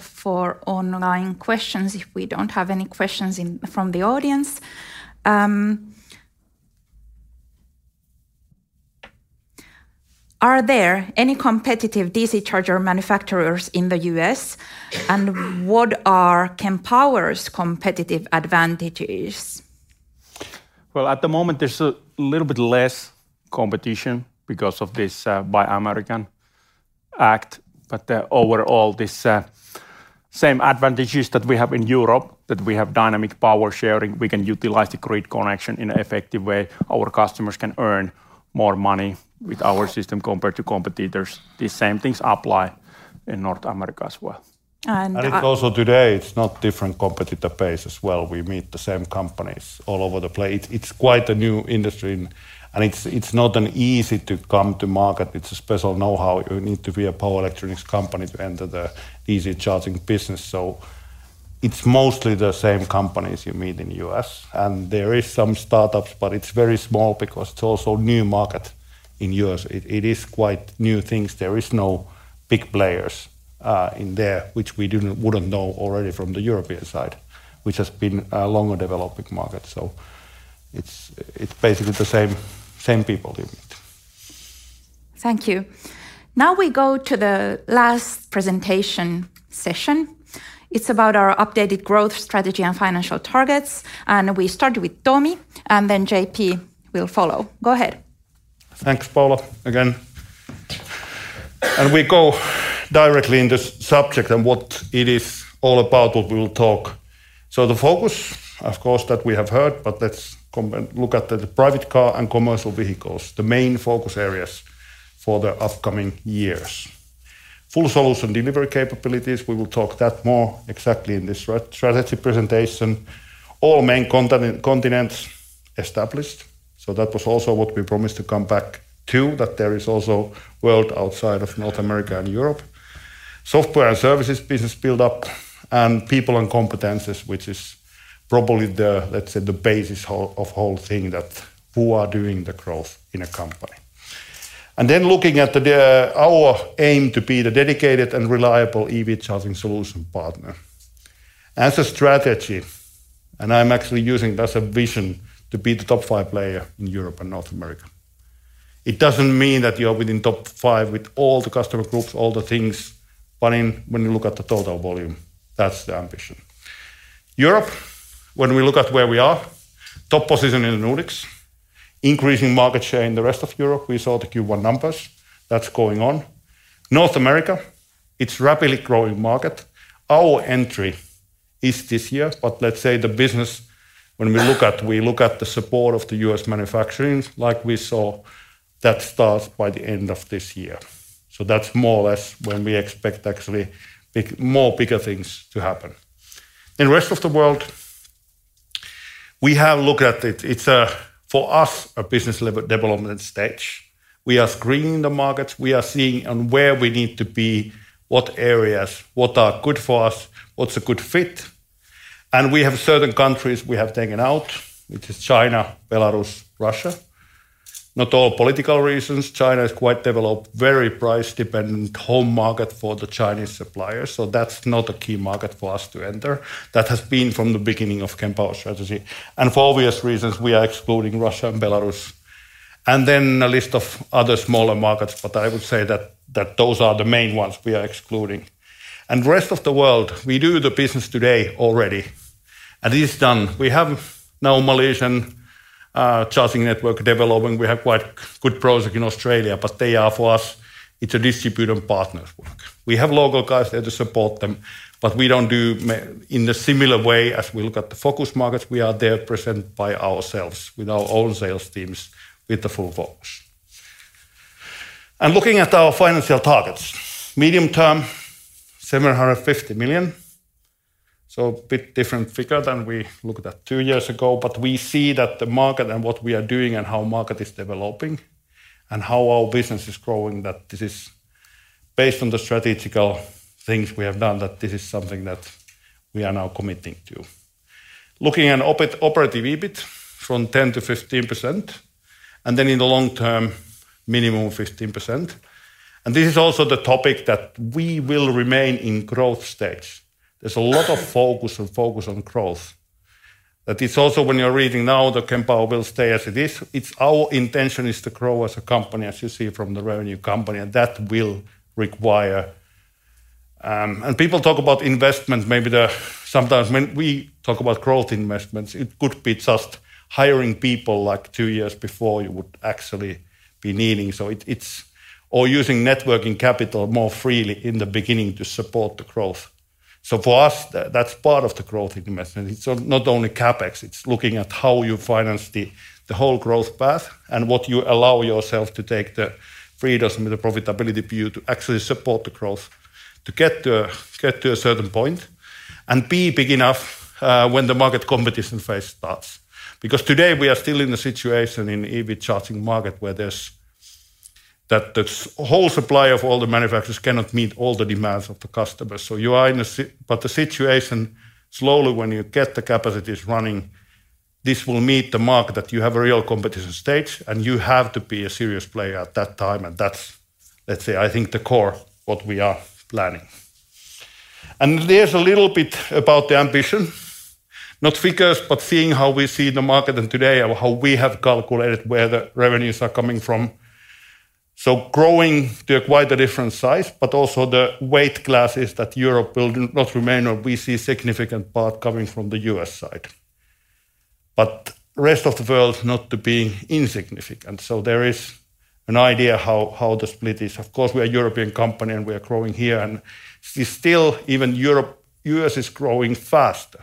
B: for online questions if we don't have any questions in, from the audience. Are there any competitive DC charger manufacturers in the U.S., and what are Kempower's competitive advantages?
C: Well, at the moment, there's a little bit less competition because of this, Buy American Act, but, overall, this, same advantages that we have in Europe, that we have dynamic power sharing, we can utilize the grid connection in a effective way. Our customers can earn more money with our system compared to competitors. These same things apply in North America as well.
B: And, uh-
F: Also today, it's not different competitor base as well. We meet the same companies all over the place. It's quite a new industry, and it's not an easy to come to market. It's a special knowhow. You need to be a power electronics company to enter the easy charging business. It's mostly the same companies you meet in U.S., and there is some startups, but it's very small because it's also new market in U.S. It is quite new things. There is no big players in there, which we wouldn't know already from the European side, which has been a longer developing market. It's basically the same people you meet.
B: Thank you. Now we go to the last presentation session. It's about our updated growth strategy and financial targets, and we start with Tomi, and then JP will follow. Go ahead.
F: Thanks, Paula. Again. We go directly in this subject and what it is all about what we will talk. The focus, of course, that we have heard, but let's look at the private car and commercial vehicles, the main focus areas for the upcoming years. Full solution delivery capabilities, we will talk that more exactly in this strategy presentation. All main continents established, that was also what we promised to come back to, that there is also world outside of North America and Europe. Software and services business build up, people and competences, which is probably the, let's say, the basis of whole thing that who are doing the growth in a company. Looking at the, our aim to be the dedicated and reliable EV charging solution partner. As a strategy, and I'm actually using that's a vision, to be the top five player in Europe and North America. It doesn't mean that you are within top five with all the customer groups, all the things, but in, when you look at the total volume, that's the ambition. Europe, when we look at where we are, top position in the Nordics, increasing market share in the rest of Europe. We saw the Q1 numbers. That's going on. North America, it's rapidly growing market. Our entry is this year, but let's say the business, when we look at the support of the U.S. manufacturings, like we saw, that starts by the end of this year. That's more or less when we expect actually big, more bigger things to happen. In rest of the world, we have looked at it. It's for us, a business development stage. We are screening the markets. We are seeing on where we need to be, what areas, what are good for us, what's a good fit. We have certain countries we have taken out, which is China, Belarus, Russia. Not all political reasons. China is quite developed, very price-dependent home market for the Chinese suppliers, so that's not a key market for us to enter. That has been from the beginning of Kempower strategy. For obvious reasons, we are excluding Russia and Belarus. Then a list of other smaller markets, but I would say that those are the main ones we are excluding. Rest of the world, we do the business today already, and it is done. We have now Malaysian charging network developing. We have quite good project in Australia, but they are for us, it's a distributor partners work. We have local guys there to support them, but we don't do in a similar way as we look at the focus markets, we are there present by ourselves with our own sales teams, with the full focus. Looking at our financial targets, medium term, 750 million, so bit different figure than we looked at two years ago, but we see that the market and what we are doing and how market is developing and how our business is growing, that this is based on the strategic things we have done, that this is something that we are now committing to. Looking at operative EBIT from 10%-15%, and then in the long term, minimum of 15%. This is also the topic that we will remain in growth stage. There's a lot of focus on growth, that it's also when you're reading now that Kempower will stay as it is. It's our intention is to grow as a company, as you see from the revenue company, that will require. People talk about investments, Sometimes when we talk about growth investments, it could be just hiring people like two years before you would actually be needing. Or using networking capital more freely in the beginning to support the growth. For us, that's part of the growth investment. It's not only CapEx, it's looking at how you finance the whole growth path and what you allow yourself to take the freedoms and the profitability for you to actually support the growth to get to a certain point and be big enough when the market competition phase starts. Today we are still in a situation in EV charging market where the whole supply of all the manufacturers cannot meet all the demands of the customers. You are in a situation, slowly, when you get the capacities running, this will meet the market, that you have a real competition stage, and you have to be a serious player at that time, and that's, let's say, I think the core what we are planning. There's a little bit about the ambition, not figures, but seeing how we see the market and today, how we have calculated where the revenues are coming from. Growing to quite a different size, but also the weight classes that Europe will not remain, or we see significant part coming from the U.S. side. Rest of the world not to be insignificant. There is an idea how the split is. Of course, we are a European company, and we are growing here. Still, even Europe, U.S. is growing faster.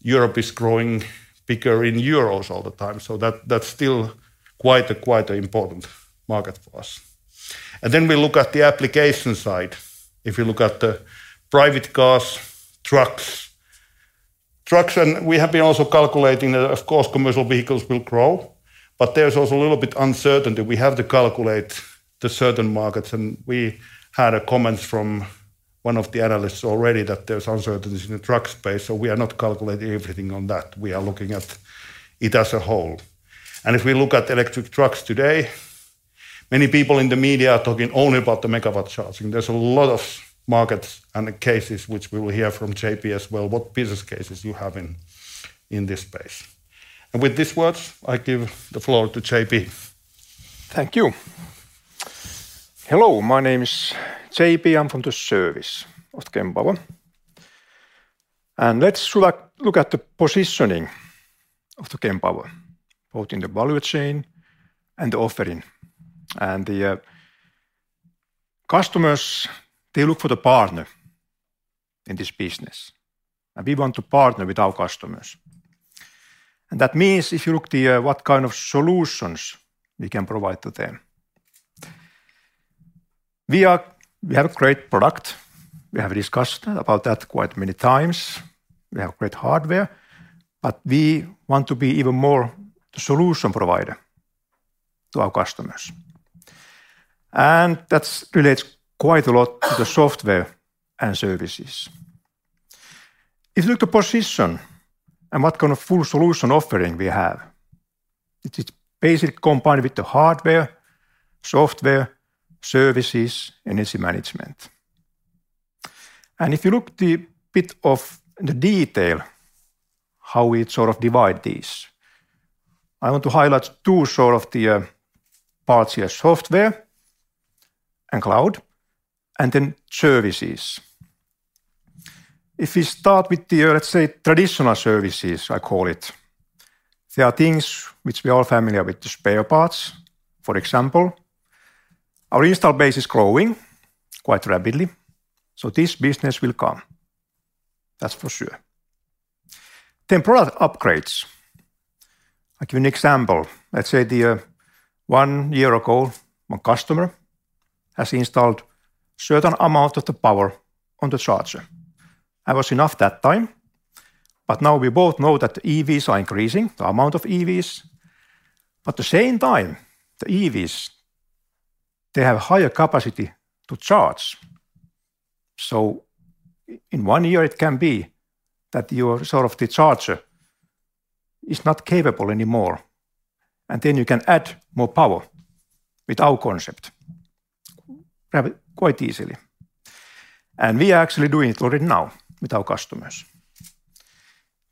F: Europe is growing bigger in euros all the time, so that's still quite a, quite a important market for us. Then we look at the application side. If you look at the private cars, trucks. Trucks. We have been also calculating that of course commercial vehicles will grow, but there's also a little bit uncertainty. We have to calculate the certain markets. We had a comment from one of the analysts already that there's uncertainties in the truck space, so we are not calculating everything on that. We are looking at it as a whole. If we look at electric trucks today, many people in the media are talking only about the megawatt charging. There's a lot of markets and the cases which we will hear from JP as well, what business cases you have in this space. With these words, I give the floor to JP
E: Thank you. Hello, my name is JP. I'm from the service of Kempower. Let's look at the positioning of Kempower, both in the value chain and the offering. The customers, they look for the partner in this business, and we want to partner with our customers. That means if you look to what kind of solutions we can provide to them. We have a great product. We have discussed about that quite many times. We have great hardware, but we want to be even more the solution provider to our customers. That relates quite a lot to the software and services. If you look at the position and what kind of full solution offering we have, it is basically combined with the hardware, software, services, energy management. If you look the bit of the detail how we sort of divide these, I want to highlight two sort of the parts here, software and cloud, and then services. If we start with the, let's say, traditional services, I call it, there are things which we are familiar with, the spare parts, for example. Our install base is growing quite rapidly, so this business will come. That's for sure. Product upgrades. I'll give you an example. Let's say the one year ago, one customer has installed certain amount of the power on the charger. That was enough that time. Now we both know that EVs are increasing, the amount of EVs, but the same time, the EVs, they have higher capacity to charge. In one year it can be that your sort of the charger is not capable anymore, and then you can add more power with our concept rather quite easily. We are actually doing it already now with our customers.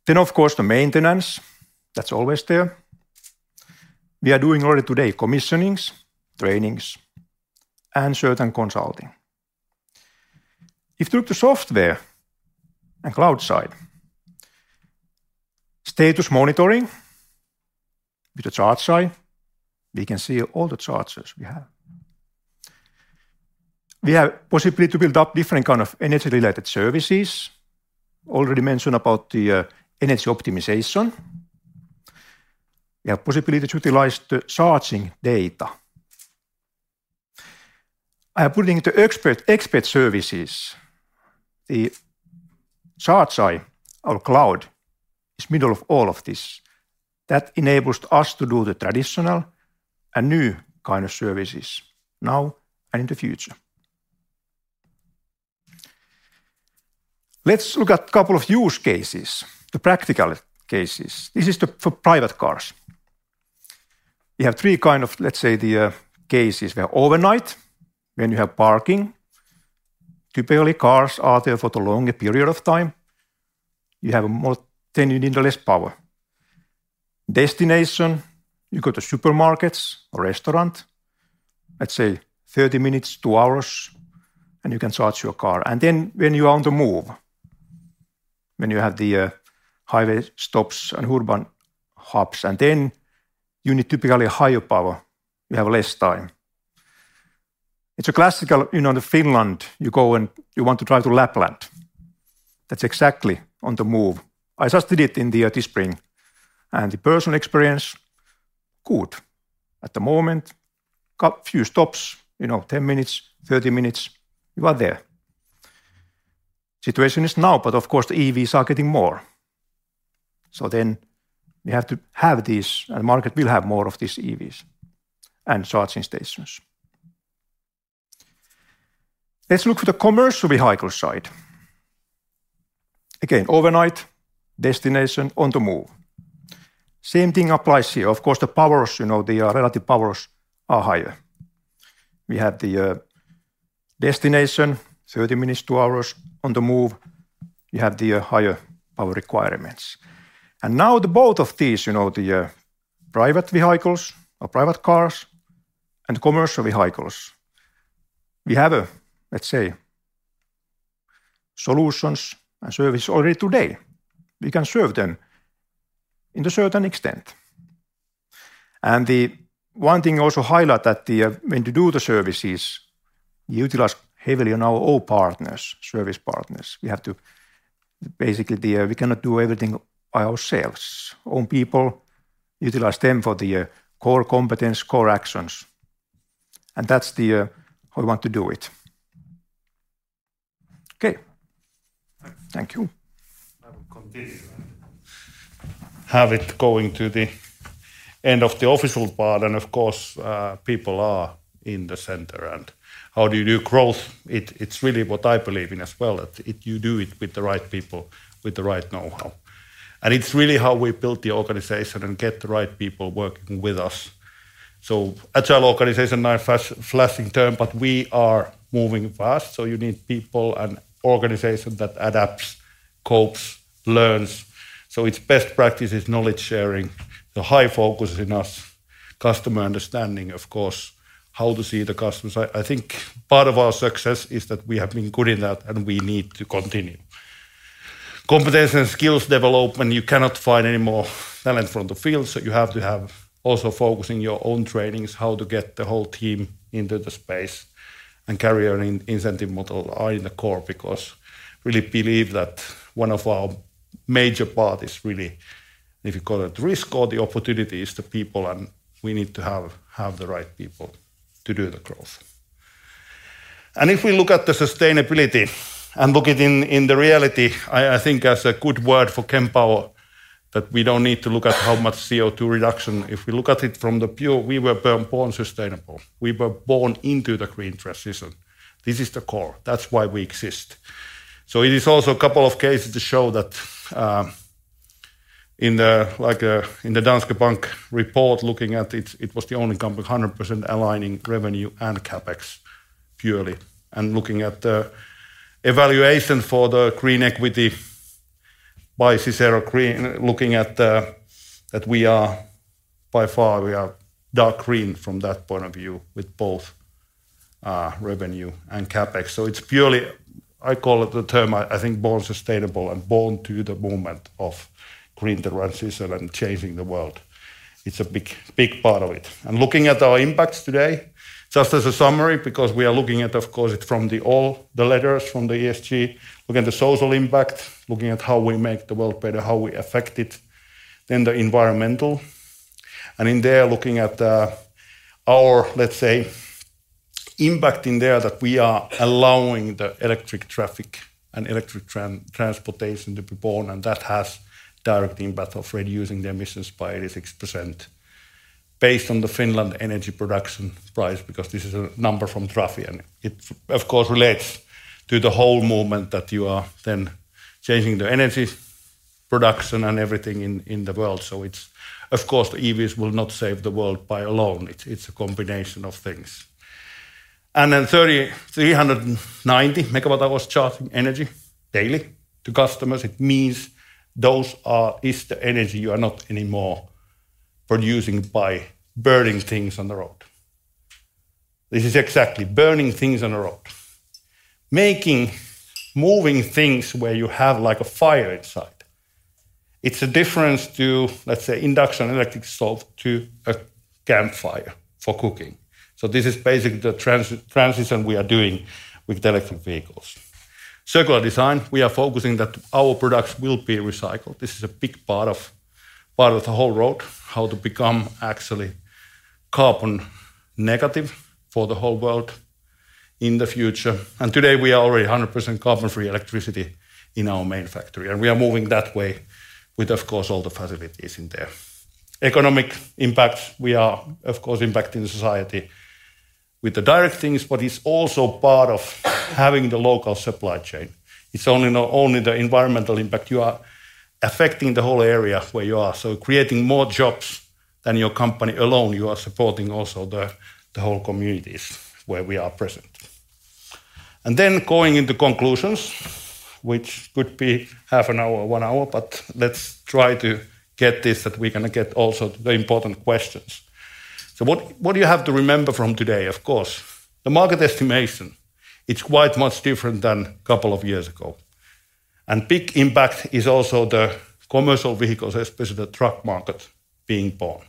E: Of course, the maintenance, that's always there. We are doing already today commissionings, trainings, and certain consulting. If you look to software and cloud side, status monitoring with the ChargEye, we can see all the chargers we have. We have possibility to build up different kind of energy-related services. Already mentioned about the energy optimization. We have possibility to utilize the charging data. I am putting the expert services, the ChargEye, our cloud, is middle of all of this. That enables us to do the traditional and new kind of services now and in the future. Let's look at couple of use cases, the practical cases. This is the for private cars. We have three kind of, let's say, the cases. We have overnight, when you have parking, typically cars are there for the longer period of time, you need less power. Destination, you go to supermarkets or restaurant, let's say 30 minutes, two hours, you can charge your car. When you are on the move, when you have the highway stops and urban hubs, you need typically higher power, you have less time. It's a classical, you know, in Finland, you go and you want to drive to Lapland. That's exactly on the move. I just did it in the this spring, and the personal experience, good. At the moment, few stops, you know, 10 minutes, 30 minutes, you are there. Situation is now, of course the EVs are getting more. We have to have this, the market will have more of these EVs and charging stations. Let's look at the commercial vehicle side. Again, overnight, destination, on the move. Same thing applies here. Of course, the powers, you know, the relative powers are higher. We have the destination, 30 minutes, two hours, on the move, you have the higher power requirements. Now the both of these, you know, the private vehicles or private cars and commercial vehicles, we have, let's say, solutions and service already today. We can serve them in a certain extent. The one thing I also highlight that when you do the services, you utilize heavily on our own partners, service partners. We have to basically, we cannot do everything by ourselves. Own people utilize them for the core competence, core actions, and that's how we want to do it. Okay. Thank you.
F: I will continue and have it going to the end of the official part. Of course, people are in the center, and how do you do growth? It's really what I believe in as well, that you do it with the right people, with the right know-how. It's really how we build the organization and get the right people working with us. Agile organization, now a flashing term, but we are moving fast, so you need people and organization that adapts, copes, learns. It's best practices, knowledge sharing, the high focus in us, customer understanding, of course, how to see the customers. I think part of our success is that we have been good in that, and we need to continue. Competence and skills development, you cannot find any more talent from the field, so you have to have also focus in your own trainings, how to get the whole team into the space, and career incentive model are in the core because really believe that one of our major part is really, if you call it risk or the opportunity, is the people, and we need to have the right people to do the growth. If we look at the sustainability and look it in the reality, I think that's a good word for Kempower, that we don't need to look at how much CO2 reduction. If we look at it from the pure, we were born sustainable. We were born into the green transition. This is the core. That's why we exist. It is also a couple of cases to show that. In the, like, in the Danske Bank report looking at it was the only company 100% aligning revenue and CapEx purely. Looking at the evaluation for the green equity by CICERO Green, looking at that we are by far dark green from that point of view with both revenue and CapEx. It's purely, I call it the term, I think, born sustainable and born to the moment of green transition and changing the world. It's a big, big part of it. Looking at our impacts today, just as a summary, because we are looking at, of course, it from all the letters from the ESG, looking at the social impact, looking at how we make the world better, how we affect it. The environmental, and in there, looking at, our, let's say, impact in there that we are allowing the electric traffic and electric transportation to be born, and that has direct impact of reducing the emissions by 86% based on the Finland energy production price because this is a number from traffic. It, of course, relates to the whole movement that you are then changing the energy production and everything in the world. Of course, EVs will not save the world by alone. It's a combination of things. 390 MWh charging energy daily to customers, it means is the energy you are not anymore producing by burning things on the road. This is exactly burning things on the road. Moving things where you have like a fire inside. It's a difference to, let's say, induction electric stove to a campfire for cooking. This is basically the transition we are doing with electric vehicles. Circular design, we are focusing that our products will be recycled. This is a big part of the whole road, how to become actually carbon negative for the whole world in the future. Today we are already 100% carbon-free electricity in our main factory, and we are moving that way with, of course, all the facilities in there. Economic impact, we are, of course, impacting the society with the direct things, but it's also part of having the local supply chain. It's only not only the environmental impact. You are affecting the whole area where you are. Creating more jobs than your company alone, you are supporting also the whole communities where we are present. Going into conclusions, which could be half an hour or one hour, but let's try to get this that we're gonna get also to the important questions. What do you have to remember from today? Of course, the market estimation, it's quite much different than couple of years ago. Big impact is also the commercial vehicles, especially the truck market being born.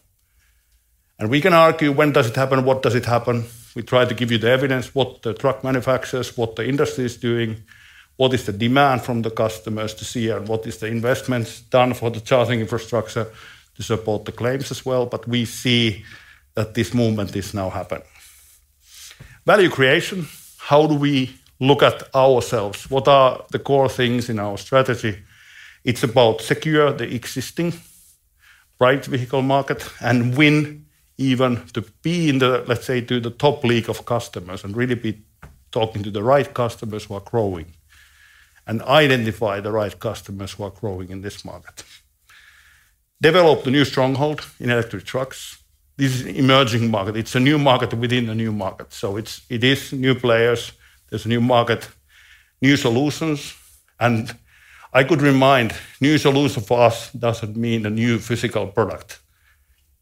F: We can argue, when does it happen? What does it happen? We try to give you the evidence, what the truck manufacturers, what the industry is doing, what is the demand from the customers to see, and what is the investments done for the charging infrastructure to support the claims as well. We see that this movement is now happening. Value creation. How do we look at ourselves? What are the core things in our strategy? It's about secure the existing bright vehicle market and win even to be in the, let's say, to the top league of customers and really be talking to the right customers who are growing, and identify the right customers who are growing in this market. Develop the new stronghold in electric trucks. This is emerging market. It's a new market within a new market. It is new players. There's new market, new solutions. I could remind, new solution for us doesn't mean a new physical product.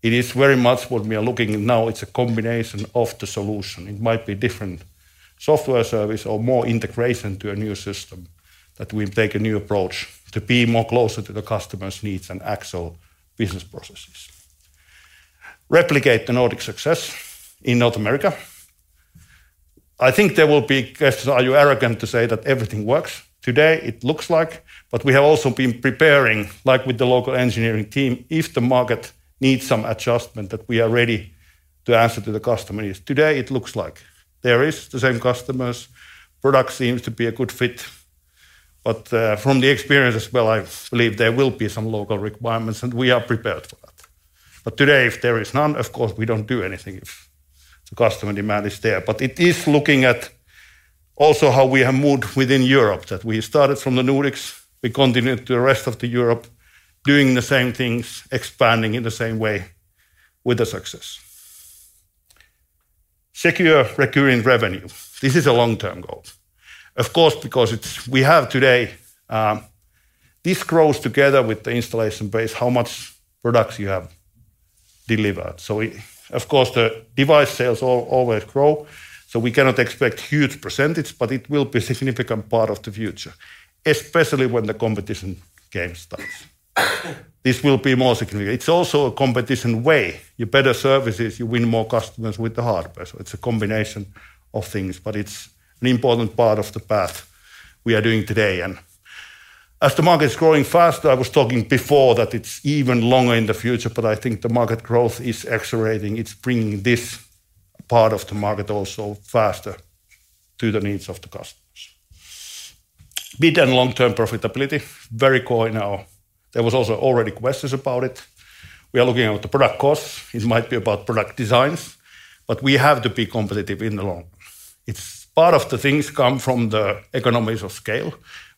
F: It is very much what we are looking now. It's a combination of the solution. It might be different software service or more integration to a new system that will take a new approach to be more closer to the customer's needs and actual business processes. Replicate the Nordic success in North America. I think there will be questions, are you arrogant to say that everything works? Today it looks like, but we have also been preparing, like with the local engineering team, if the market needs some adjustment, that we are ready to answer to the customers. Today it looks like. There is the same customers, product seems to be a good fit, but, from the experience as well, I believe there will be some local requirements, and we are prepared for that. Today, if there is none, of course, we don't do anything if the customer demand is there. It is looking at also how we have moved within Europe, that we started from the Nordics, we continued to the rest of the Europe, doing the same things, expanding in the same way with the success. Secure recurring revenue. This is a long-term goal. Of course, because it's we have today, this grows together with the installation base, how much products you have delivered. Of course, the device sales always grow, so we cannot expect huge percentage, but it will be significant part of the future, especially when the competition game starts. This will be more significant. It's also a competition way. You better services, you win more customers with the hardware, so it's a combination of things, but it's an important part of the path we are doing today. As the market is growing faster, I was talking before that it's even longer in the future, but I think the market growth is accelerating. It's bringing this part of the market also faster to the needs of the customers. Mid- and long-term profitability, very core now. There was also already questions about it. We are looking at the product costs. It might be about product designs. We have to be competitive in the long. It's part of the things come from the economies of scale.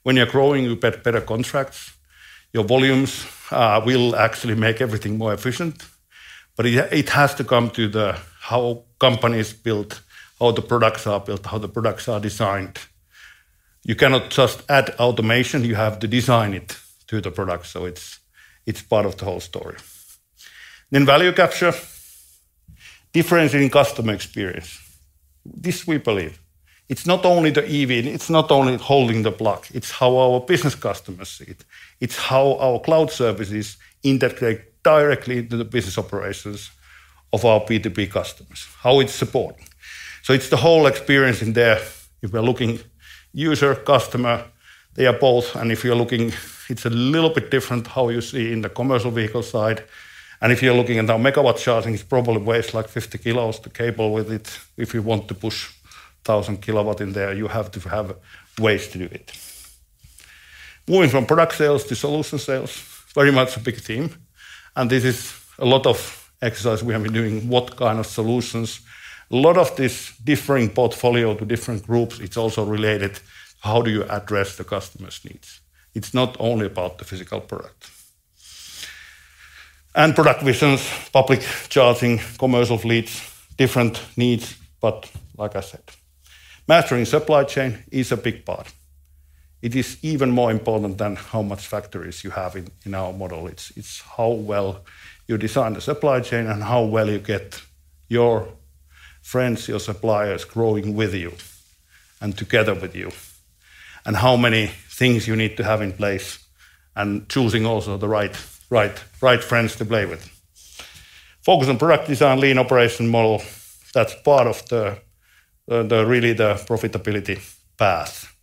F: When you're growing, you get better contracts. Your volumes will actually make everything more efficient. Yeah, it has to come to the how company is built, how the products are built, how the products are designed. You cannot just add automation, you have to design it to the product, it's part of the whole story. Value capture, differentiating customer experience. This we believe. It's not only the EV, it's not only holding the plug. It's how our business customers see it. It's how our cloud services integrate directly into the business operations of our B2B customers, how it's supporting. It's the whole experience in there. If we're looking user, customer, they are both. If you're looking, it's a little bit different how you see in the commercial vehicle side. If you're looking at our megawatt charging, it probably weighs like 50 k, the cable with it. If you want to push 1,000 kW in there, you have to have ways to do it. Moving from product sales to solution sales, very much a big theme. This is a lot of exercise we have been doing, what kind of solutions. A lot of this differing portfolio to different groups, it's also related to how do you address the customer's needs. It's not only about the physical product. Product visions, public charging, commercial fleets, different needs, but like I said, mastering supply chain is a big part. It is even more important than how much factories you have in our model. It's how well you design the supply chain and how well you get your friends, your suppliers growing with you and together with you, and how many things you need to have in place and choosing also the right friends to play with. Focus on product design, lean operation model, that's part of the really the profitability path.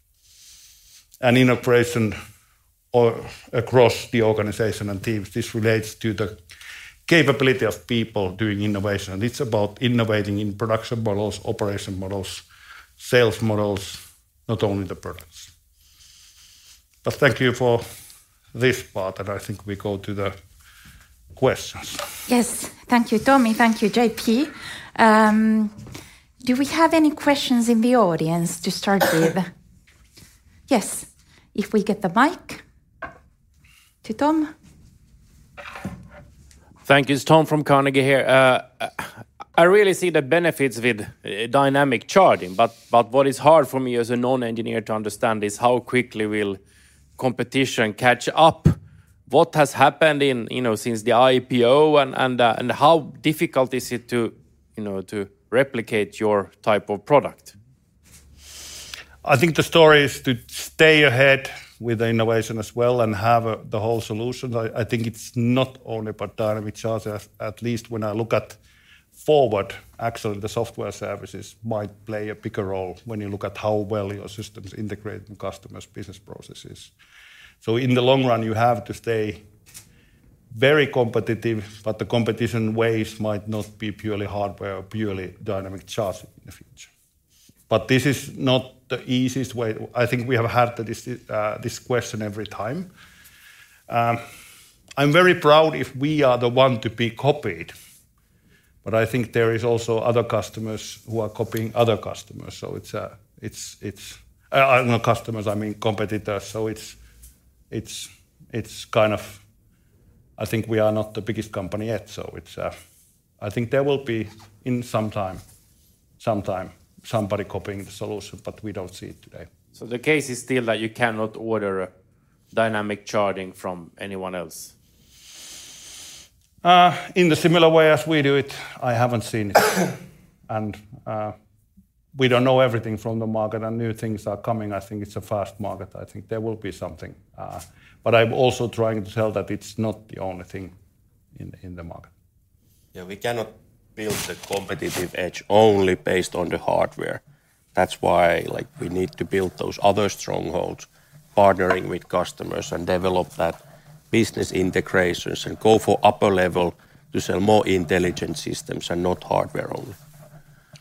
F: In operation or across the organization and teams, this relates to the capability of people doing innovation. It's about innovating in production models, operation models, sales models, not only the products. Thank you for this part, and I think we go to the questions.
B: Thank you, Tomi. Thank you, JP. Do we have any questions in the audience to start with? If we get the mic to Tom.
G: Thank you. It's Tom from Carnegie here. I really see the benefits with dynamic charging, but what is hard for me as a non-engineer to understand is how quickly will competition catch up? What has happened in, you know, since the IPO and how difficult is it to, you know, to replicate your type of product?
F: I think the story is to stay ahead with the innovation as well and have the whole solution. I think it's not only about dynamic charges. At least when I look at forward, actually the software services might play a bigger role when you look at how well your systems integrate in customers' business processes. In the long run, you have to stay very competitive, but the competition waves might not be purely hardware or purely dynamic charging in the future. This is not the easiest way. I think we have had this question every time. I'm very proud if we are the one to be copied, but I think there is also other customers who are copying other customers, so it's not customers, I mean competitors, so it's kind of... I think we are not the biggest company yet, so it's, I think there will be in some time, somebody copying the solution, but we don't see it today.
G: The case is still that you cannot order dynamic charging from anyone else?
F: In the similar way as we do it, I haven't seen it. We don't know everything from the market, and new things are coming. I think it's a fast market. I think there will be something, but I'm also trying to tell that it's not the only thing in the market.
H: Yeah, we cannot build the competitive edge only based on the hardware. That's why, like, we need to build those other strongholds, partnering with customers and develop that business integrations and go for upper level to sell more intelligent systems and not hardware only.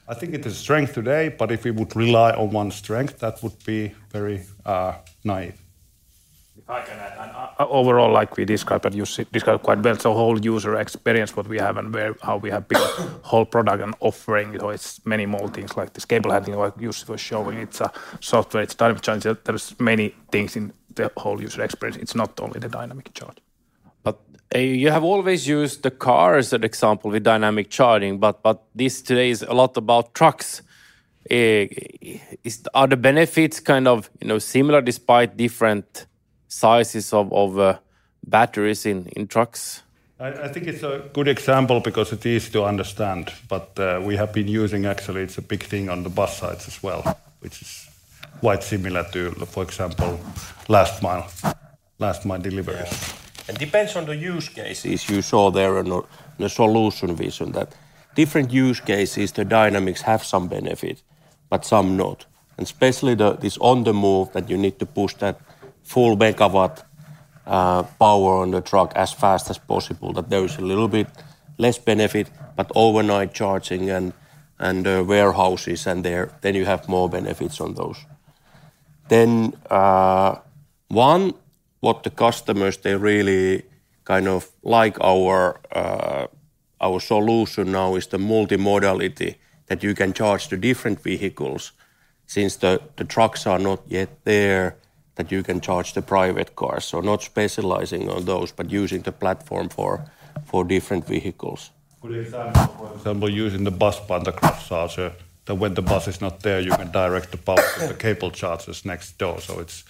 F: I think it is strength today, but if we would rely on one strength, that would be very naive.
D: If I can add, overall, like we described, you described quite well. Whole user experience, what we have and where, how we have built whole product and offering, you know, it's many more things like this. Cable handling, like Jussi was showing, it's a software, it's dynamic charging. There's many things in the whole user experience. It's not only the dynamic charging.
G: You have always used the car as an example with dynamic charging, but this today is a lot about trucks. Are the benefits kind of, you know, similar despite different sizes of batteries in trucks?
F: I think it's a good example because it is to understand, but we have been using actually it's a big thing on the bus sides as well, which is quite similar to, for example, last mile delivery.
H: Yeah. It depends on the use cases you saw there on the solution vision that different use cases, the dynamics have some benefit, but some not, and especially the, this on the move that you need to push that full megawatt- Power on the truck as fast as possible. There is a little bit less benefit, but overnight charging and warehouses and there, then you have more benefits on those. One, what the customers they really kind of like our solution now is the multi-modality that you can charge the different vehicles since the trucks are not yet there that you can charge the private cars. Not specializing on those, but using the platform for different vehicles.
F: Could it stand for example, using the bus Pantograph charger, that when the bus is not there you can direct the power to the cable chargers next door. It's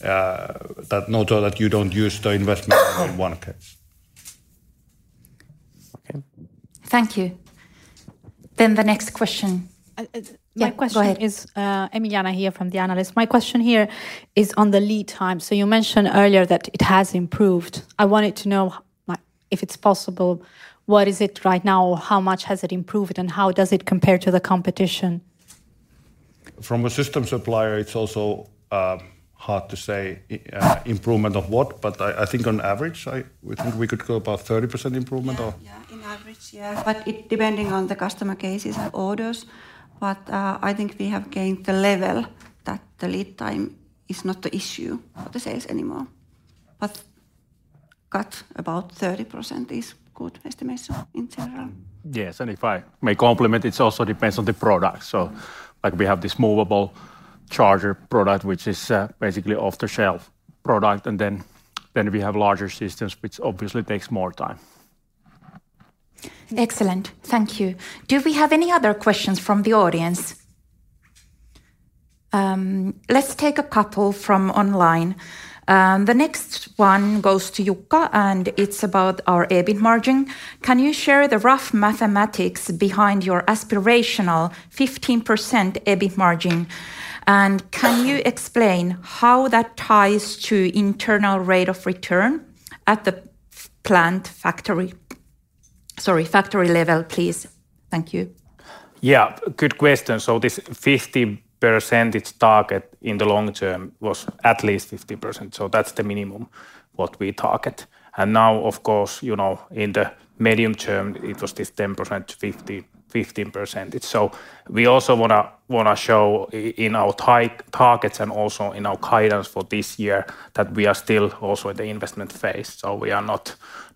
F: that, not only that you don't use the investment only in one case.
G: Okay.
B: Thank you. The next question.
J: My question?
B: Yeah, go ahead.
J: It's Emiliana here from The Analyst. My question here is on the lead time. You mentioned earlier that it has improved. I wanted to know, like, if it's possible, what is it right now? How much has it improved, and how does it compare to the competition?
F: From a system supplier, it's also, hard to say, improvement of what, but I think on average, we think we could go about 30% improvement.
J: Yeah, yeah, in average, yeah.
K: it depending on the customer cases and orders, but I think we have gained the level that the lead time is not the issue for the sales anymore. cut about 30% is good estimation in general.
D: Yes, and if I may complement, it also depends on the product. Like we have this Movable Charger product which is basically off-the-shelf product, and then we have larger systems which obviously takes more time.
B: Excellent. Thank you. Do we have any other questions from the audience? Let's take a couple from online. The next one goes to Jukka, and it's about our EBIT margin. Can you share the rough mathematics behind your aspirational 15% EBIT margin, and can you explain how that ties to internal rate of return at the factory level, please? Thank you.
D: Yeah, good question. This 15% target in the long term was at least 15%, so that's the minimum what we target. Now of course, you know, in the medium term it was this 10%-15%. We also wanna show in our targets and also in our guidance for this year that we are still also at the investment phase. We are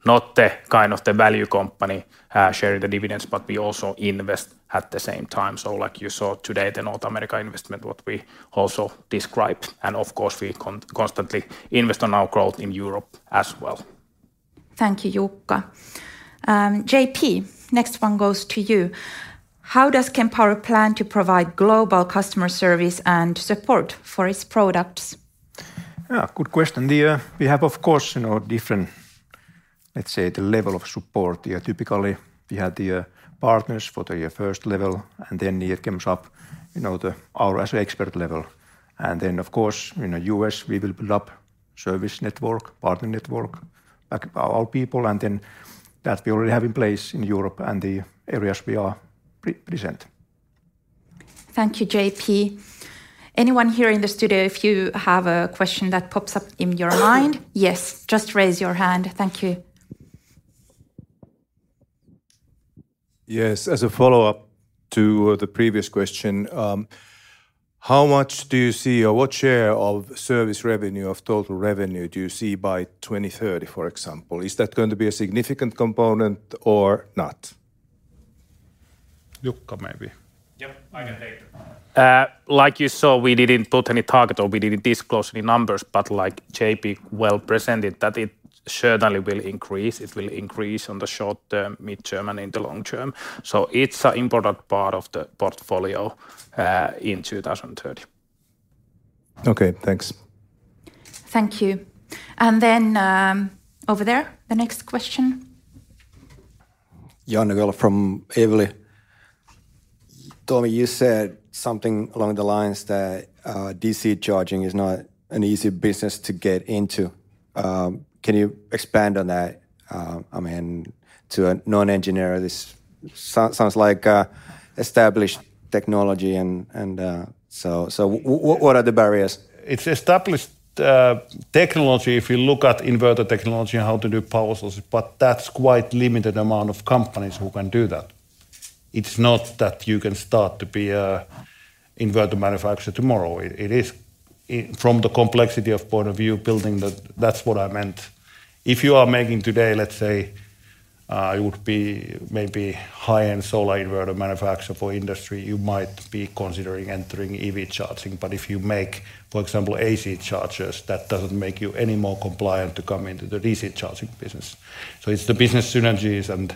D: not the kind of the value company, sharing the dividends, but we also invest at the same time. Like you saw today, the North America investment what we also described, and of course we constantly invest on our growth in Europe as well.
B: Thank you, Jukka. JP, next one goes to you. How does Kempower plan to provide global customer service and support for its products?
E: Good question. We have of course, you know, different, let's say, the level of support. Typically, we have the partners for the first level, then it comes up, you know, our expert level. Then of course, in the U.S., we will build up service network, partner network, like our people, and then that we already have in place in Europe and the areas we are present.
B: Thank you, JP. Anyone here in the studio, if you have a question that pops up in your mind? Yes, just raise your hand. Thank you.
I: Yes. As a follow-up to the previous question, how much do you see or what share of service revenue, of total revenue do you see by 2030, for example? Is that going to be a significant component or not?
F: Jukka, maybe.
D: Yep. I can take that. Like you saw, we didn't put any target or we didn't disclose any numbers, but like JP well presented that it certainly will increase. It will increase on the short term, mid-term, and in the long term. It's a important part of the portfolio in 2030.
I: Okay, thanks.
B: Thank you. Over there, the next question.
M: Jan Nygård from Evli. Tommi, you said something along the lines that, DC charging is not an easy business to get into. Can you expand on that? I mean, to a non-engineer, this sounds like established technology and, so, what are the barriers?
F: It's established technology if you look at inverter technology and how to do power sources, but that's quite limited amount of companies who can do that. It's not that you can start to be an inverter manufacturer tomorrow. It is from the complexity of point of view building, that's what I meant. If you are making today, let's say, it would be maybe high-end solar inverter manufacturer for industry, you might be considering entering EV charging. If you make, for example, AC chargers, that doesn't make you any more compliant to come into the DC charging business. It's the business synergies, and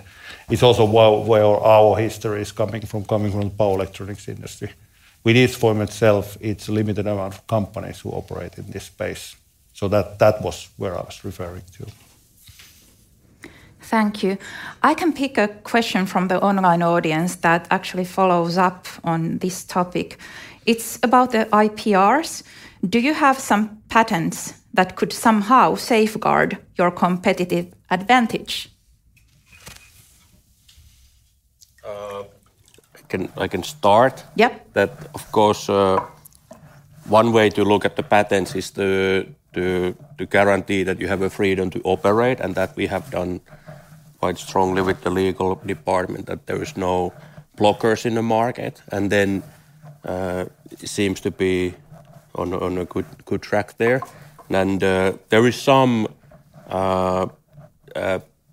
F: it's also where our history is coming from, coming from power electronics industry. Within itself, it's limited amount of companies who operate in this space. That was where I was referring to.
B: Thank you. I can pick a question from the online audience that actually follows up on this topic. It's about the IPRs. Do you have some patents that could somehow safeguard your competitive advantage?
D: Can I start?
B: Yep.
D: That of course, one way to look at the patents is to guarantee that you have a freedom to operate, and that we have done quite strongly with the legal department, that there is no blockers in the market. Then, it seems to be on a good track there. There is some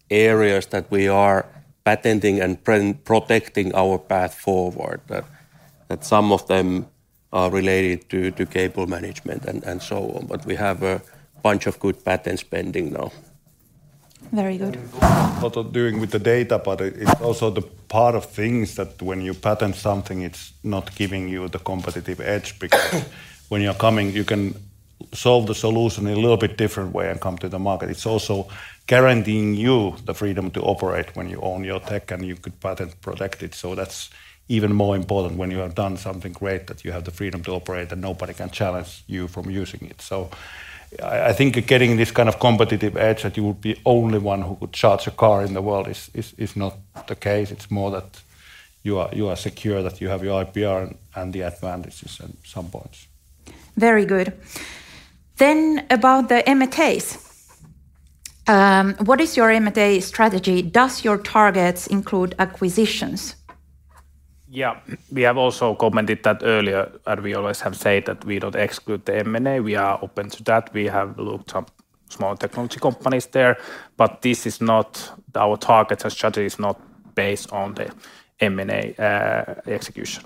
D: areas that we are patenting and pro-protecting our path forward, that some of them are related to cable management and so on. We have a bunch of good patent spending now.
B: Very good.
F: Also doing with the data, but it's also the part of things that when you patent something, it's not giving you the competitive edge, because when you're coming, you can solve the solution a little bit different way and come to the market. It's also guaranteeing you the freedom to operate when you own your tech, and you could patent protect it. That's even more important when you have done something great, that you have the freedom to operate and nobody can challenge you from using it. I think getting this kind of competitive edge that you would be only one who could charge a car in the world is, is not the case. It's more that you are secure, that you have your IPR and the advantages at some points.
B: Very good. About the M&As. What is your M&A strategy? Does your targets include acquisitions?
D: Yeah, we have also commented that earlier, and we always have said that we don't exclude the M&A. We are open to that. We have looked up small technology companies there, but this is not our target. Our strategy is not based on the M&A, execution.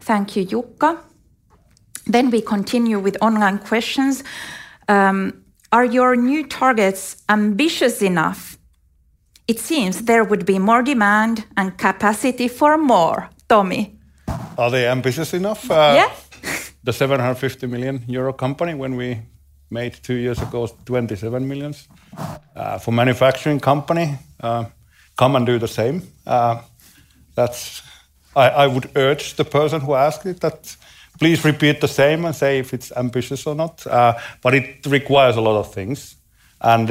B: Thank you, Jukka. We continue with online questions. Are your new targets ambitious enough? It seems there would be more demand and capacity for more. Tomi?
F: Are they ambitious enough?
B: Yeah.
F: The 750 million euro company, when we made two years ago 27 million for manufacturing company, come and do the same. That's I would urge the person who asked it that please repeat the same and say if it's ambitious or not. It requires a lot of things, and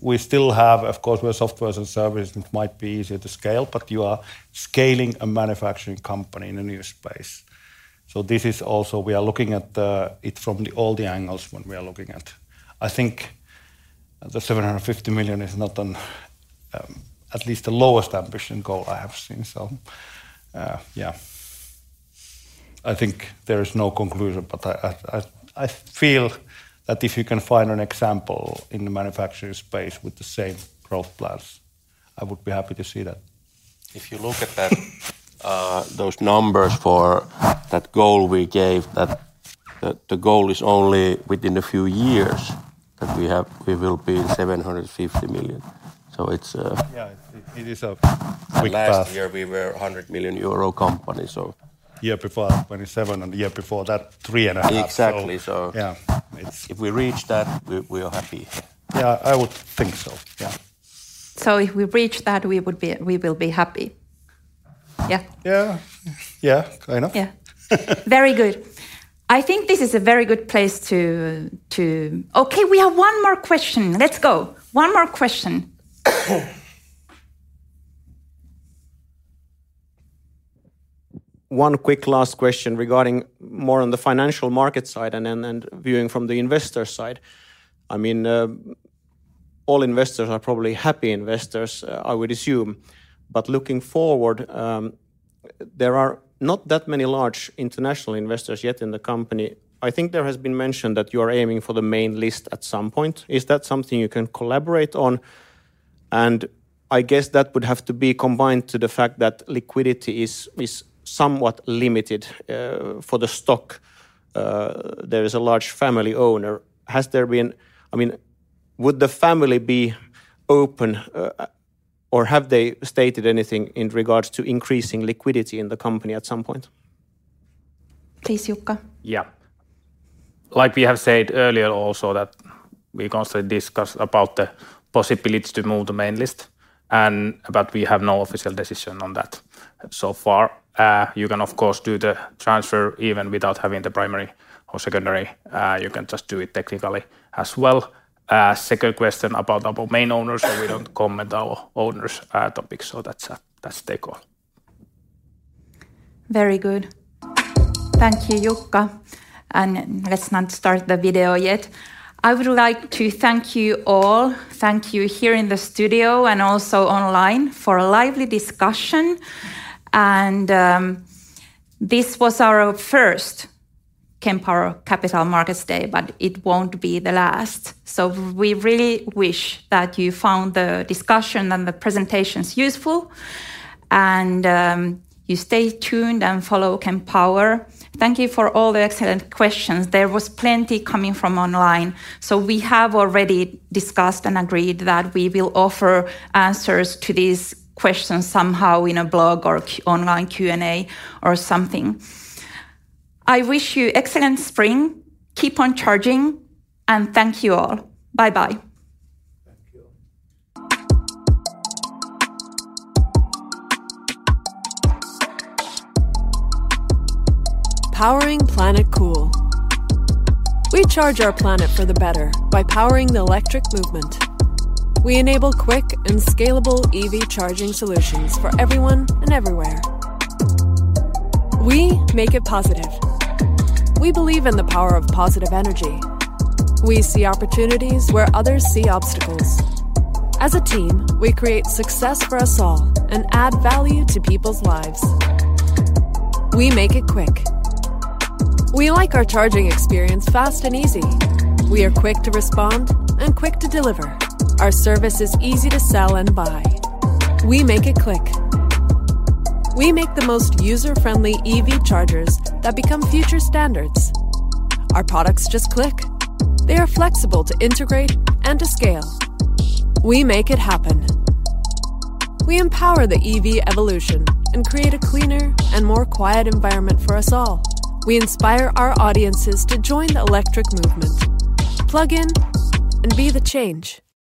F: we still have. Of course, we're softwares and service, it might be easier to scale, but you are scaling a manufacturing company in a new space. This is also, we are looking at it from the all the angles when we are looking at. I think the 750 million is not an, at least the lowest ambition goal I have seen. Yeah. I think there is no conclusion, but I feel that if you can find an example in the manufacturing space with the same growth plans, I would be happy to see that.
D: If you look at that, those numbers for that goal we gave, that the goal is only within a few years that we will be 750 million.
F: Yeah, it is a quick path.
D: last year we were 100 million euro company, so.
F: Year before, 27, and the year before that, 3.5.
D: Exactly.
F: Yeah...
D: if we reach that, we are happy.
F: Yeah, I would think so, yeah.
B: if we reach that, we will be happy. Yeah?
F: Yeah. Yeah, kind of.
B: Yeah. Very good. I think this is a very good place. Okay, we have one more question. Let's go. One more question.
L: One quick last question regarding more on the financial market side and then, and viewing from the investor side. I mean, all investors are probably happy investors, I would assume. Looking forward, there are not that many large international investors yet in the company. I think there has been mention that you are aiming for the main list at some point. Is that something you can collaborate on? I guess that would have to be combined to the fact that liquidity is somewhat limited for the stock. There is a large family owner. I mean, would the family be open, or have they stated anything in regards to increasing liquidity in the company at some point?
B: Please, Jukka.
D: Yeah. Like we have said earlier also that we constantly discuss about the possibility to move the main list and, but we have no official decision on that so far. You can of course do the transfer even without having the primary or secondary. You can just do it technically as well. Second question about our main owners, so we don't comment our owners, topics, so that's their call.
B: Very good. Thank you, Jukka. Let's not start the video yet. I would like to thank you all, thank you here in the studio and also online, for a lively discussion. This was our first Kempower Capital Markets Day, but it won't be the last. We really wish that you found the discussion and the presentations useful, you stay tuned and follow Kempower. Thank you for all the excellent questions. There was plenty coming from online, we have already discussed and agreed that we will offer answers to these questions somehow in a blog or online Q&A or something. I wish you excellent spring, keep on charging, and thnk you all. Bye-bye.
A: Powering Planet Cool. We charge our planet for the better by powering the electric movement. We enable quick and scalable EV charging solutions for everyone and everywhere. We make it positive. We believe in the power of positive energy. We see opportunities where others see obstacles. As a team, we create success for us all and add value to people's lives. We make it quick. We like our charging experience fast and easy. We are quick to respond and quick to deliver. Our service is easy to sell and buy. We make it click. We make the most user-friendly EV chargers that become future standards. Our products just click. They are flexible to integrate and to scale. We make it happen. We empower the EV evolution and create a cleaner and more quiet environment for us all. We inspire our audiences to join the electric movement. Plug in and be the change.